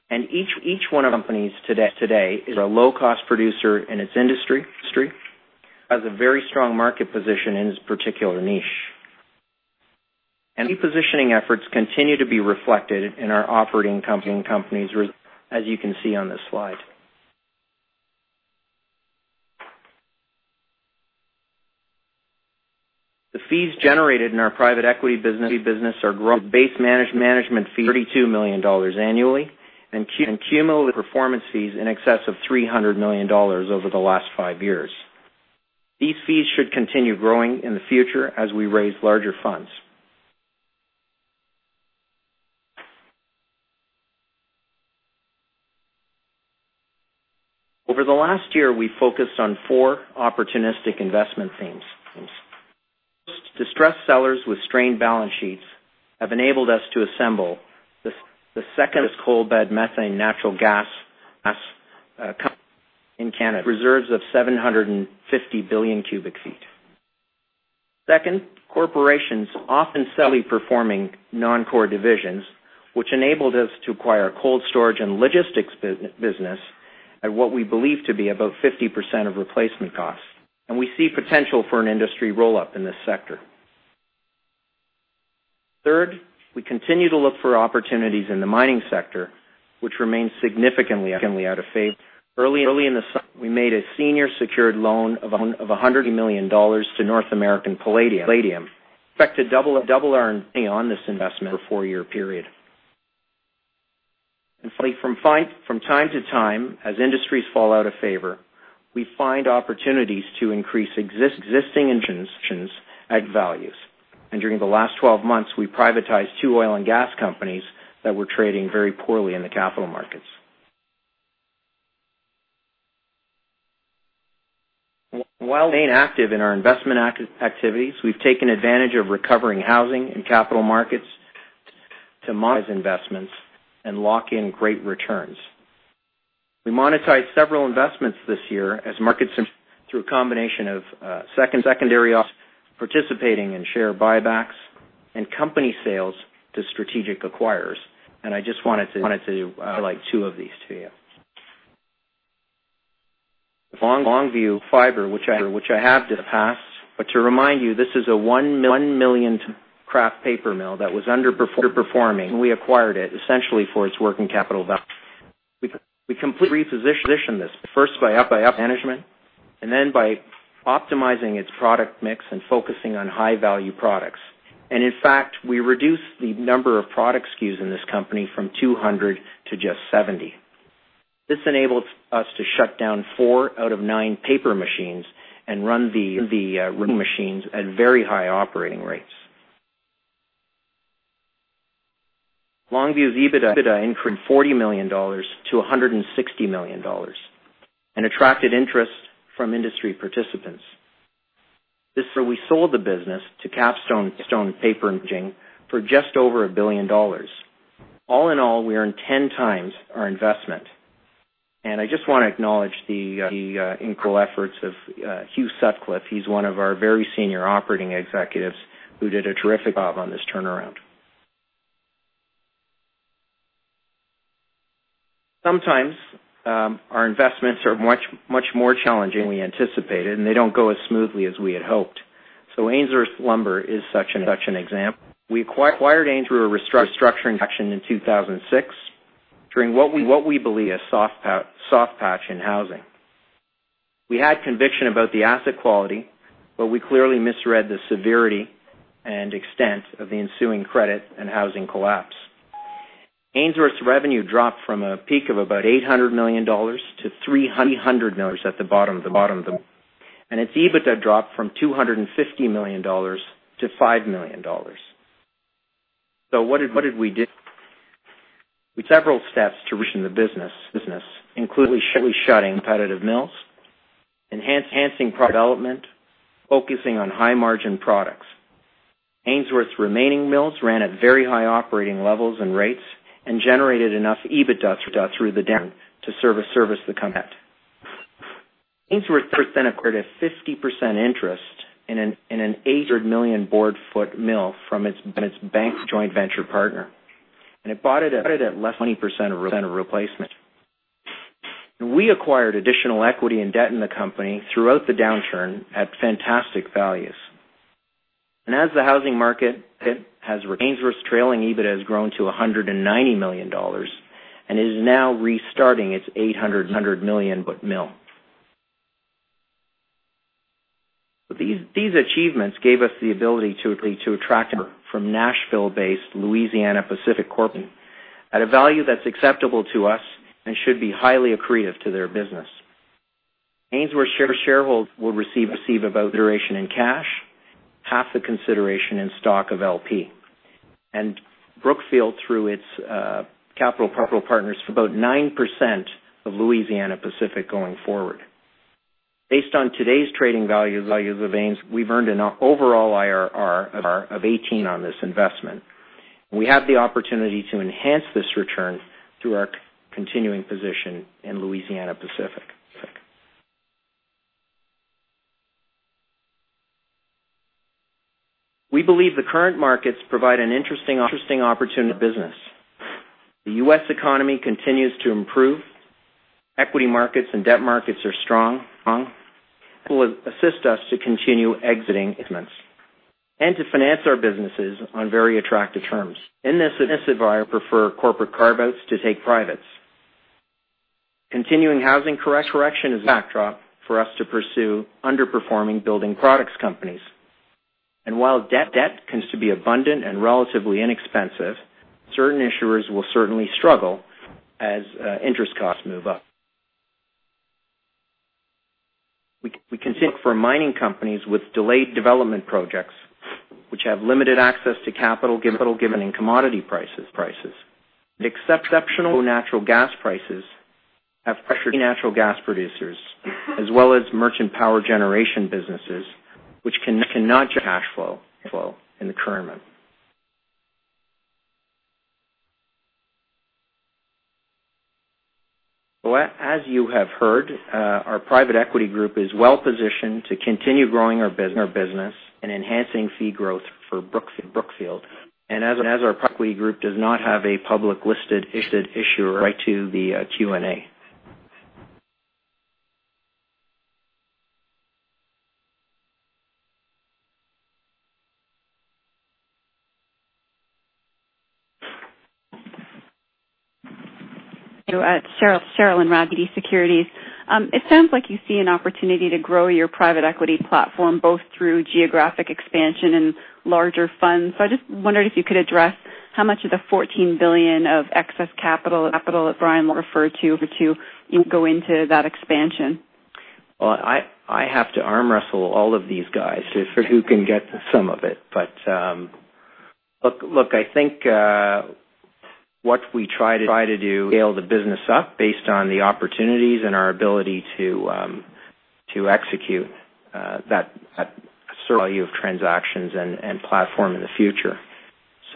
Each one of our companies today is a low-cost producer in its industry, has a very strong market position in its particular niche. Repositioning efforts continue to be reflected in our operating companies, as you can see on this slide. The fees generated in our private equity business are growing. Base management fees, $32 million annually, cumulative performance fees in excess of $300 million over the last five years. These fees should continue growing in the future as we raise larger funds. Over the last year, we focused on four opportunistic investment themes. First, distressed sellers with strained balance sheets have enabled us to assemble the second-largest coal bed methane natural gas company in Canada, with reserves of 750 billion cubic feet. Second, corporations often sell poorly performing non-core divisions, which enabled us to acquire a cold storage and logistics business at what we believe to be about 50% of replacement costs. We see potential for an industry roll-up in this sector. Third, we continue to look for opportunities in the mining sector, which remains significantly out of favor. Early in the summer, we made a senior secured loan of $100 million to North American Palladium. We expect to double our money on this investment over a four-year period. Finally, from time to time, as industries fall out of favor, we find opportunities to increase existing investments at discounts and values. During the last 12 months, we privatized two oil and gas companies that were trading very poorly in the capital markets. While staying active in our investment activities, we've taken advantage of recovering housing and capital markets to monetize investments and lock in great returns. We monetized several investments this year as markets, through a combination of secondary offerings, participating in share buybacks, and company sales to strategic acquirers. I just wanted to highlight two of these to you. Longview Fibre, which I have discussed in the past, but to remind you, this is a 1 million ton kraft paper mill that was underperforming when we acquired it essentially for its working capital value. We completely repositioned this, first by management, then by optimizing its product mix and focusing on high-value products. In fact, we reduced the number of product SKUs in this company from 200 to just 70. This enabled us to shut down four out of nine paper machines and run the remaining machines at very high operating rates. Longview's EBITDA increased $40 million to $160 million and attracted interest from industry participants. This year, we sold the business to KapStone Paper and Packaging for just over $1 billion. All in all, we earned 10 times our investment. I just want to acknowledge the incredible efforts of Hugh Sutcliffe. He's one of our very senior operating executives who did a terrific job on this turnaround. Sometimes our investments are much more challenging than we anticipated, and they don't go as smoothly as we had hoped. Ainsworth Lumber is such an example. We acquired Ainsworth through a restructuring transaction in 2006, during what we believe was a soft patch in housing. We had conviction about the asset quality, but we clearly misread the severity and extent of the ensuing credit and housing collapse. Ainsworth's revenue dropped from a peak of about $800 million to $300 million at the bottom. Its EBITDA dropped from $250 million to $5 million. What did we do? We took several steps to reposition the business, including shutting competitive mills, enhancing product development, focusing on high-margin products. Ainsworth's remaining mills ran at very high operating levels and rates and generated enough EBITDA through the downturn to service the company debt. Ainsworth acquired a 50% interest in an 800 million board foot mill from its bank joint venture partner. It bought it at less than 20% of replacement. We acquired additional equity and debt in the company throughout the downturn at fantastic values. As the housing market has recovered, Ainsworth's trailing EBITDA has grown to $190 million and is now restarting its 800 million board foot mill. These achievements gave us the ability to attract offer from Nashville-based Louisiana-Pacific Corporation at a value that's acceptable to us and should be highly accretive to their business. Ainsworth shareholders will receive about half the consideration in cash, half the consideration in stock of LP. Brookfield, through its Capital Partners, for about 9% of Louisiana-Pacific going forward. Based on today's trading values of Ainsworth, we've earned an overall IRR of 18% on this investment. We have the opportunity to enhance this return through our continuing position in Louisiana-Pacific. We believe the current markets provide an interesting opportunity for our business. The U.S. economy continues to improve. Equity markets and debt markets are strong. That will assist us to continue exiting investments and to finance our businesses on very attractive terms. In this environment, we prefer corporate carve-outs to take privates. Continuing housing correction is a backdrop for us to pursue underperforming building products companies. While debt continues to be abundant and relatively inexpensive, certain issuers will certainly struggle as interest costs move up. We continue to look for mining companies with delayed development projects, which have limited access to capital given declining commodity prices. Exceptional low natural gas prices have pressured many natural gas producers, as well as merchant power generation businesses, which cannot generate cash flow in the current environment. As you have heard, our private equity group is well positioned to continue growing our business and enhancing fee growth for Brookfield. As our private equity group does not have a public listed issuer, I'll hand it right to the Q&A. Thank you. Cherilyn Radbourne, Securities. It sounds like you see an opportunity to grow your private equity platform, both through geographic expansion and larger funds. I just wondered if you could address how much of the $14 billion of excess capital that Brian referred to go into that expansion. Well, I have to arm wrestle all of these guys to see who can get some of it. Look, I think what we try to do, scale the business up based on the opportunities and our ability to execute that value of transactions and platform in the future.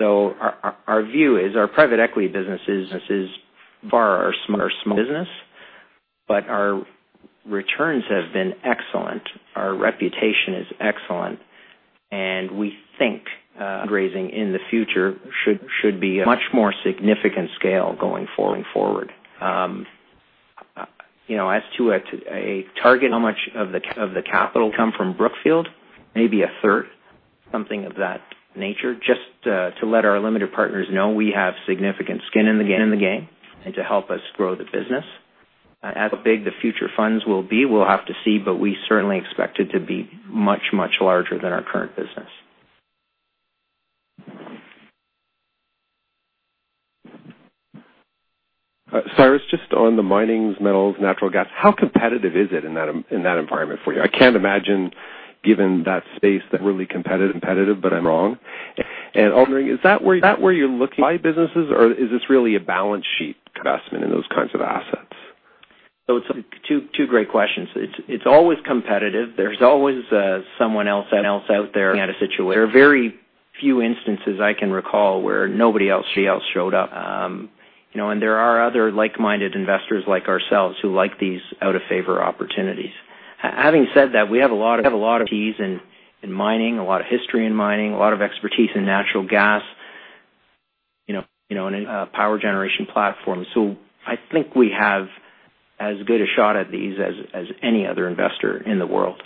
Our view is our private equity business is by far our smallest business, but our returns have been excellent. Our reputation is excellent. We think fundraising in the future should be a much more significant scale going forward. As to a target, how much of the capital will come from Brookfield? Maybe a third, something of that nature. Just to let our limited partners know we have significant skin in the game, and to help us grow the business. How big the future funds will be, we'll have to see, but we certainly expect it to be much, much larger than our current business. Cyrus, just on the mining, metals, natural gas, how competitive is it in that environment for you? I can't imagine, given that space, that really competitive, but I'm wrong. I'm wondering, is that where you're looking to buy businesses or is this really a balance sheet investment in those kinds of assets? It's two great questions. It's always competitive. There's always someone else out there. There are very few instances I can recall where nobody else showed up. There are other like-minded investors like ourselves who like these out-of-favor opportunities. Having said that, we have a lot of expertise in mining, a lot of history in mining, a lot of expertise in natural gas, and in power generation platforms. I think we have as good a shot at these as any other investor in the world.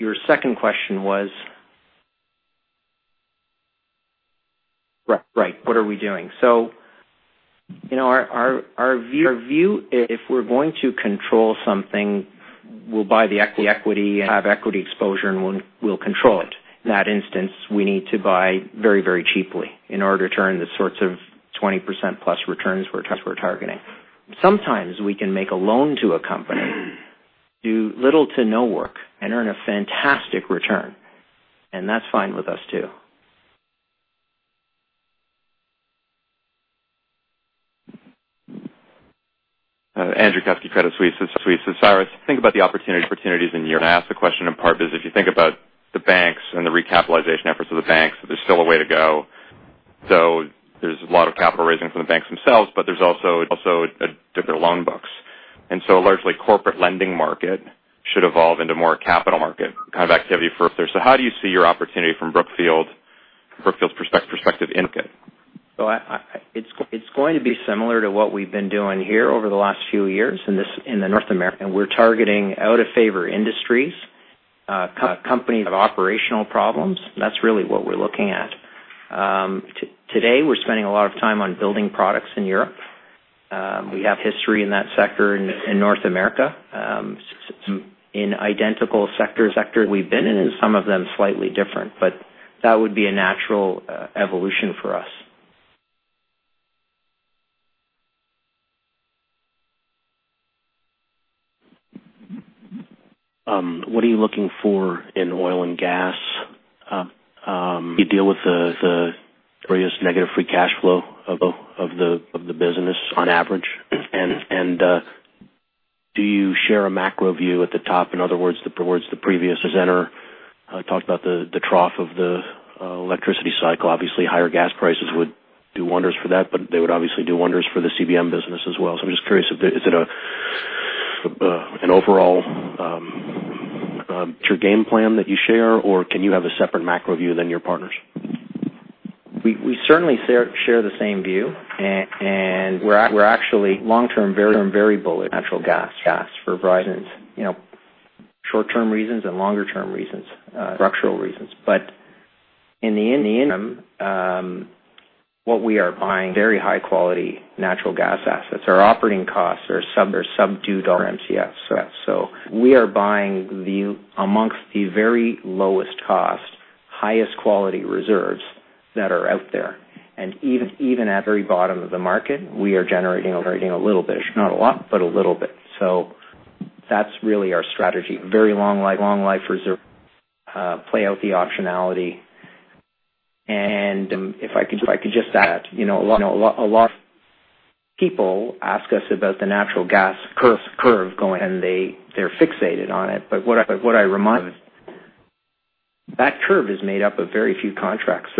Your second question was? Right. What are we doing? Our view, if we're going to control something, we'll buy the equity and have equity exposure, and we'll control it. In that instance, we need to buy very cheaply in order to turn the sorts of 20% plus returns we're targeting. Sometimes we can make a loan to a company, do little to no work, and earn a fantastic return, and that's fine with us, too. Andrew Kusky, Credit Suisse. Cyrus, think about the opportunities in Europe. I ask the question in part because if you think about the banks and the recapitalization efforts of the banks, there's still a way to go. There's a lot of capital raising from the banks themselves, but there's also their loan books. A largely corporate lending market should evolve into more capital market kind of activity for up there. How do you see your opportunity from Brookfield's perspective in it? It's going to be similar to what we've been doing here over the last few years in the North American. We're targeting out-of-favor industries, companies that have operational problems. That's really what we're looking at. Today, we're spending a lot of time on building products in Europe. We have history in that sector in North America. In identical sectors that we've been in, and some of them slightly different, but that would be a natural evolution for us. What are you looking for in oil and gas? Do you deal with the various negative free cash flow of the business on average? Do you share a macro view at the top? In other words, the previous presenter talked about the trough of the electricity cycle. Obviously, higher gas prices would do wonders for that, but they would obviously do wonders for the CBM business as well. I'm just curious, is it an overall game plan that you share, or can you have a separate macro view than your partners? We certainly share the same view. We're actually long-term very bullish on natural gas for a variety of short-term reasons and longer-term reasons, structural reasons. In the interim, what we are buying very high-quality natural gas assets. Our operating costs are subdued. [inaudible] We are buying amongst the very lowest cost, highest quality reserves that are out there. Even at very bottom of the market, we are generating a little bit. Not a lot, but a little bit. That's really our strategy. Very long life reserves, play out the optionality. If I could just add, a lot of people ask us about the natural gas curve going, and they're fixated on it. What I remind them is that curve is made up of very few contracts.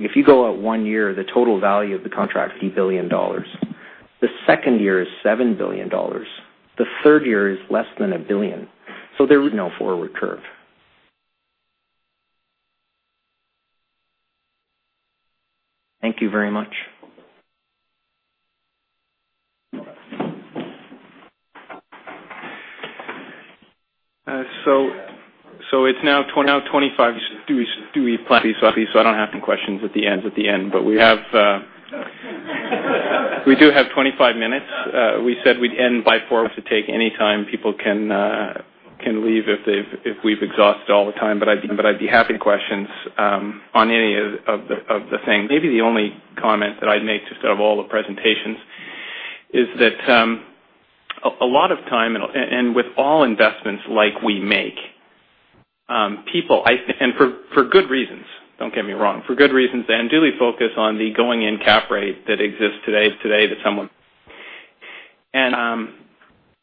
If you go out one year, the total value of the contract is $80 billion. The second year is $7 billion. The third year is less than a billion. There is no forward curve. Thank you very much. It's now 25. Do we have plenty, so I don't have some questions at the end? We do have 25 minutes. We said we'd end by 4:00 P.M. If it was to take any time, people can leave if we've exhausted all the time. I'd be happy to take questions on any of the things. Maybe the only comment that I'd make just out of all the presentations Is that a lot of time, and with all investments like we make, people, and for good reasons, don't get me wrong. For good reasons, they unduly focus on the going-in cap rate that exists today that someone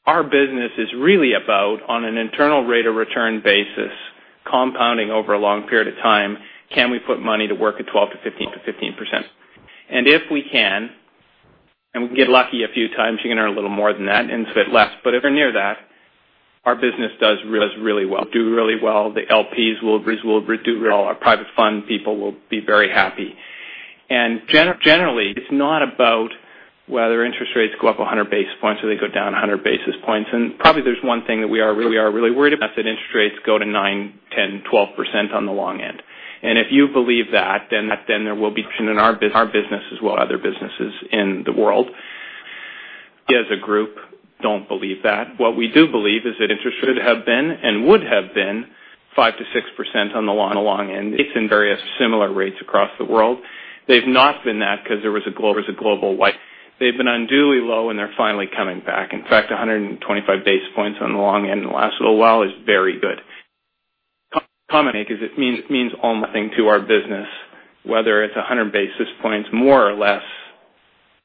Our business is really about, on an internal rate of return basis, compounding over a long period of time, can we put money to work at 12%-15%? If we can, and we can get lucky a few times, you're going to earn a little more than that and a bit less. If we're near that, our business does really well. The LPs will do well. Our private fund people will be very happy. Generally, it's not about whether interest rates go up 100 basis points or they go down 100 basis points. Probably there's one thing that we are really worried about, that interest rates go to 9, 10, 12% on the long end. If you believe that, then there will be in our business as well other businesses in the world. We as a group don't believe that. What we do believe is that interest should have been and would have been 5% to 6% on the long end. It's in various similar rates across the world. They've been unduly low, and they're finally coming back. In fact, 125 basis points on the long end in the last little while is very good. Commentate because it means almost nothing to our business, whether it's 100 basis points more or less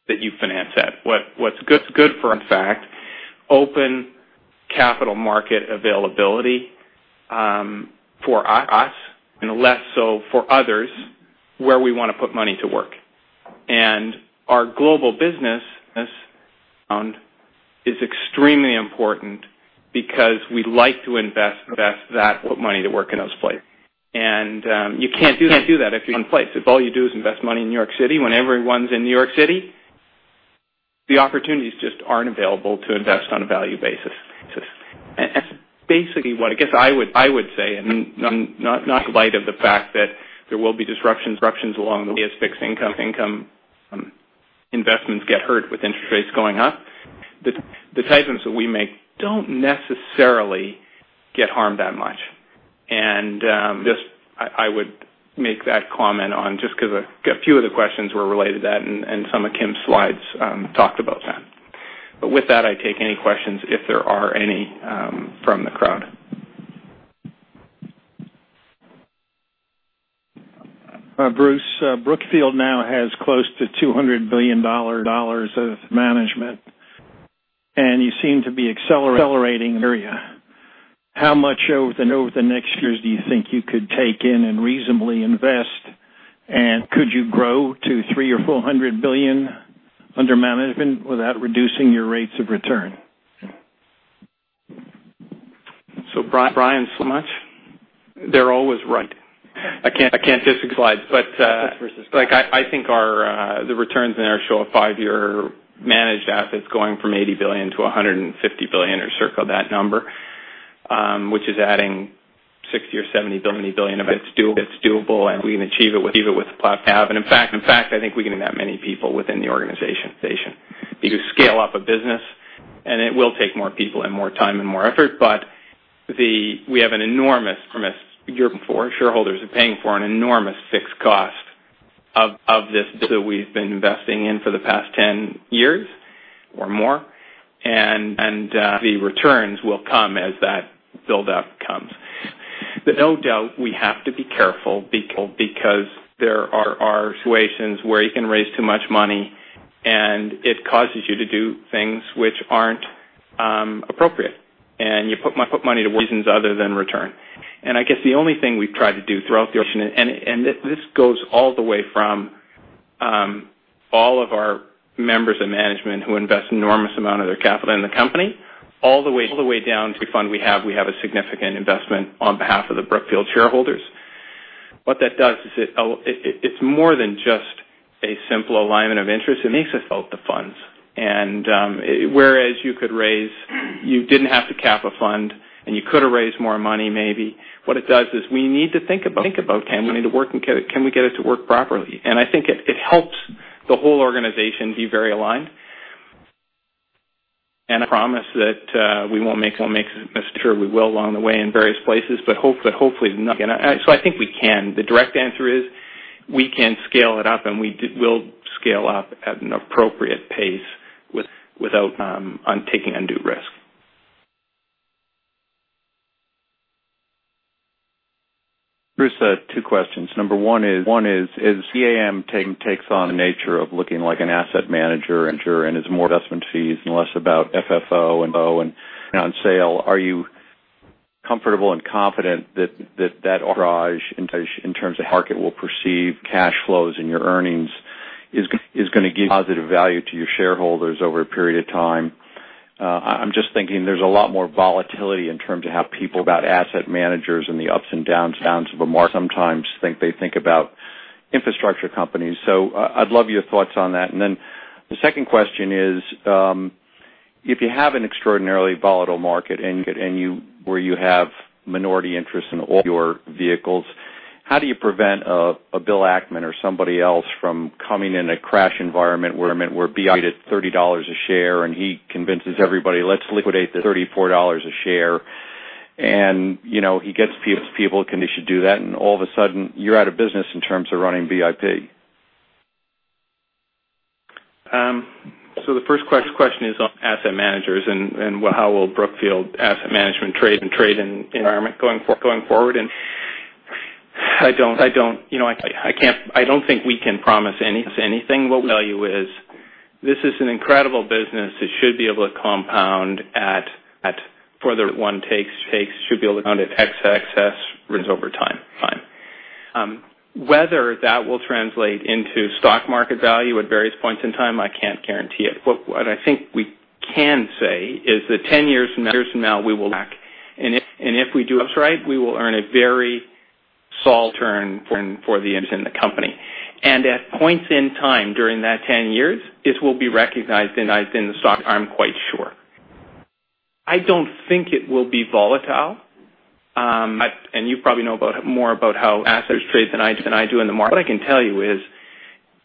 that you finance at. What's good for in fact, open capital market availability, for us and less so for others, where we want to put money to work. Our global business is extremely important because we like to invest that money to work in those places. You can't do that if you're in one place. If all you do is invest money in New York City when everyone's in New York City, the opportunities just aren't available to invest on a value basis. That's basically what I guess I would say in light of the fact that there will be disruptions along the way as fixed income investments get hurt with interest rates going up. The types that we make don't necessarily get harmed that much. Just I would make that comment on just because a few of the questions were related to that, and some of Kim's slides talked about that. With that, I take any questions if there are any from the crowd. Bruce, Brookfield now has close to $200 billion of management, you seem to be accelerating in that area. How much over the next years do you think you could take in and reasonably invest? Could you grow to $300 or $400 billion under management without reducing your rates of return? Brian, so much, they're always right. I can't do six slides. I think the returns in there show a five-year managed assets going from $80 billion to $150 billion or circle that number, which is adding $60 or $70 billion of it's doable and we can achieve it with the platform we have. In fact, I think we can have that many people within the organization. You scale up a business, and it will take more people and more time and more effort. We have an enormous fixed cost of this that we've been investing in for the past 10 years or more. The returns will come as that buildup comes. No doubt we have to be careful because there are situations where you can raise too much money, and it causes you to do things which aren't appropriate. You put money to reasons other than return. I guess the only thing we've tried to do throughout the organization, this goes all the way from all of our members of management who invest enormous amount of their capital in the company, all the way down to the fund we have. We have a significant investment on behalf of the Brookfield shareholders. What that does is it's more than just a simple alignment of interest. It makes us about the funds. Whereas you didn't have to cap a fund, and you could have raised more money maybe. What it does is we need to think about it, and we need to work and can we get it to work properly? I think it helps the whole organization be very aligned. I promise that we won't make mistakes. I'm sure we will along the way in various places, but hopefully not again. I think we can. The direct answer is we can scale it up, and we'll scale up at an appropriate pace without taking undue risk. Bruce, two questions. Number one is, as BAM takes on the nature of looking like an asset manager and is more investment fees and less about FFO and on sale, are you comfortable and confident that that arbitrage in terms of how market will perceive cash flows and your earnings is going to give positive value to your shareholders over a period of time? I'm just thinking there's a lot more volatility in terms of how people about asset managers and the ups and downs of a market sometimes think about infrastructure companies. I'd love your thoughts on that. The second question is, if you have an extraordinarily volatile market where you have minority interest in all your vehicles, how do you prevent a Bill Ackman or somebody else from coming in a crash environment where BI is at $30 a share, and he convinces everybody, "Let's liquidate this $34 a share." He gets people conditioned to do that, and all of a sudden, you're out of business in terms of running BIP. The first question is on asset managers and how will Brookfield Asset Management trade in the environment going forward. I don't think we can promise anything. What we tell you is, this is an incredible business. It should be able to compound at, for the one takes, should be able to compound at [excess] returns over time. Whether that will translate into stock market value at various points in time, I can't guarantee it. What I think we can say is that 10 years from now, we will look back, and if we do what's right, we will earn a very solid return for the investors in the company. At points in time during that 10 years, this will be recognized in the stock, I'm quite sure. I don't think it will be volatile. You probably know more about how assets trade than I do in the market. What I can tell you is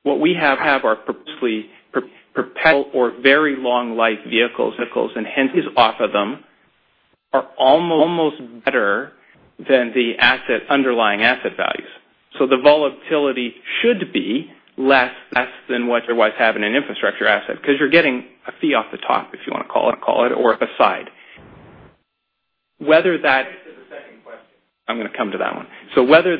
what we have are purposely perpetual or very long life vehicles, and hence fees off of them are almost better than the underlying asset values. The volatility should be less than what you otherwise have in an infrastructure asset because you're getting a fee off the top, if you want to call it, or aside. Whether that Take it to the second question. I'm going to come to that one. Whether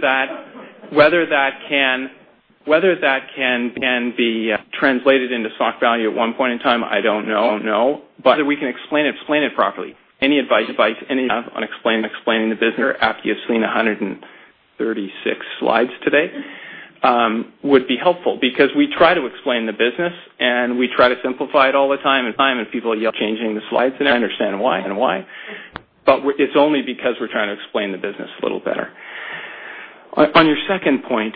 that can be translated into stock value at one point in time, I don't know. Whether we can explain it properly. Any advice on explaining the business after you've seen 136 slides today would be helpful because we try to explain the business, and we try to simplify it all the time, and people are changing the slides, and I understand why. It's only because we're trying to explain the business a little better. On your second point,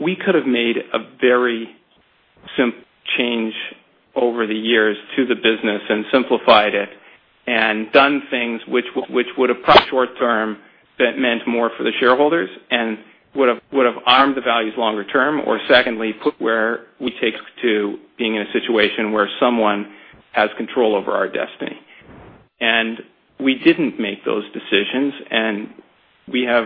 we could have made a very simple change over the years to the business and simplified it and done things which would have probably short-term that meant more for the shareholders and would have harmed the values longer term. Secondly, put where we take to being in a situation where someone has control over our destiny. We didn't make those decisions, and we have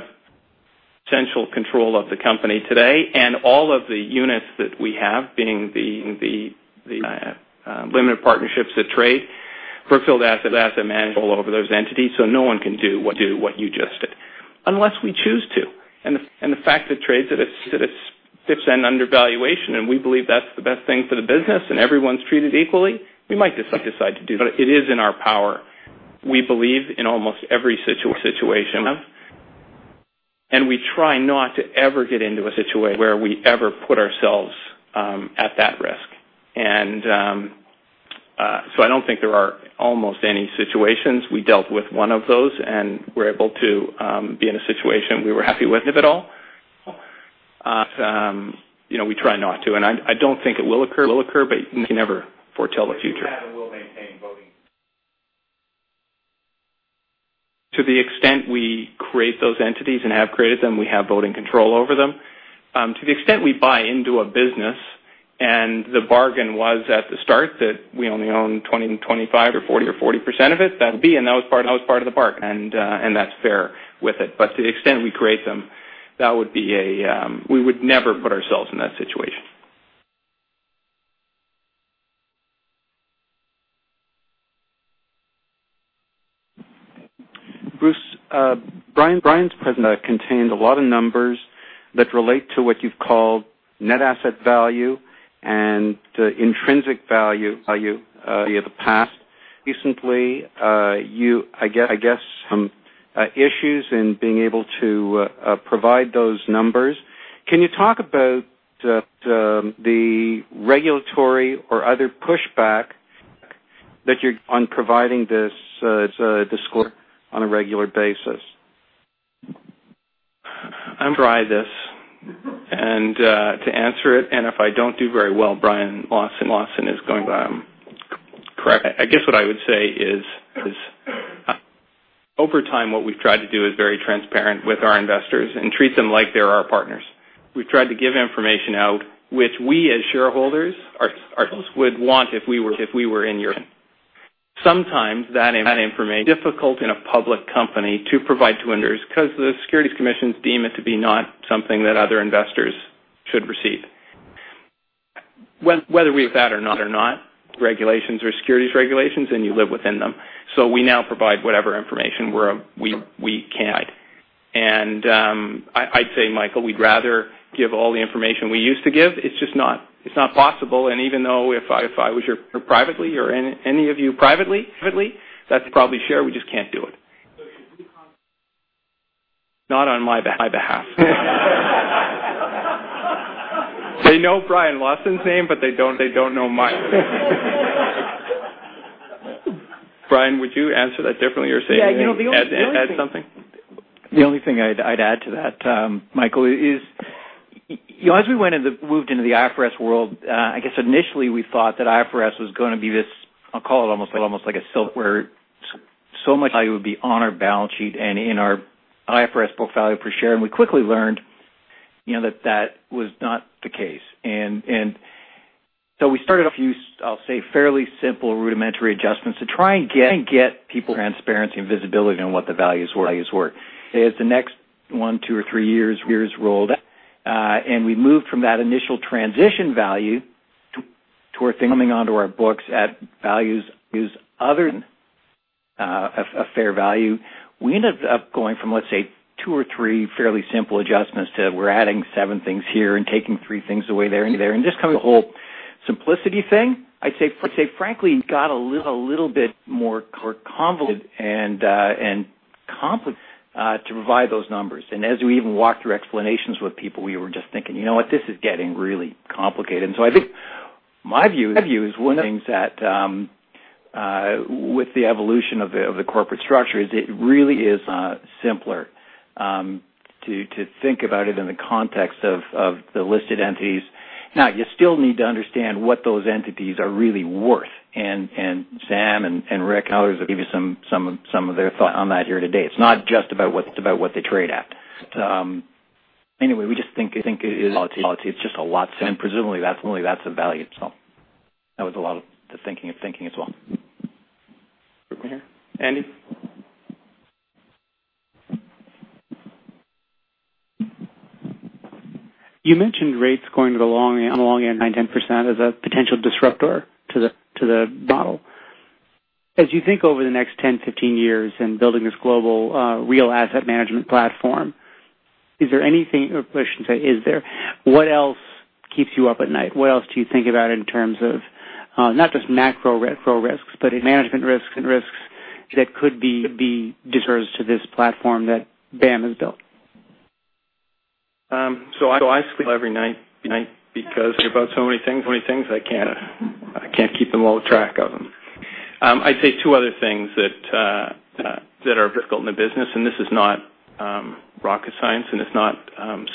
potential control of the company today and all of the units that we have being the limited partnerships that trade, Brookfield Asset Management all over those entities, so no one can do what you just did. Unless we choose to. The fact that it trades, it's an undervaluation, and we believe that's the best thing for the business and everyone's treated equally, we might decide to do that. It is in our power. We believe in almost every situation we have. We try not to ever get into a situation where we ever put ourselves at that risk. I don't think there are almost any situations. We dealt with one of those, and we're able to be in a situation we were happy with, if at all. We try not to, and I don't think it will occur, but you can never foretell the future. You have and will maintain voting. To the extent we create those entities and have created them, we have voting control over them. To the extent we buy into a business and the bargain was at the start that we only own 20%, 25% or 40% of it, that would be, and that was part of the bargain. That's fair with it. To the extent we create them, we would never put ourselves in that situation. Bruce, Brian's presentation contained a lot of numbers that relate to what you've called net asset value and intrinsic value via the past. Recently, you, I guess, had some issues in being able to provide those numbers. Can you talk about the regulatory or other pushback on providing this score on a regular basis? I'm going to try this. To answer it, if I don't do very well, Brian Lawson is going to. I guess what I would say is, over time, what we've tried to do is very transparent with our investors and treat them like they're our partners. We've tried to give information out which we as shareholders ourselves would want if we were in your shoes. Sometimes that information is difficult in a public company to provide to investors because the securities commissions deem it to be not something that other investors should receive. Whether we agree with that or not, there are securities regulations, and you live within them. We now provide whatever information we can. I'd say, Michael, we'd rather give all the information we used to give. It's just not possible. Even though if I was privately or any of you privately, that's what we'd probably share. We just can't do it. Can we Not on my behalf. They know Brian Lawson's name, but they don't know my name. Brian, would you answer that differently or say anything, add something? The only thing I'd add to that, Michael, is as we moved into the IFRS world, I guess initially we thought that IFRS was going to be this, I'll call it almost like a silver, where so much value would be on our balance sheet and in our IFRS book value per share. We quickly learned that that was not the case. We started a few, I'll say, fairly simple rudimentary adjustments to try and get people transparency and visibility on what the values were. As the next one, two or three years rolled out, and we moved from that initial transition value to coming onto our books at values other than a fair value. We ended up going from, let's say, two or three fairly simple adjustments to we're adding seven things here and taking three things away there. Just kind of the whole simplicity thing, I'd say, frankly, it got a little bit more convoluted and complex to provide those numbers. As we even walked through explanations with people, we were just thinking, "You know what? This is getting really complicated." I think my view is one of the things that with the evolution of the corporate structure is it really is simpler to think about it in the context of the listed entities. Now, you still need to understand what those entities are really worth, and Sam and Ric will give you some of their thoughts on that here today. It's not just about what they trade at. Anyway, we just think it is policy. It's just a lot, and presumably that's a value. That was a lot of the thinking as well. Andy? You mentioned rates going to the long end, 9%, 10% as a potential disruptor to the model. As you think over the next 10, 15 years in building this global real asset management platform, what else keeps you up at night? What else do you think about in terms of not just macro risks, but management risks and risks that could be disruptors to this platform that BAM has built? I sleep every night because I hear about so many things I can't keep them all track of them. I'd say two other things that are difficult in the business, and this is not rocket science, and it's not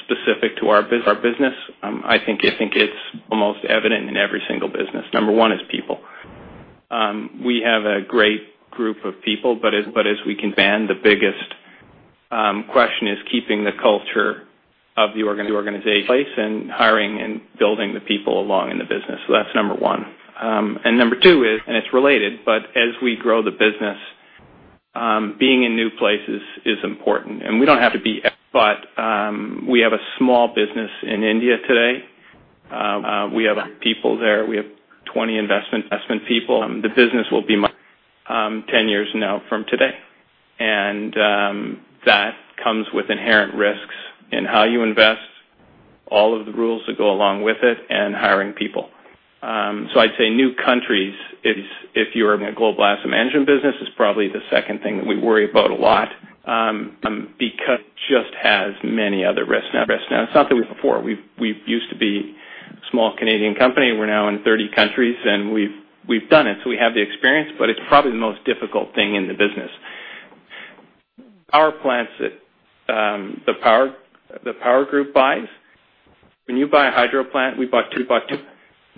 specific to our business. I think it's almost evident in every single business. Number one is people. We have a great group of people, but as we expand, the biggest question is keeping the culture of the organization in place and hiring and building the people along in the business. That's number one. Number two is, and it's related, but as we grow the business, being in new places is important. We don't have to be everywhere, but we have a small business in India today. We have people there. We have 20 investment people. The business will be much bigger 10 years from now from today. That comes with inherent risks in how you invest, all of the rules that go along with it, and hiring people. I'd say new countries, if you're in a global asset management business, is probably the second thing that we worry about a lot because it just has many other risks. It's not that we haven't before. We used to be a small Canadian company. We're now in 30 countries, and we've done it. We have the experience, but it's probably the most difficult thing in the business. The power group buys. When you buy a hydro plant, we bought two.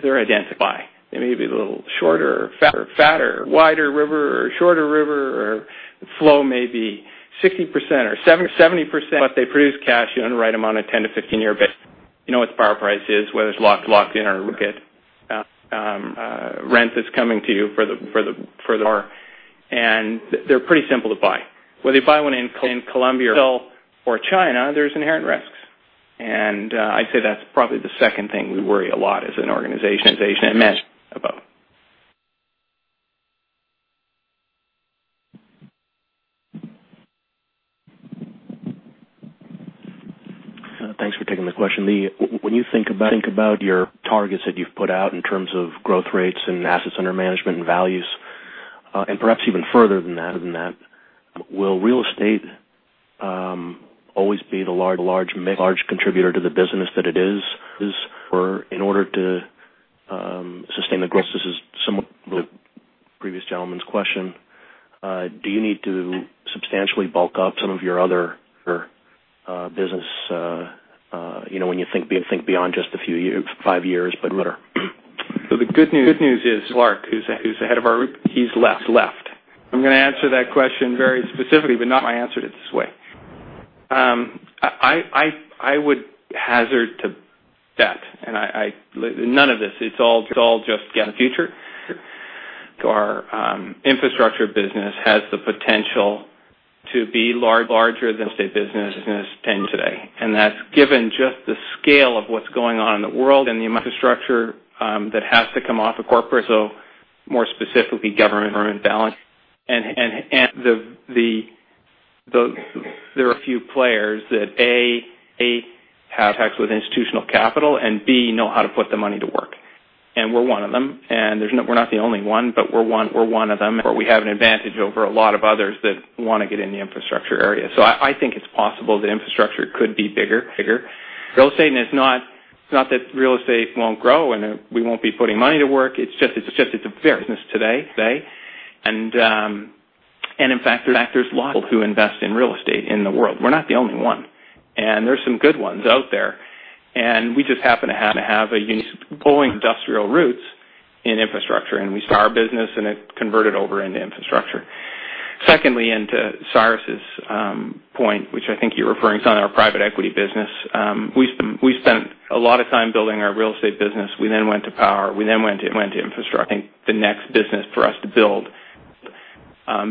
They're identical. They may be a little shorter or fatter, wider river or shorter river, or flow may be 60% or 70%, but they produce cash. You're going to write them on a 10- to 15-year basis. You know what the power price is, whether it's locked in or rent that's coming to you for the power. They're pretty simple to buy. Whether you buy one in Colombia or China, there's inherent risks. I'd say that's probably the second thing we worry a lot as an organization, and management above. Thanks for taking the question. When you think about your targets that you've put out in terms of growth rates and assets under management and values, and perhaps even further than that, will real estate always be the large contributor to the business that it is? In order to sustain the growth, this is somewhat related to the previous gentleman's question. Do you need to substantially bulk up some of your other business when you think beyond just a few years, five years, but whatever? The good news is, Clark, who's the head of our group, he's left. I'm going to answer that question very specifically, but not my answer to this way. I would hazard to bet, none of this, it's all just guess the future. Our infrastructure business has the potential to be larger than the real estate business 10 today. That's given just the scale of what's going on in the world and the infrastructure that has to come off of corporate. More specifically, government balance. There are a few players that, A, have contacts with institutional capital, and B, know how to put the money to work. We're one of them. We're not the only one, but we're one of them, or we have an advantage over a lot of others that want to get in the infrastructure area. I think it's possible the infrastructure could be bigger. Real estate, it's not that real estate won't grow and we won't be putting money to work. It's just it's a big business today. In fact, there's lots of people who invest in real estate in the world. We're not the only one. There's some good ones out there. We just happen to have a unique industrial roots in infrastructure, we start our business, and it converted over into infrastructure. Secondly, to Cyrus's point, which I think you're referring to on our private equity business. We spent a lot of time building our real estate business. We went to power. We went to infrastructure. I think the next business for us to build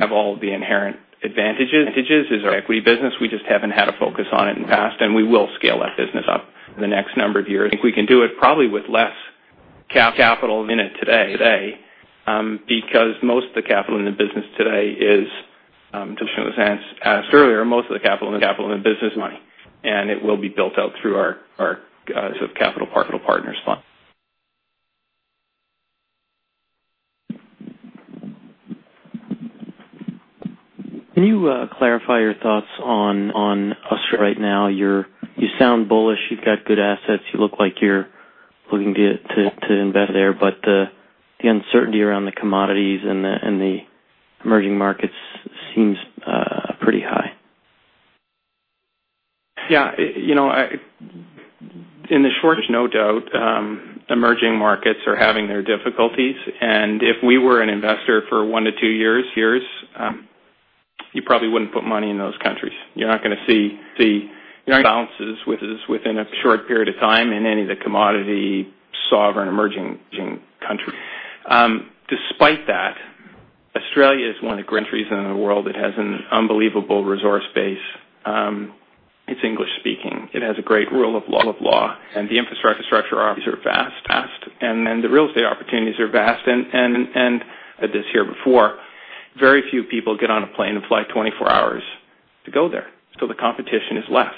have all the inherent advantages, is our equity business. We just haven't had a focus on it in the past, we will scale that business up in the next number of years. I think we can do it probably with less capital in it today, because most of the capital in the business today is [inaudible] asked earlier, most of the capital in the business money. It will be built out through our sort of capital partners fund. Can you clarify your thoughts on us right now? You sound bullish. You've got good assets. You look like you're looking to invest there. The uncertainty around the commodities and the emerging markets seems pretty high. Yeah. In the short, there's no doubt emerging markets are having their difficulties. If we were an investor for one to two years, you probably wouldn't put money in those countries. You're not going to see balances within a short period of time in any of the commodity sovereign emerging countries. Despite that, Australia is one of the greatest in the world. It has an unbelievable resource base. It's English-speaking. It has a great rule of law, the infrastructure opportunities are vast. The real estate opportunities are vast. I said this here before. Very few people get on a plane and fly 24 hours to go there. The competition is less.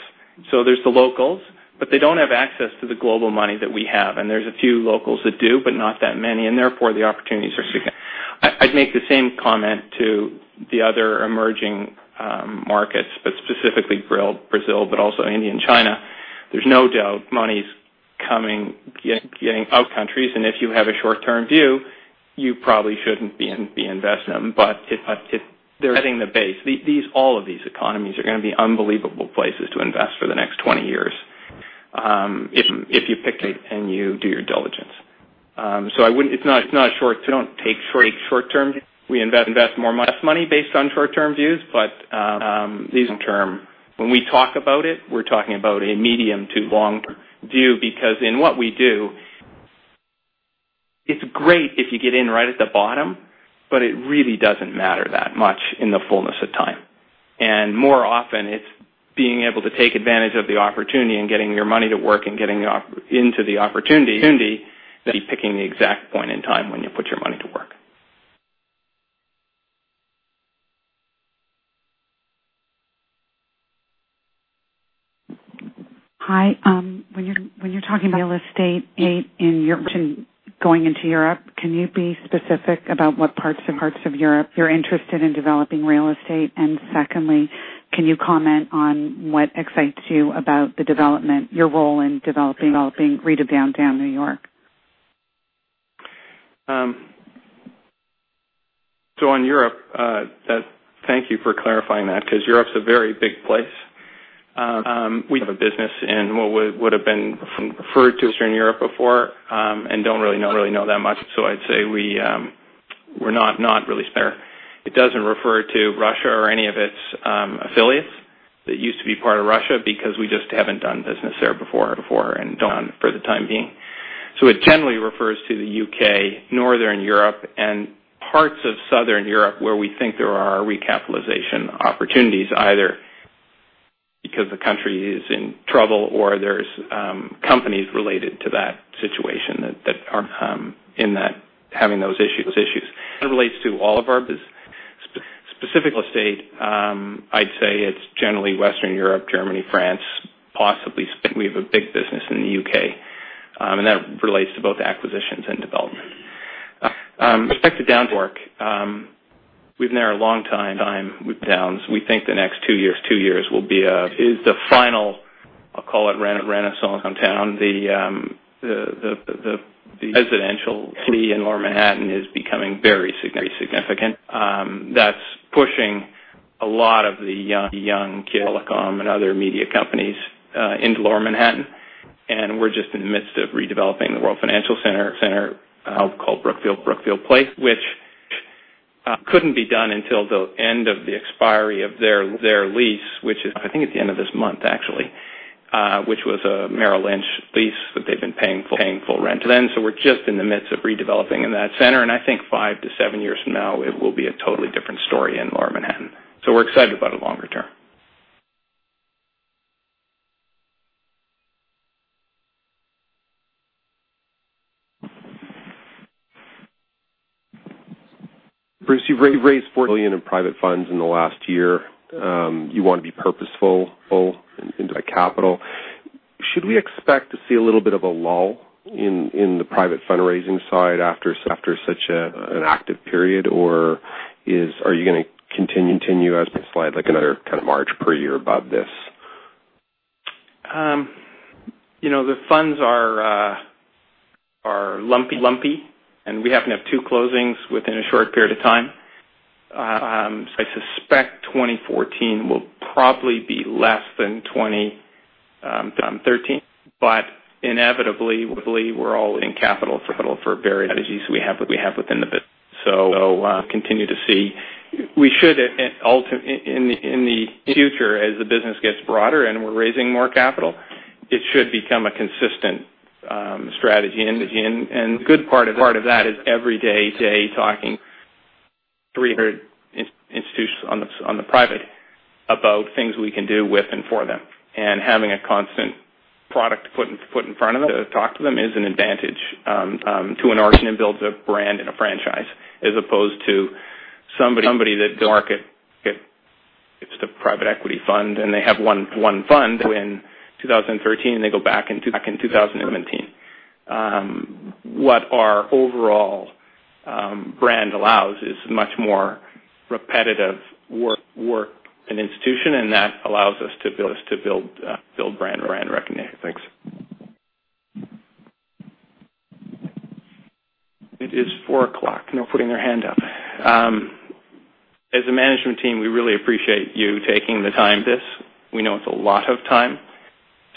There's the locals, but they don't have access to the global money that we have, and there's a few locals that do, but not that many, and therefore, the opportunities are significant. I'd make the same comment to the other emerging markets, but specifically Brazil, but also India and China. There's no doubt money's coming, getting out countries. If you have a short-term view, you probably shouldn't be investing in them. If they're setting the base, all of these economies are going to be unbelievable places to invest for the next 20 years if you pick and you do your diligence. We don't take short-term views. We invest more money based on short-term views. These long-term, when we talk about it, we're talking about a medium to long-term view because in what we do, it's great if you get in right at the bottom, but it really doesn't matter that much in the fullness of time. More often it's being able to take advantage of the opportunity and getting your money to work and getting into the opportunity than it is picking the exact point in time when you put your money to work. Hi. When you're talking real estate in Europe and going into Europe, can you be specific about what parts of Europe you are interested in developing real estate? Secondly, can you comment on what excites you about the development, your role in developing [inaudible] Downtown New York? On Europe, thank you for clarifying that because Europe's a very big place. We have a business in what would have been referred to as Eastern Europe before, and don't really know that much. I'd say we are not really there. It doesn't refer to Russia or any of its affiliates that used to be part of Russia because we just haven't done business there before and don't for the time being. It generally refers to the U.K., Northern Europe, and parts of Southern Europe where we think there are recapitalization opportunities, either because the country is in trouble or there are companies related to that situation that are having those issues. That relates to all of our business. Specific real estate, I'd say it's generally Western Europe, Germany, France, possibly. We have a big business in the U.K., and that relates to both acquisitions and development. Respect to Downtown New York, we have been there a long time with [towns]. We think the next two years will be the final, I'll call it renaissance [on town]. The residential city in Lower Manhattan is becoming very significant. That's pushing a lot of the young telecom and other media companies into Lower Manhattan. We are just in the midst of redeveloping the World Financial Center now called Brookfield Place. Which couldn't be done until the end of the expiry of their lease, which is I think at the end of this month, actually, which was a Merrill Lynch lease that they have been paying full rent to then. We are just in the midst of redeveloping in that center. I think five to seven years from now, it will be a totally different story in Lower Manhattan. We are excited about it longer term. Bruce, you have raised $40 billion in private funds in the last year. You want to be purposeful in capital. Should we expect to see a little bit of a lull in the private fundraising side after such an active period? Are you going to continue as the slide, like another kind of march per year above this? The funds are lumpy. We happen to have two closings within a short period of time. I suspect 2014 will probably be less than 2013. Inevitably, we're [inaudible] capital for various strategies we have within the business. We'll continue to see. We should, in the future, as the business gets broader and we're raising more capital, it should become a consistent strategy. The good part of that is every day talking 300 institutions on the private about things we can do with and for them. Having a constant product put in front of them to talk to them is an advantage to an [origin] and builds a brand and a franchise, as opposed to somebody that market it's the private equity fund, and they have one fund when 2013, they go back in 2017. What our overall brand allows is much more repetitive work an institution, that allows us to build brand recognition. Thanks. It is 4:00 P.M. No putting their hand up. As a management team, we really appreciate you taking the time for this. We know it's a lot of time.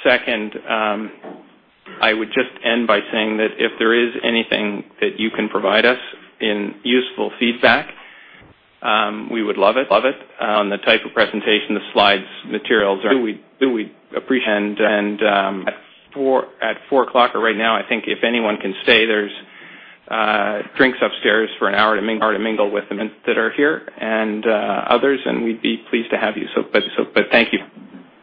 Second, I would just end by saying that if there is anything that you can provide us in useful feedback, we would love it. The type of presentation, the slides, materials are what we appreciate. At 4:00 P.M. or right now, I think if anyone can stay, there's drinks upstairs for an hour to mingle with them that are here and others, and we'd be pleased to have you. Thank you.